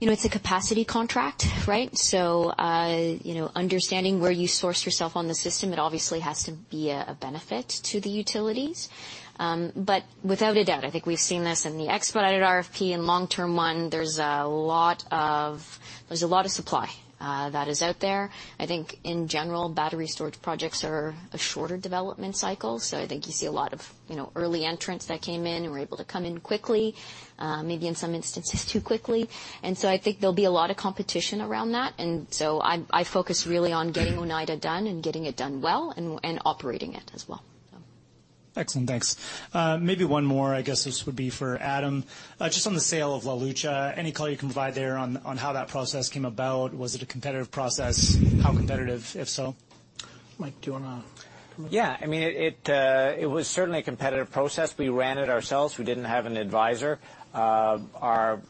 you know, it's a capacity contract, right? So, you know, understanding where you source yourself on the system, it obviously has to be a benefit to the utilities. But without a doubt, I think we've seen this in the Expedited RFP and Long-Term 1. There's a lot of supply that is out there. I think in general, battery storage projects are a shorter development cycle. So I think you see a lot of, you know, early entrants that came in and were able to come in quickly, maybe in some instances too quickly. And so I think there'll be a lot of competition around that. And so I focus really on getting Oneida done and getting it done well and operating it as well, so. Excellent. Thanks. Maybe one more. I guess this would be for Adam. Just on the sale of La Lucha, any color you can provide there on, on how that process came about? Was it a competitive process? How competitive, if so? Mike, do you wanna come in? Yeah. I mean, it was certainly a competitive process. We ran it ourselves. We didn't have an advisor. Our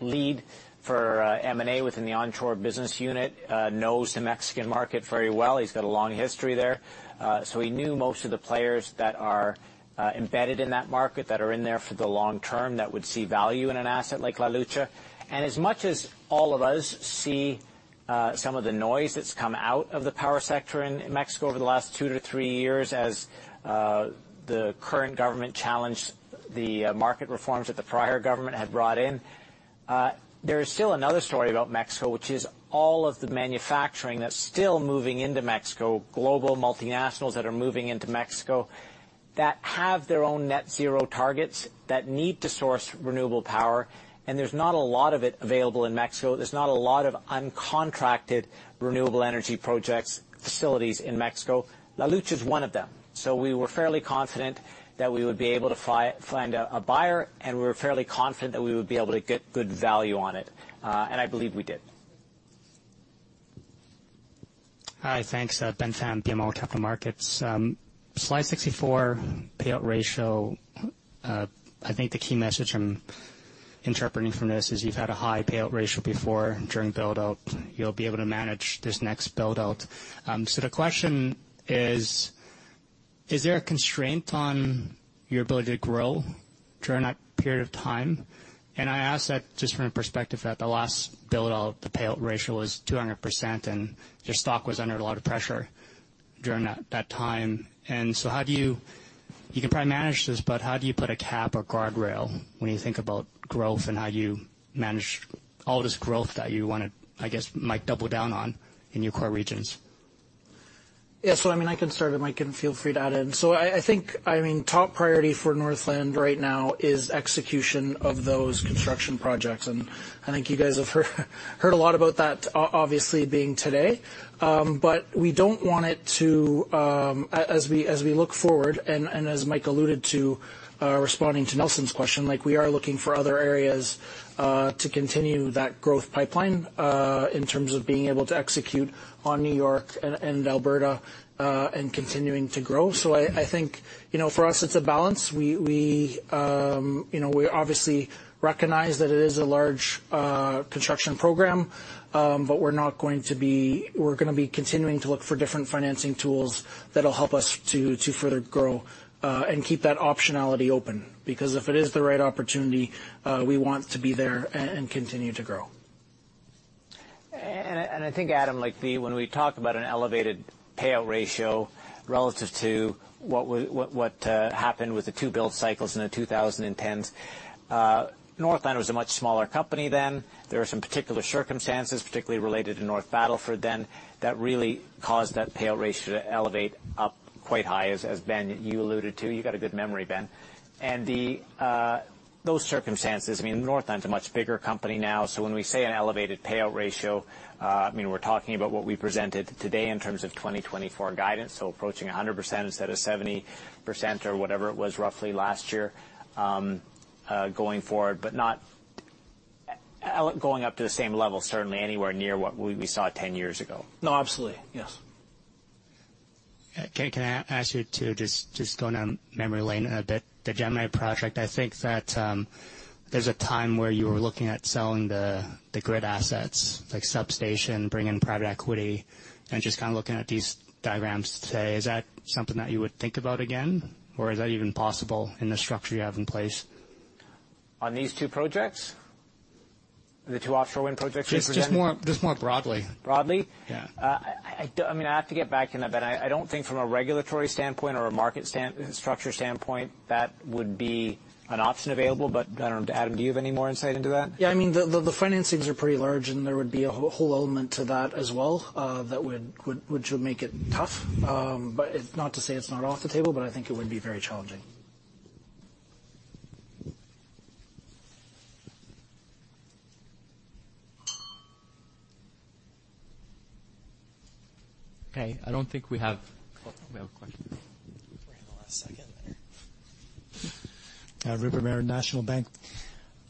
lead for M&A within the onshore business unit knows the Mexican market very well. He's got a long history there. So he knew most of the players that are embedded in that market, that are in there for the long term, that would see value in an asset like La Lucha. As much as all of us see, some of the noise that's come out of the power sector in Mexico over the last two to three years as the current government challenged the market reforms that the prior government had brought in, there is still another story about Mexico, which is all of the manufacturing that's still moving into Mexico, global multinationals that are moving into Mexico that have their own net-zero targets that need to source renewable power. And there's not a lot of it available in Mexico. There's not a lot of uncontracted renewable energy projects, facilities in Mexico. La Lucha's one of them. So we were fairly confident that we would be able to find a buyer, and we were fairly confident that we would be able to get good value on it. And I believe we did. Hi. Thanks. Ben Pham, BMO Capital Markets. Slide 64, payout ratio. I think the key message I'm interpreting from this is you've had a high payout ratio before during buildout. You'll be able to manage this next buildout. So the question is, is there a constraint on your ability to grow during that period of time? And I ask that just from a perspective that the last buildout, the payout ratio was 200%, and your stock was under a lot of pressure during that, that time. And so how do you you can probably manage this, but how do you put a cap or guardrail when you think about growth and how you manage all this growth that you wanna, I guess, might double down on in your core regions? Yeah. So I mean, I can start it, Mike, and feel free to add in. So I think I mean, top priority for Northland right now is execution of those construction projects. And I think you guys have heard a lot about that, obviously being today. But we don't want it to, as we look forward and as Mike alluded to, responding to Nelson's question, like, we are looking for other areas to continue that growth pipeline, in terms of being able to execute on New York and Alberta, and continuing to grow. So I think, you know, for us, it's a balance. We, you know, we obviously recognize that it is a large construction program, but we're gonna be continuing to look for different financing tools that'll help us to further grow, and keep that optionality open. Because if it is the right opportunity, we want to be there and continue to grow. And I think, Adam, like, the when we talk about an elevated payout ratio relative to what happened with the two build cycles in the 2010s, Northland was a much smaller company then. There were some particular circumstances, particularly related to North Battleford then, that really caused that payout ratio to elevate up quite high as Ben you alluded to. You got a good memory, Ben. And those circumstances I mean, Northland's a much bigger company now. So when we say an elevated payout ratio, I mean, we're talking about what we presented today in terms of 2024 guidance, so approaching 100% instead of 70% or whatever it was roughly last year, going forward, but not elevated going up to the same level, certainly, anywhere near what we saw 10 years ago. No, absolutely. Yes. Okay. Can I ask you to just go down memory lane a bit? The Gemini project, I think that there's a time where you were looking at selling the grid assets, like substation, bringing in private equity, and just kinda looking at these diagrams today. Is that something that you would think about again, or is that even possible in the structure you have in place? On these two projects? The two offshore wind projects you presented? Just more broadly. Broadly? Yeah. I mean, I have to get back in a bit. I don't think from a regulatory standpoint or a market stand structure standpoint, that would be an option available. But I don't know. Adam, do you have any more insight into that? Yeah. I mean, the financings are pretty large, and there would be a whole element to that as well, which would make it tough. But it's not to say it's not off the table, but I think it would be very challenging. Okay. I don't think we have a question. We're in the last second there. Rupert Merer, National Bank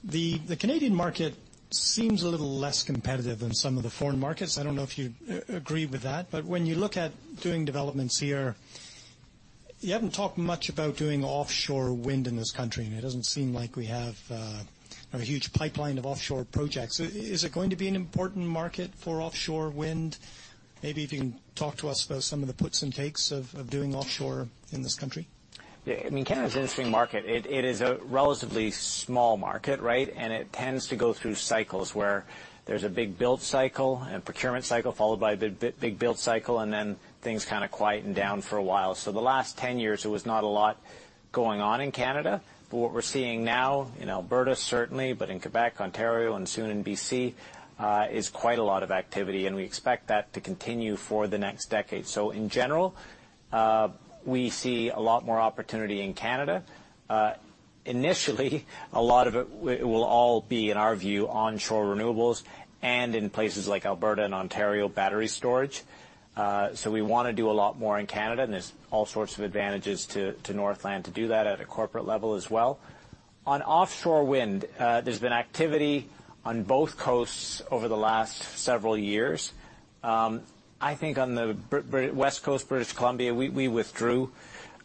Financial. The Canadian market seems a little less competitive than some of the foreign markets. I don't know if you agree with that. But when you look at doing developments here, you haven't talked much about doing offshore wind in this country, and it doesn't seem like we have a huge pipeline of offshore projects. Is it going to be an important market for offshore wind? Maybe if you can talk to us about some of the puts and takes of doing offshore in this country. Yeah. I mean, Canada's an interesting market. It is a relatively small market, right? And it tends to go through cycles where there's a big build cycle and procurement cycle followed by a big, big, big build cycle, and then things kinda quieten down for a while. So the last 10 years, it was not a lot going on in Canada. But what we're seeing now in Alberta, certainly, but in Quebec, Ontario, and soon in B.C., is quite a lot of activity. And we expect that to continue for the next decade. So in general, we see a lot more opportunity in Canada. Initially, a lot of it with it will all be, in our view, onshore renewables and in places like Alberta and Ontario, battery storage. So we wanna do a lot more in Canada. There's all sorts of advantages to Northland to do that at a corporate level as well. On offshore wind, there's been activity on both coasts over the last several years. I think on the British West Coast, British Columbia, we withdrew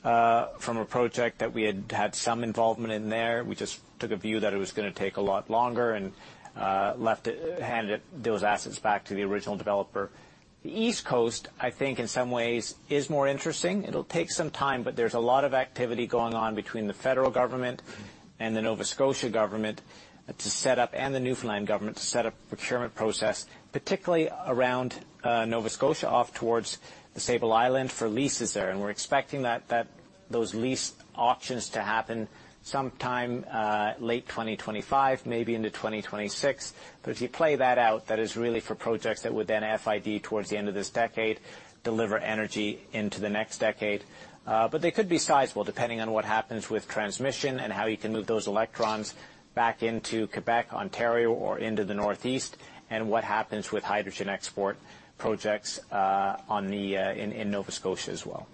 from a project that we had some involvement in there. We just took a view that it was gonna take a lot longer and left it, handed those assets back to the original developer. The East Coast, I think, in some ways, is more interesting. It'll take some time, but there's a lot of activity going on between the federal government and the Nova Scotia government to set up and the Newfoundland government to set up procurement process, particularly around Nova Scotia off towards the Sable Island for leases there. We're expecting that those lease auctions to happen sometime, late 2025, maybe into 2026. But if you play that out, that is really for projects that would then FID towards the end of this decade, deliver energy into the next decade. But they could be sizable depending on what happens with transmission and how you can move those electrons back into Quebec, Ontario, or into the Northeast and what happens with hydrogen export projects in Nova Scotia as well.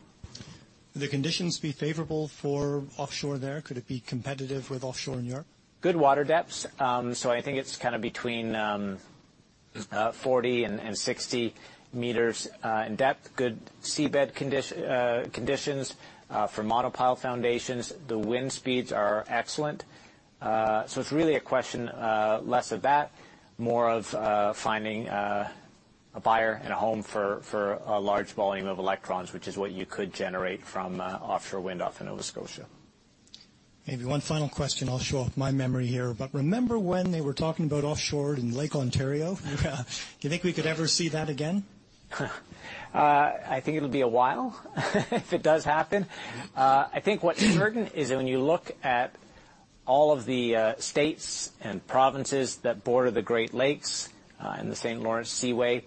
The conditions be favorable for offshore there? Could it be competitive with offshore in Europe? Good water depths. So I think it's kinda between 40 and 60 m in depth. Good seabed conditions for monopile foundations. The wind speeds are excellent. So it's really a question, less of that, more of finding a buyer and a home for a large volume of electrons, which is what you could generate from offshore wind off in Nova Scotia. Maybe one final question. I'll show off my memory here. But remember when they were talking about offshore in Lake Ontario? You, do you think we could ever see that again? I think it'll be a while if it does happen. I think what's certain is that when you look at all of the states and provinces that border the Great Lakes, and the Saint Lawrence Seaway,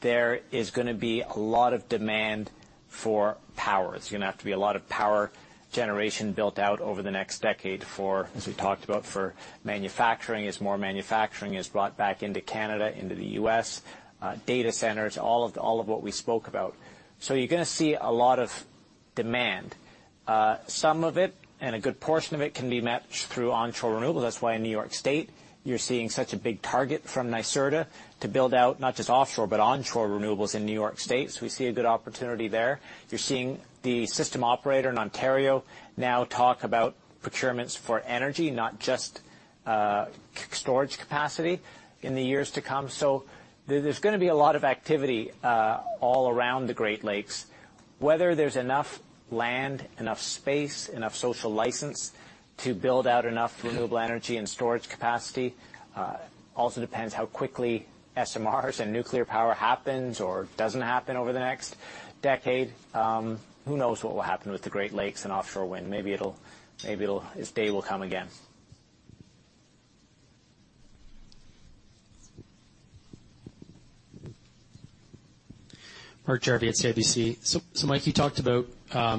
there is gonna be a lot of demand for power. There's gonna have to be a lot of power generation built out over the next decade for, as we talked about, for manufacturing as more manufacturing is brought back into Canada, into the U.S., data centers, all of all of what we spoke about. So you're gonna see a lot of demand. Some of it and a good portion of it can be matched through onshore renewables. That's why in New York State, you're seeing such a big target from NYSERDA to build out not just offshore but onshore renewables in New York State. So we see a good opportunity there. You're seeing the system operator in Ontario now talk about procurements for energy, not just storage capacity in the years to come. So there's gonna be a lot of activity, all around the Great Lakes. Whether there's enough land, enough space, enough social license to build out enough renewable energy and storage capacity, also depends how quickly SMRs and nuclear power happens or doesn't happen over the next decade. Who knows what will happen with the Great Lakes and offshore wind? Maybe it'll this day will come again. Mark Jarvi at CIBC. So, so Mike, you talked about,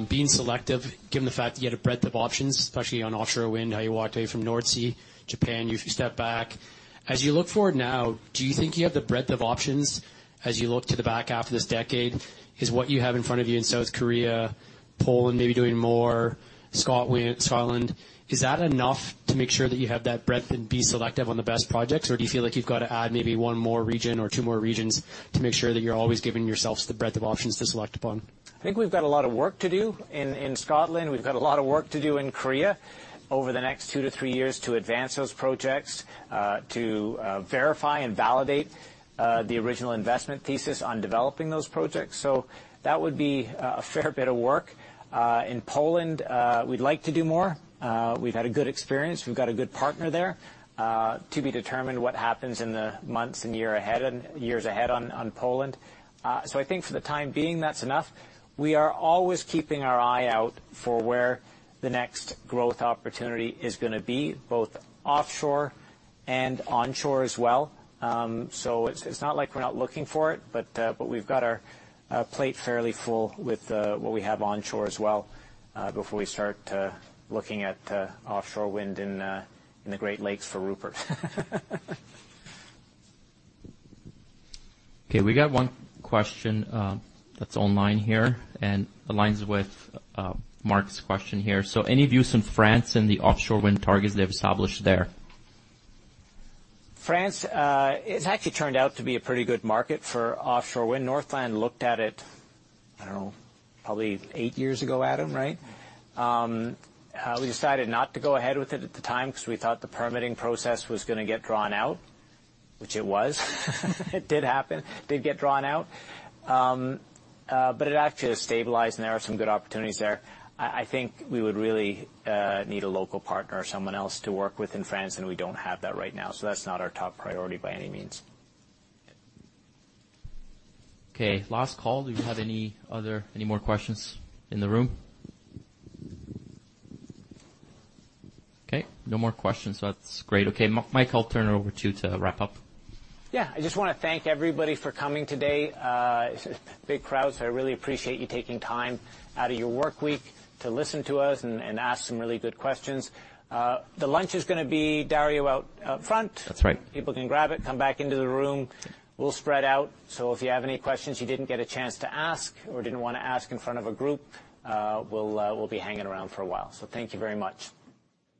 being selective given the fact that you had a breadth of options, especially on offshore wind, how you walked away from North Sea, Japan. You stepped back. As you look forward now, do you think you have the breadth of options as you look to the back after this decade? Is what you have in front of you in South Korea, Poland, maybe doing more, Scotland is that enough to make sure that you have that breadth and be selective on the best projects? Or do you feel like you've gotta add maybe one more region or two more regions to make sure that you're always giving yourselves the breadth of options to select upon? I think we've got a lot of work to do in Scotland. We've got a lot of work to do in Korea over the next two to three years to advance those projects, to verify and validate the original investment thesis on developing those projects. So that would be a fair bit of work. In Poland, we'd like to do more. We've had a good experience. We've got a good partner there, to be determined what happens in the months and year ahead and years ahead on Poland. So I think for the time being, that's enough. We are always keeping our eye out for where the next growth opportunity is gonna be, both offshore and onshore as well. So it's not like we're not looking for it, but we've got our plate fairly full with what we have onshore as well, before we start looking at offshore wind in the Great Lakes for Rupert. Okay. We got one question, that's online here and aligns with Mark's question here. So any views on France and the offshore wind targets they've established there? France, it's actually turned out to be a pretty good market for offshore wind. Northland looked at it, I don't know, probably eight years ago, Adam, right? We decided not to go ahead with it at the time 'cause we thought the permitting process was gonna get drawn out, which it was. It did happen. Did get drawn out. But it actually has stabilized, and there are some good opportunities there. I think we would really need a local partner or someone else to work with in France, and we don't have that right now. So that's not our top priority by any means. Okay. Last call. Do you have any other or any more questions in the room? Okay. No more questions. That's great. Okay. Mike, I'll turn it over to you to wrap up. Yeah. I just wanna thank everybody for coming today. Big crowd. So I really appreciate you taking time out of your work week to listen to us and, and ask some really good questions. The lunch is gonna be. Dario out up front. That's right. People can grab it, come back into the room. We'll spread out. So if you have any questions you didn't get a chance to ask or didn't wanna ask in front of a group, we'll, we'll be hanging around for a while. So thank you very much.